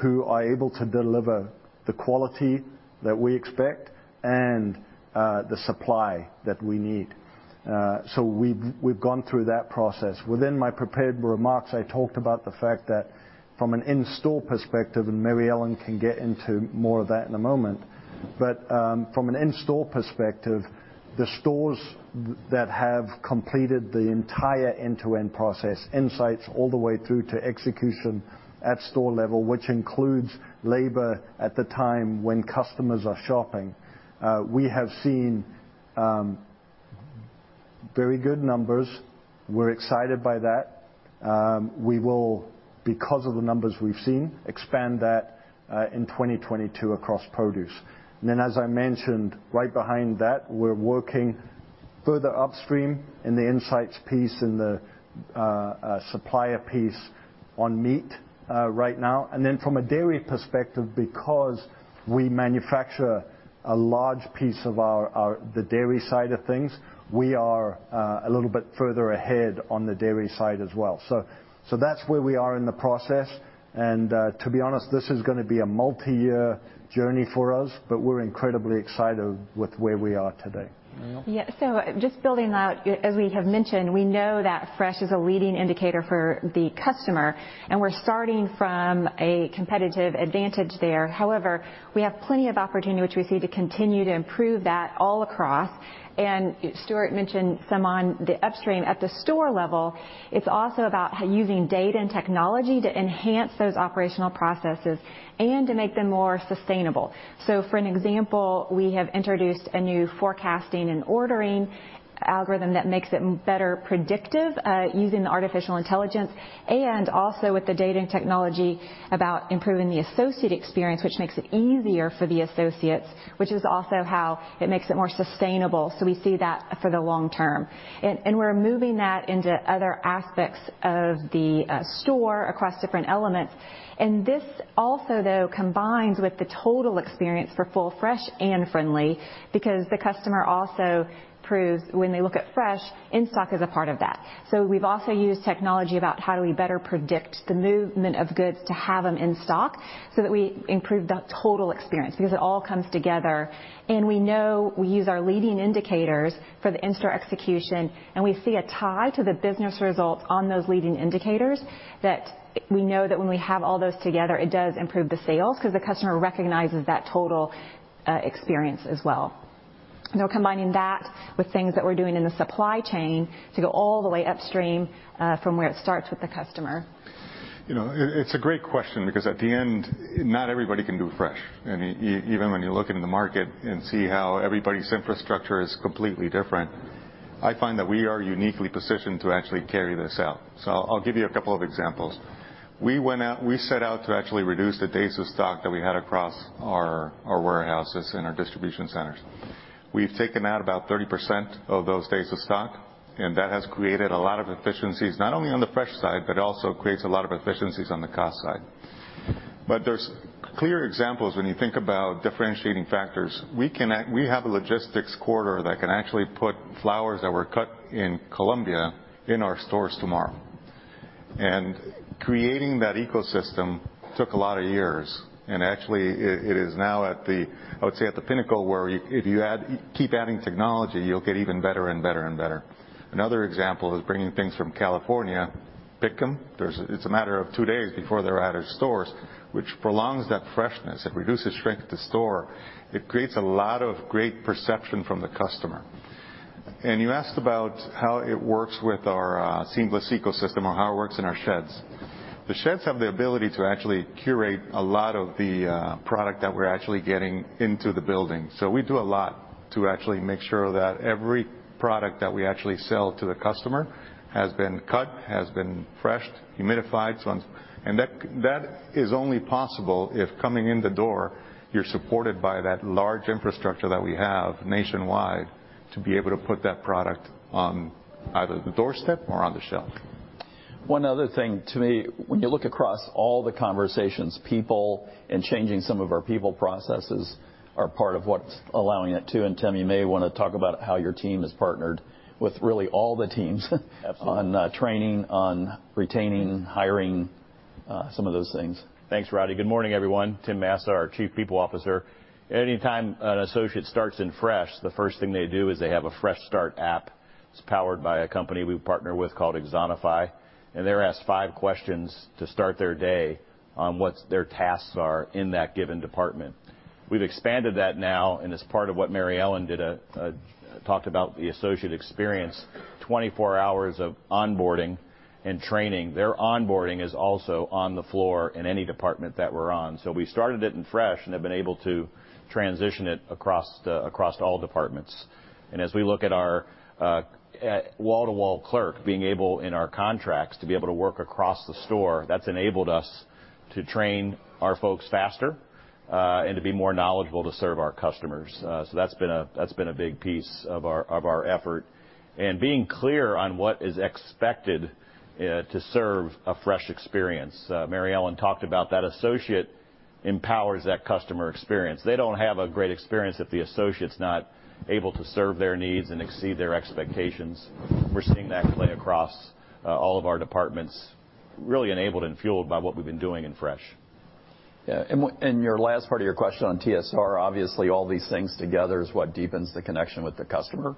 who are able to deliver the quality that we expect and the supply that we need. We've gone through that process. Within my prepared remarks, I talked about the fact that from an in-store perspective, and Mary Ellen can get into more of that in a moment, but from an in-store perspective, the stores that have completed the entire end-to-end process, insights all the way through to execution at store level, which includes labor at the time when customers are shopping, we have seen very good numbers. We're excited by that. We will, because of the numbers we've seen, expand that in 2022 across produce. Then, as I mentioned right behind that, we're working further upstream in the insights piece and the supplier piece on meat right now. From a dairy perspective, because we manufacture a large piece of our dairy side of things, we are a little bit further ahead on the dairy side as well. That's where we are in the process. To be honest, this is gonna be a multi-year journey for us, but we're incredibly excited with where we are today. Mary Ellen? Yeah. Just building out, as we have mentioned, we know that fresh is a leading indicator for the customer, and we're starting from a competitive advantage there. However, we have plenty of opportunity which we see to continue to improve that all across. Stuart mentioned some on the upstream. At the store level, it's also about how using data and technology to enhance those operational processes and to make them more sustainable. For example, we have introduced a new forecasting and ordering algorithm that makes it better predictive, using the artificial intelligence and also with the data and technology about improving the associate experience, which makes it easier for the associates, which is also how it makes it more sustainable. We see that for the long term. We're moving that into other aspects of the store across different elements. This also, though, combines with the total experience for full, fresh, and friendly because the customer also proves when they look at fresh, in-stock is a part of that. We've also used technology about how do we better predict the movement of goods to have them in stock, so that we improve the total experience because it all comes together. We know we use our leading indicators for the in-store execution, and we see a tie to the business results on those leading indicators, that we know that when we have all those together, it does improve the sales because the customer recognizes that total experience as well. Combining that with things that we're doing in the supply chain to go all the way upstream from where it starts with the customer. You know, it's a great question because at the end, not everybody can do fresh. I mean, even when you look into the market and see how everybody's infrastructure is completely different, I find that we are uniquely positioned to actually carry this out. I'll give you a couple of examples. We set out to actually reduce the days of stock that we had across our warehouses and our distribution centers. We've taken out about 30% of those days of stock, and that has created a lot of efficiencies, not only on the fresh side, but it also creates a lot of efficiencies on the cost side. There's clear examples when you think about differentiating factors. We have a logistics quarter that can actually put flowers that were cut in Colombia in our stores tomorrow. Creating that ecosystem took a lot of years. Actually, it is now at the, I would say, at the pinnacle, where if you keep adding technology, you'll get even better and better and better. Another example is bringing things from California, pick them, it's a matter of two days before they're at our stores, which prolongs that freshness. It reduces shrink at the store. It creates a lot of great perception from the customer. You asked about how it works with our Seamless ecosystem or how it works in our sheds. The sheds have the ability to actually curate a lot of the product that we're actually getting into the building. So we do a lot to actually make sure that every product that we actually sell to the customer has been cut, has been freshened, humidified, so on. That is only possible if coming in the door, you're supported by that large infrastructure that we have nationwide to be able to put that product on either the doorstep or on the shelf. One other thing, to me, when you look across all the conversations, people and changing some of our people processes are part of what's allowing it, too. Tim, you may wanna talk about how your team has partnered with really all the teams. Absolutely. on training, on retaining, hiring, some of those things. Thanks, Roddy. Good morning, everyone. Tim Massa, our Chief People Officer. Anytime an associate starts in Fresh, the first thing they do is they have a Fresh Start app. It's powered by a company we partner with called Axonify, and they're asked five questions to start their day on what their tasks are in that given department. We've expanded that now, and as part of what Mary Ellen did, talked about the associate experience, 24 hours of onboarding and training. Their onboarding is also on the floor in any department that we're on. We started it in Fresh and have been able to transition it across all departments. As we look at our wall-to-wall clerk being able in our contracts to be able to work across the store, that's enabled us to train our folks faster and to be more knowledgeable to serve our customers. That's been a big piece of our effort. Being clear on what is expected to serve a fresh experience. Mary Ellen talked about that associate empowers that customer experience. They don't have a great experience if the associate's not able to serve their needs and exceed their expectations. We're seeing that play across all of our departments, really enabled and fueled by what we've been doing in Fresh. Yeah. Your last part of your question on TSR, obviously, all these things together is what deepens the connection with the customer.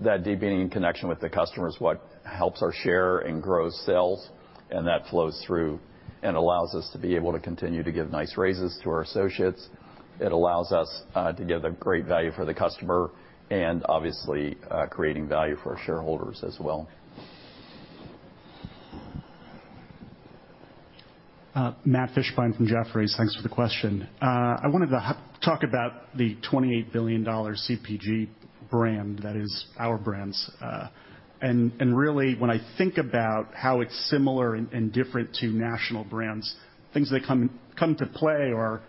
That deepening connection with the customer is what helps our share and grows sales, and that flows through and allows us to be able to continue to give nice raises to our associates. It allows us to give a great value for the customer and obviously, creating value for our shareholders as well. Matt Fishbein from Jefferies, thanks for the question. I wanted to talk about the $28 billion CPG brand that is Our Brands. Really, when I think about how it's similar and different to national brands, things that come to play are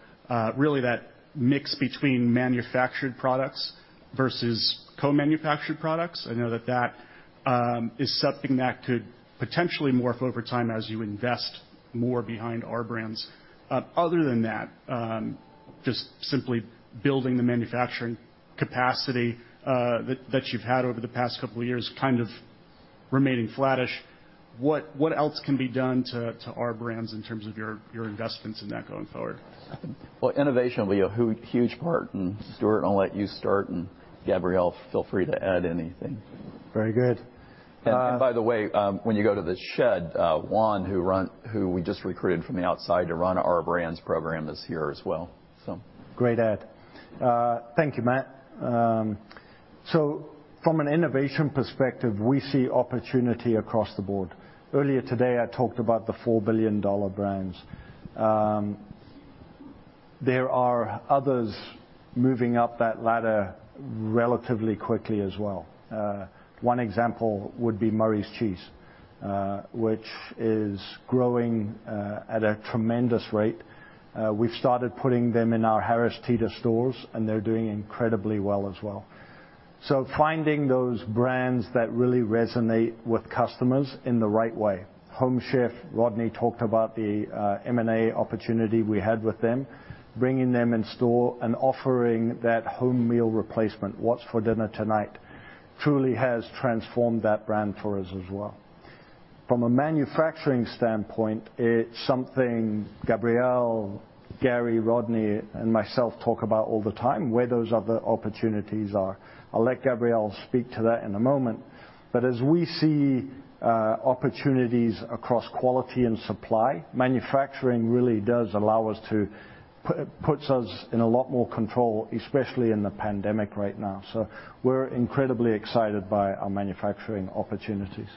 really that mix between manufactured products versus co-manufactured products. I know that is something that could potentially morph over time as you invest more behind Our Brands. Other than that, just simply building the manufacturing capacity that you've had over the past couple of years kind of remaining flattish, what else can be done to Our Brands in terms of your investments in that going forward? Well, innovation will be a huge part. Stuart, I'll let you start, and Gabriel, feel free to add anything. Very good. By the way, when you go to the shed, Juan, who we just recruited from the outside to run Our Brands program, is here as well, so. Great add. Thank you, Matt. From an innovation perspective, we see opportunity across the board. Earlier today, I talked about the $4 billion brands. There are others moving up that ladder relatively quickly as well. One example would be Murray's Cheese, which is growing at a tremendous rate. We've started putting them in our Harris Teeter stores, and they're doing incredibly well as well, finding those brands that really resonate with customers in the right way, Home Chef. Rodney talked about the M&A opportunity we had with them, bringing them in store and offering that home meal replacement, what's for dinner tonight, truly has transformed that brand for us as well. From a manufacturing standpoint, it's something Gabriel, Gary, Rodney, and myself talk about all the time, where those other opportunities are. I'll let Gabriel speak to that in a moment. As we see opportunities across quality and supply, manufacturing really does allow us to. It puts us in a lot more control, especially in the pandemic right now. We're incredibly excited by our manufacturing opportunities.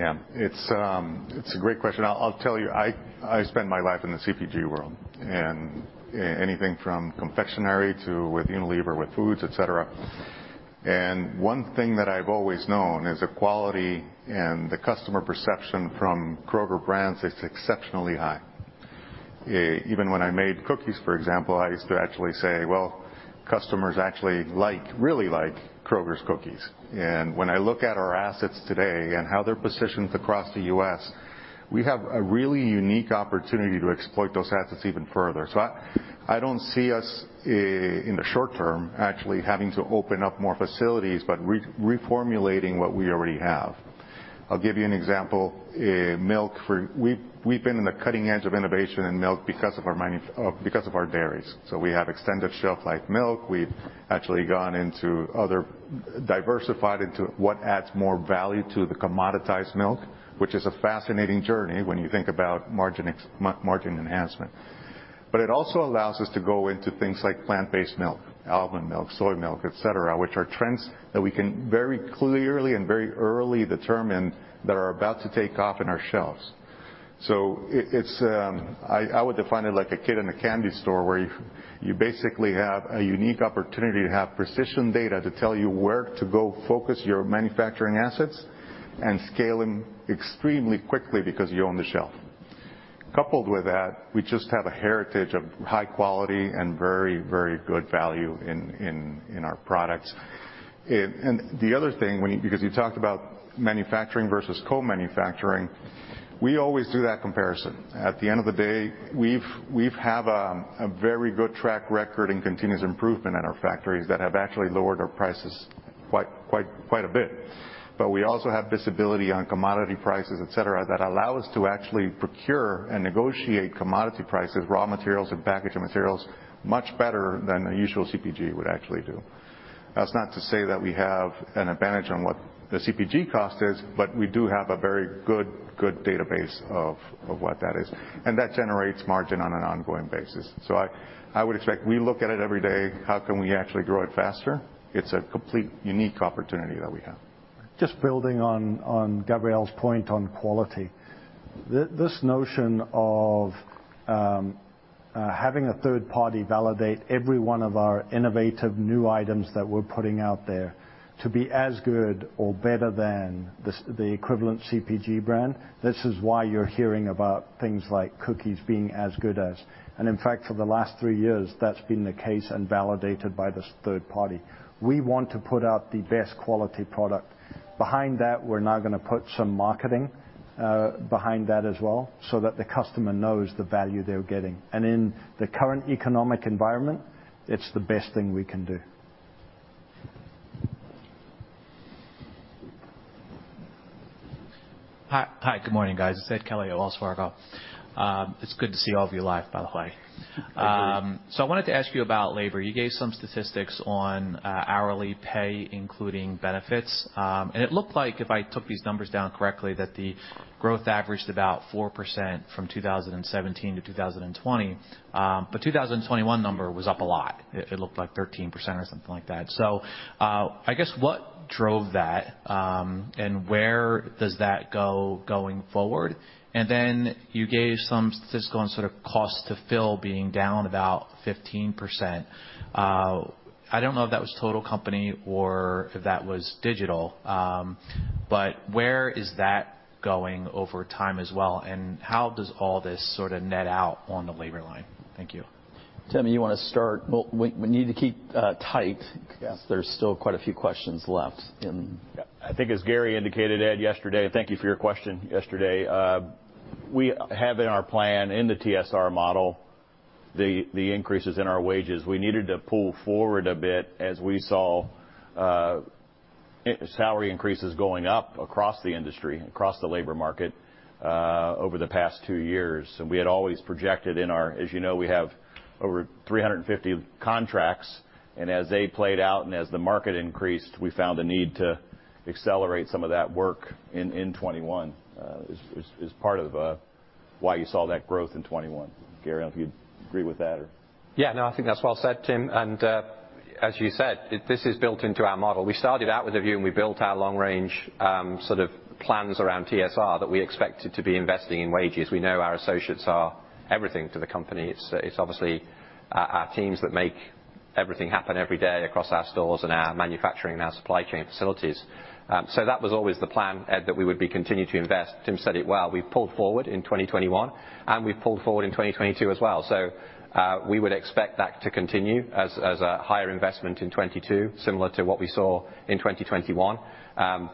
Yeah. It's a great question. I'll tell you, I spend my life in the CPG world and anything from confectionery to with Unilever, with foods, et cetera. One thing that I've always known is the quality and the customer perception from Kroger brands is exceptionally high. Even when I made cookies, for example, I used to actually say, "Well, customers actually like, really like Kroger's cookies." When I look at our assets today and how they're positioned across the U.S., we have a really unique opportunity to exploit those assets even further. I don't see us in the short term actually having to open up more facilities, but reformulating what we already have. I'll give you an example. Milk. We've been on the cutting edge of innovation in milk because of our dairies. We have extended shelf life milk. We've actually gone into diversified into what adds more value to the commoditized milk, which is a fascinating journey when you think about margin enhancement. It also allows us to go into things like plant-based milk, almond milk, soy milk, et cetera, which are trends that we can very clearly and very early determine that are about to take off in our shelves. It's I would define it like a kid in a candy store, where you basically have a unique opportunity to have precision data to tell you where to go focus your manufacturing assets and scale them extremely quickly because you own the shelf. Coupled with that, we just have a heritage of high quality and very good value in our products. Because you talked about manufacturing versus co-manufacturing, we always do that comparison. At the end of the day, we have a very good track record in continuous improvement at our factories that have actually lowered our prices quite a bit. But we also have visibility on commodity prices, et cetera, that allow us to actually procure and negotiate commodity prices, raw materials and packaging materials much better than a usual CPG would actually do. That's not to say that we have an advantage on what the CPG cost is, but we do have a very good database of what that is. And that generates margin on an ongoing basis. I would expect we look at it every day, how can we actually grow it faster? It's a complete unique opportunity that we have. Just building on Gabriel's point on quality. This notion of having a third party validate every one of our innovative new items that we're putting out there to be as good or better than the equivalent CPG brand, this is why you're hearing about things like cookies being as good as. In fact, for the last three years, that's been the case and validated by this third party. We want to put out the best quality product. Behind that, we're now gonna put some marketing behind that as well, so that the customer knows the value they're getting. In the current economic environment, it's the best thing we can do. Hi. Hi, good morning, guys. It's Edward Kelly at Wells Fargo. It's good to see all of you live, by the way. I wanted to ask you about labor. You gave some statistics on hourly pay, including benefits. It looked like if I took these numbers down correctly, that the growth averaged about 4% from 2017-2020. 2021 number was up a lot. It looked like 13% or something like that. I guess what drove that, and where does that go going forward? Then you gave some statistical and sort of cost to fill being down about 15%. I don't know if that was total company or if that was digital, but where is that going over time as well? How does all this sort of net out on the labor line? Thank you. Tim, you wanna start? Well, we need to keep tight. Yes. There's still quite a few questions left. Yeah. I think as Gary indicated, Ed, yesterday. Thank you for your question yesterday. We have in our plan in the TSR model, the increases in our wages. We needed to pull forward a bit as we saw salary increases going up across the industry, across the labor market, over the past two years. We had always projected. As you know, we have over 350 contracts, and as they played out and as the market increased, we found the need to accelerate some of that work in 2021, as part of why you saw that growth in 2021. Gary, I don't know if you'd agree with that or. Yeah, no, I think that's well said, Tim. As you said, this is built into our model. We started out with a view, and we built our long range sort of plans around TSR that we expected to be investing in wages. We know our associates are everything to the company. It's obviously our teams that make everything happen every day across our stores and our manufacturing and our supply chain facilities. That was always the plan, Ed, that we would continue to invest. Tim said it well. We pulled forward in 2021, and we pulled forward in 2022 as well. We would expect that to continue as a higher investment in 2022, similar to what we saw in 2021.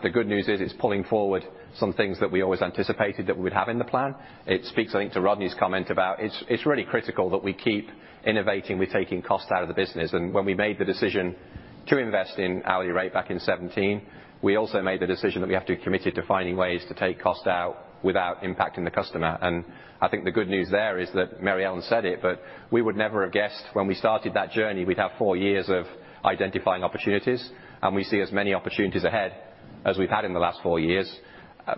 The good news is it's pulling forward some things that we always anticipated that we would have in the plan. It speaks, I think, to Rodney's comment about it's really critical that we keep innovating with taking cost out of the business. When we made the decision to invest in hourly rate back in 2017, we also made the decision that we have to be committed to finding ways to take cost out without impacting the customer. I think the good news there is that Mary Ellen said it, but we would never have guessed when we started that journey, we'd have four years of identifying opportunities, and we see as many opportunities ahead as we've had in the last four years.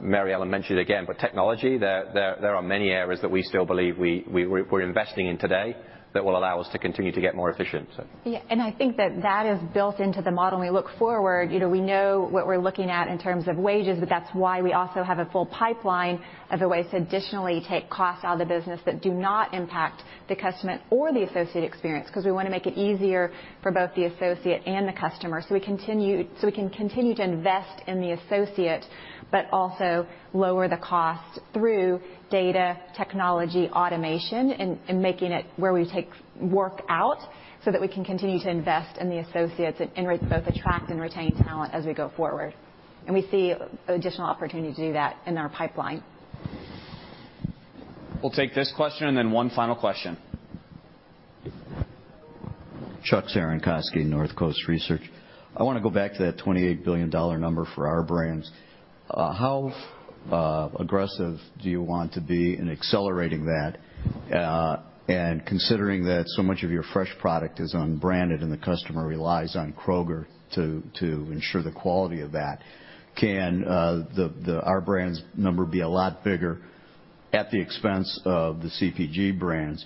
Mary Ellen mentioned it again, but in technology, there are many areas that we still believe we're investing in today that will allow us to continue to get more efficient. Yeah. I think that is built into the model. When we look forward, you know, we know what we're looking at in terms of wages, but that's why we also have a full pipeline of the ways to additionally take costs out of the business that do not impact The customer or the associate experience, because we want to make it easier for both the associate and the customer, so we can continue to invest in the associate, but also lower the cost through data technology automation and making it where we take work out so that we can continue to invest in the associates and both attract and retain talent as we go forward. We see additional opportunity to do that in our pipeline. We'll take this question and then one final question. Chuck Cerankosky, Northcoast Research. I wanna go back to that $28 billion number for Our Brands. How aggressive do you want to be in accelerating that? Considering that so much of your fresh product is unbranded and the customer relies on Kroger to ensure the quality of that, can the Our Brands number be a lot bigger at the expense of the CPG brands?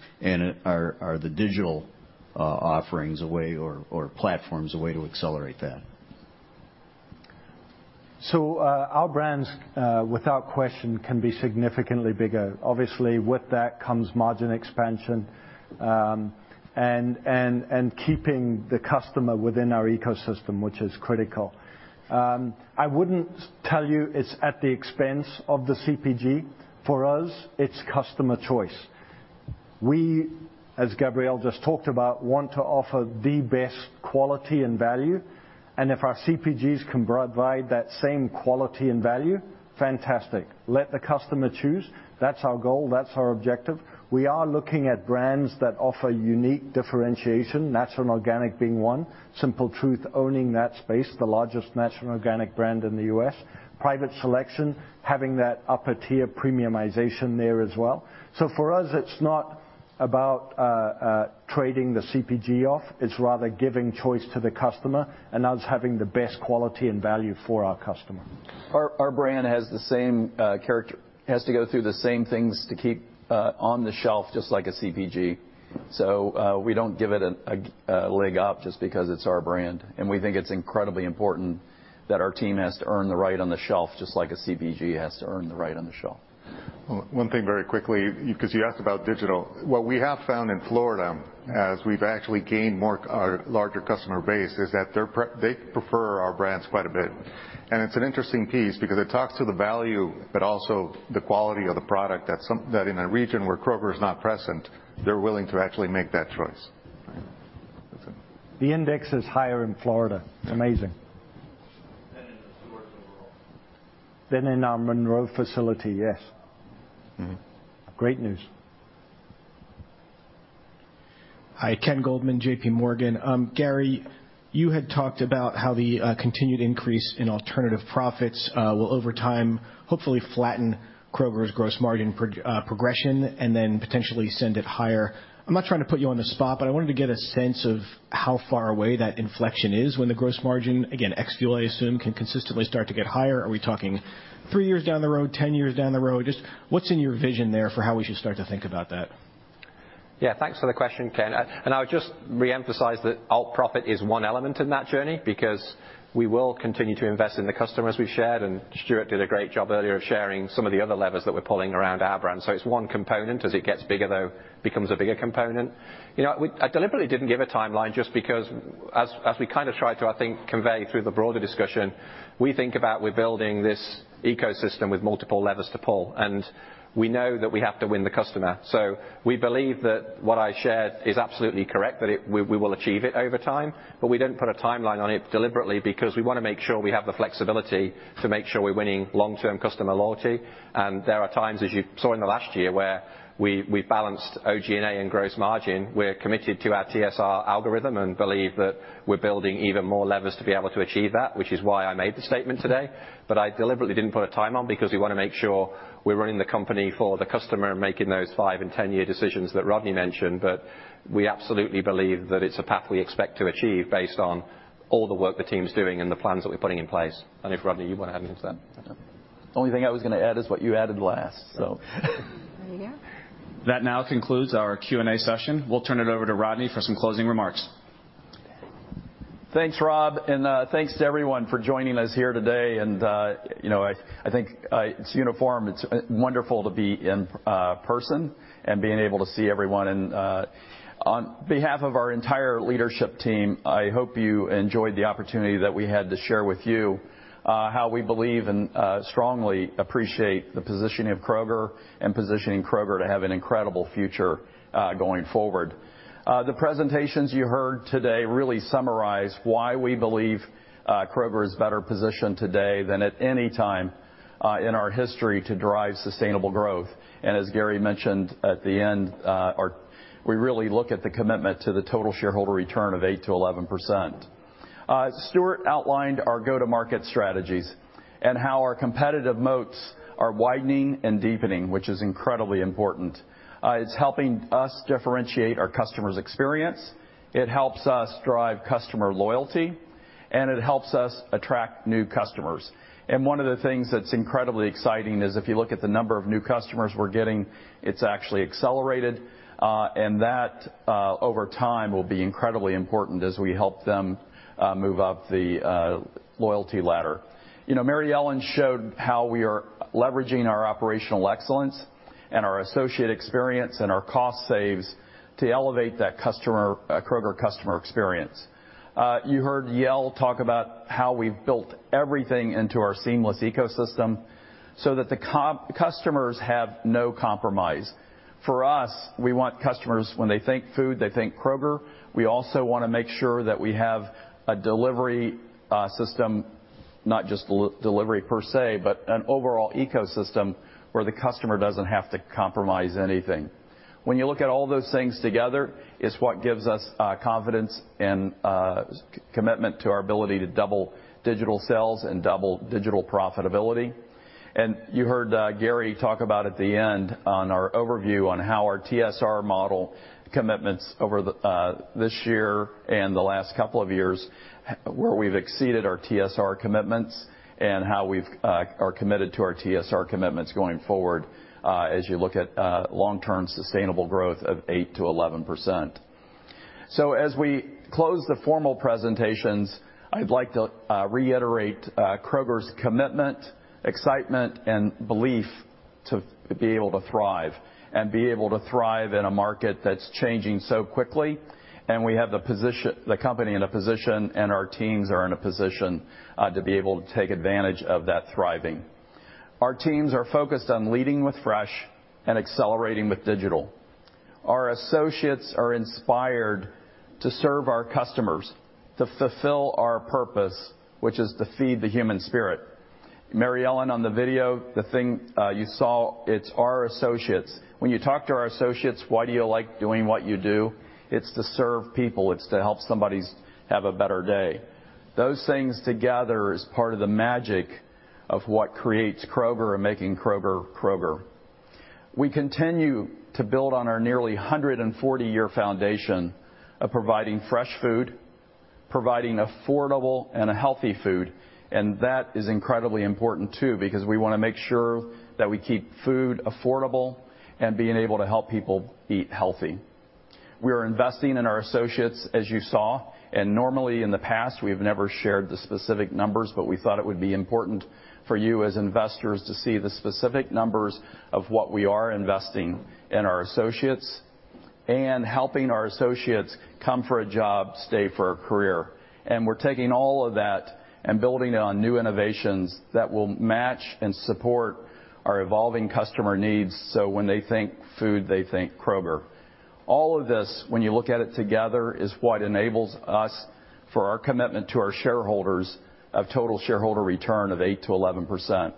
Are the digital offerings a way or platforms a way to accelerate that? Our Brands, without question, can be significantly bigger. Obviously, with that comes margin expansion. Keeping the customer within our ecosystem, which is critical. I wouldn't tell you it's at the expense of the CPG. For us, it's customer choice. We, as Gabriel just talked about, want to offer the best quality and value. If our CPGs can provide that same quality and value, fantastic. Let the customer choose. That's our goal. That's our objective. We are looking at brands that offer unique differentiation, natural and organic being one, Simple Truth owning that space, the largest natural and organic brand in the U.S. Private Selection, having that upper tier premiumization there as well. For us, it's not about trading the CPG off. It's rather giving choice to the customer, and us having the best quality and value for our customer. Our brand has to go through the same things to keep on the shelf just like a CPG. We don't give it a leg up just because it's our brand. We think it's incredibly important that our team has to earn the right on the shelf, just like a CPG has to earn the right on the shelf. One thing very quickly, because you asked about digital. What we have found in Florida, as we've actually gained a larger customer base, is that they prefer Our Brands quite a bit. It's an interesting piece because it talks to the value, but also the quality of the product that, in a region where Kroger is not present, they're willing to actually make that choice. The index is higher in Florida. Amazing. than in the stores in Monroe. [inaudible] In our Monroe facility, yes. Mm-hmm. Great news. Hi, Ken Goldman, J.P. Morgan. Gary, you had talked about how the continued increase in alternative profits will over time, hopefully flatten Kroger's gross margin progression and then potentially send it higher. I'm not trying to put you on the spot, but I wanted to get a sense of how far away that inflection is when the gross margin, again, ex-fuel, I assume, can consistently start to get higher. Are we talking three years down the road, 10 years down the road? Just what's in your vision there for how we should start to think about that? Yeah. Thanks for the question, Ken. I would just reemphasize that alt profit is one element in that journey because we will continue to invest in the customers we've shared. Stuart did a great job earlier of sharing some of the other levers that we're pulling around Our Brands. It's one component. As it gets bigger, though, becomes a bigger component. You know, I deliberately didn't give a timeline just because as we kind of tried to, I think, convey through the broader discussion, we think about we're building this ecosystem with multiple levers to pull, and we know that we have to win the customer. We believe that what I shared is absolutely correct, that we will achieve it over time, but we didn't put a timeline on it deliberately because we wanna make sure we have the flexibility to make sure we're winning long-term customer loyalty. There are times, as you saw in the last year, where we balanced OG&A and gross margin. We're committed to our TSR algorithm and believe that we're building even more levers to be able to achieve that, which is why I made the statement today. I deliberately didn't put a time on because we wanna make sure we're running the company for the customer and making those 5- and 10-year decisions that Rodney mentioned. We absolutely believe that it's a path we expect to achieve based on all the work the team's doing and the plans that we're putting in place. I don't know if, Rodney, you wanna add anything to that. The only thing I was gonna add is what you added last, so. There you go. That now concludes our Q&A session. We'll turn it over to Rodney for some closing remarks. Thanks, Rob, and thanks to everyone for joining us here today. You know, I think it's wonderful to be in person and being able to see everyone. On behalf of our entire leadership team, I hope you enjoyed the opportunity that we had to share with you how we believe and strongly appreciate the positioning of Kroger and positioning Kroger to have an incredible future going forward. The presentations you heard today really summarize why we believe Kroger is better positioned today than at any time in our history to drive sustainable growth. As Gary mentioned at the end, we really look at the commitment to the total shareholder return of 8%-11%. Stuart outlined our go-to-market strategies and how our competitive moats are widening and deepening, which is incredibly important. It's helping us differentiate our customer's experience, it helps us drive customer loyalty, and it helps us attract new customers. One of the things that's incredibly exciting is if you look at the number of new customers we're getting, it's actually accelerated. That over time will be incredibly important as we help them move up the loyalty ladder. You know, Mary Ellen showed how we are leveraging our operational excellence and our associate experience and our cost savings to elevate that Kroger customer experience. You heard Yael talk about how we've built everything into our Seamless ecosystem so that the customers have no compromise. For us, we want customers, when they think food, they think Kroger. We also wanna make sure that we have a delivery system. Not just delivery per se, but an overall ecosystem where the customer doesn't have to compromise anything. When you look at all those things together, it's what gives us confidence and commitment to our ability to double digital sales and double digital profitability. You heard Gary talk about at the end on our overview on how our TSR model commitments over this year and the last couple of years where we've exceeded our TSR commitments and how we are committed to our TSR commitments going forward as you look at long-term sustainable growth of 8%-11%. As we close the formal presentations, I'd like to reiterate Kroger's commitment, excitement, and belief to be able to thrive in a market that's changing so quickly. We have the company in a position and our teams are in a position to be able to take advantage of that thriving. Our teams are focused on leading with fresh and accelerating with digital. Our associates are inspired to serve our customers, to fulfill our purpose, which is to feed the human spirit. Mary Ellen, on the video, the thing you saw, it's our associates. When you talk to our associates, "Why do you like doing what you do?" It's to serve people. It's to help somebody have a better day. Those things together is part of the magic of what creates Kroger and making Kroger Kroger. We continue to build on our nearly 140-year foundation of providing fresh food, providing affordable and a healthy food. That is incredibly important too, because we wanna make sure that we keep food affordable and being able to help people eat healthy. We are investing in our associates, as you saw. Normally, in the past, we've never shared the specific numbers, but we thought it would be important for you as investors to see the specific numbers of what we are investing in our associates and helping our associates come for a job, stay for a career. We're taking all of that and building it on new innovations that will match and support our evolving customer needs, so when they think food, they think Kroger. All of this, when you look at it together, is what enables us for our commitment to our shareholders of total shareholder return of 8%-11%.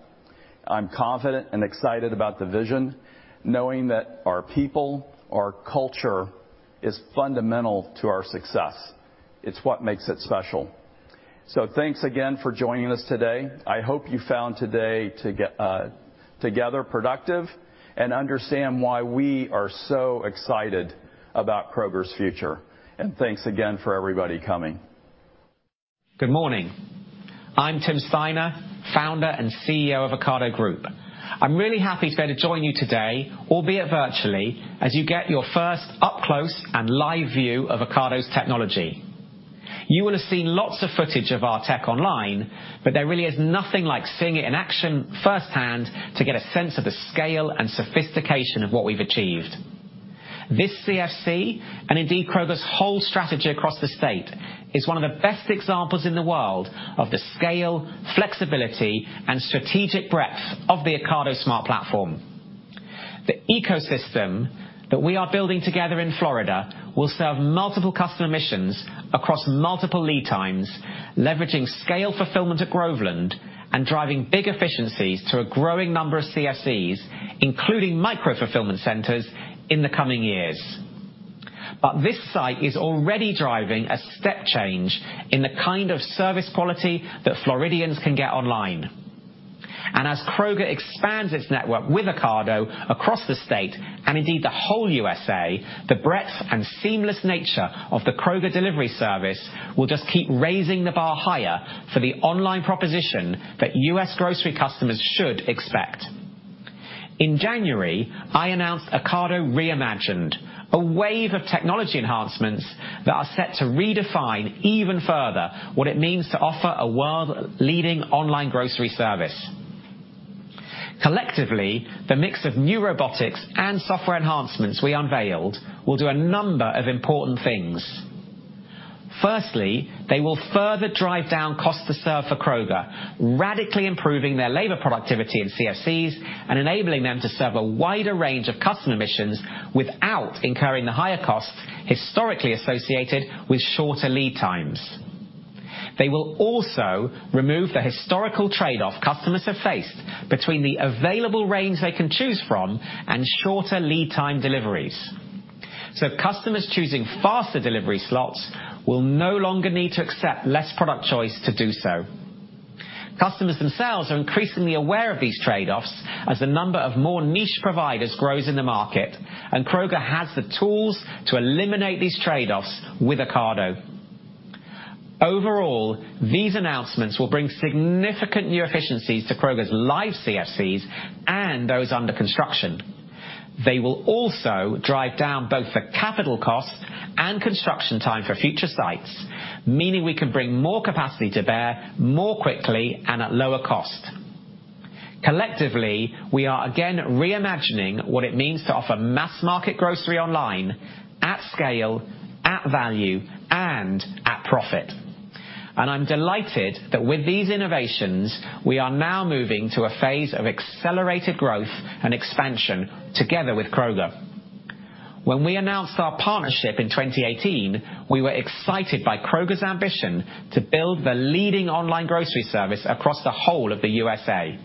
I'm confident and excited about the vision, knowing that our people, our culture is fundamental to our success. It's what makes it special. Thanks again for joining us today. I hope you found today together productive and understand why we are so excited about Kroger's future. Thanks again for everybody coming. Good morning. I'm Tim Steiner, Founder and CEO of Ocado Group. I'm really happy to be able to join you today, albeit virtually, as you get your first up close and live view of Ocado's technology. You will have seen lots of footage of our tech online, but there really is nothing like seeing it in action firsthand to get a sense of the scale and sophistication of what we've achieved. This CFC, and indeed Kroger's whole strategy across the state, is one of the best examples in the world of the scale, flexibility, and strategic breadth of the Ocado Smart Platform. The ecosystem that we are building together in Florida will serve multiple customer missions across multiple lead times, leveraging scale fulfillment at Groveland and driving big efficiencies to a growing number of CFCs, including micro-fulfillment centers in the coming years. This site is already driving a step change in the kind of service quality that Floridians can get online. As Kroger expands its network with Ocado across the state, and indeed the whole U.S., the breadth and seamless nature of the Kroger delivery service will just keep raising the bar higher for the online proposition that U.S. grocery customers should expect. In January, I announced Ocado Re:Imagined, a wave of technology enhancements that are set to redefine even further what it means to offer a world-leading online grocery service. Collectively, the mix of new robotics and software enhancements we unveiled will do a number of important things. Firstly, they will further drive down cost to serve for Kroger, radically improving their labor productivity in CFCs and enabling them to serve a wider range of customer missions without incurring the higher costs historically associated with shorter lead times. They will also remove the historical trade-off customers have faced between the available range they can choose from and shorter lead time deliveries. Customers choosing faster delivery slots will no longer need to accept less product choice to do so. Customers themselves are increasingly aware of these trade-offs as the number of more niche providers grows in the market, and Kroger has the tools to eliminate these trade-offs with Ocado. Overall, these announcements will bring significant new efficiencies to Kroger's live CFCs and those under construction. They will also drive down both the capital costs and construction time for future sites, meaning we can bring more capacity to bear more quickly and at lower cost. Collectively, we are again reimagining what it means to offer mass market grocery online at scale, at value, and at profit. I'm delighted that with these innovations, we are now moving to a phase of accelerated growth and expansion together with Kroger. When we announced our partnership in 2018, we were excited by Kroger's ambition to build the leading online grocery service across the whole of the USA.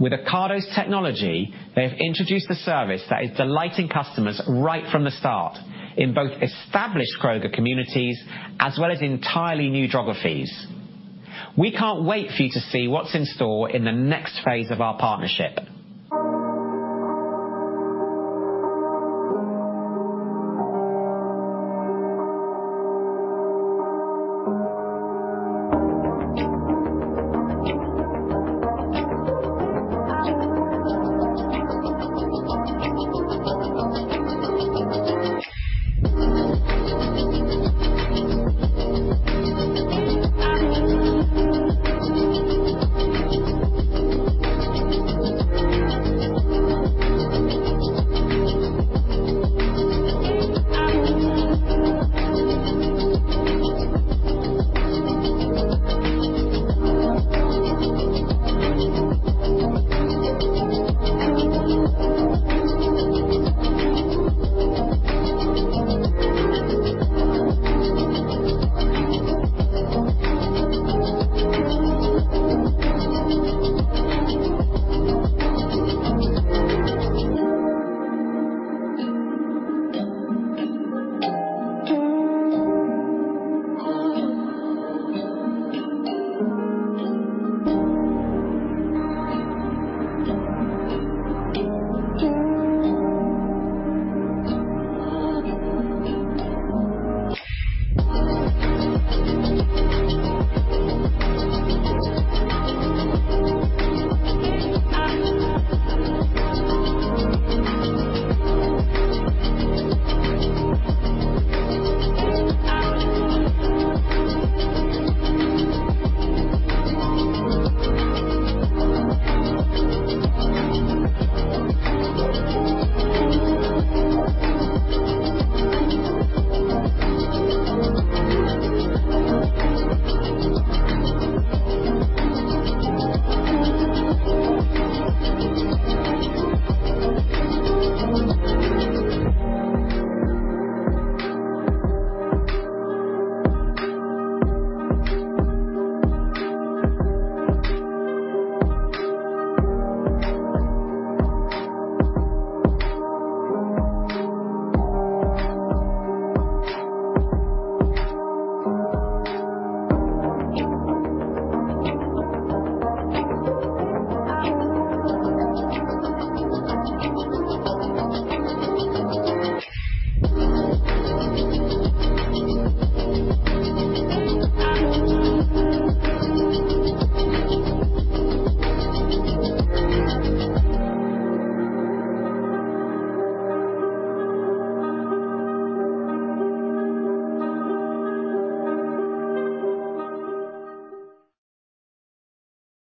With Ocado's technology, they have introduced a service that is delighting customers right from the start in both established Kroger communities as well as entirely new geographies. We can't wait for you to see what's in store in the next phase of our partnership.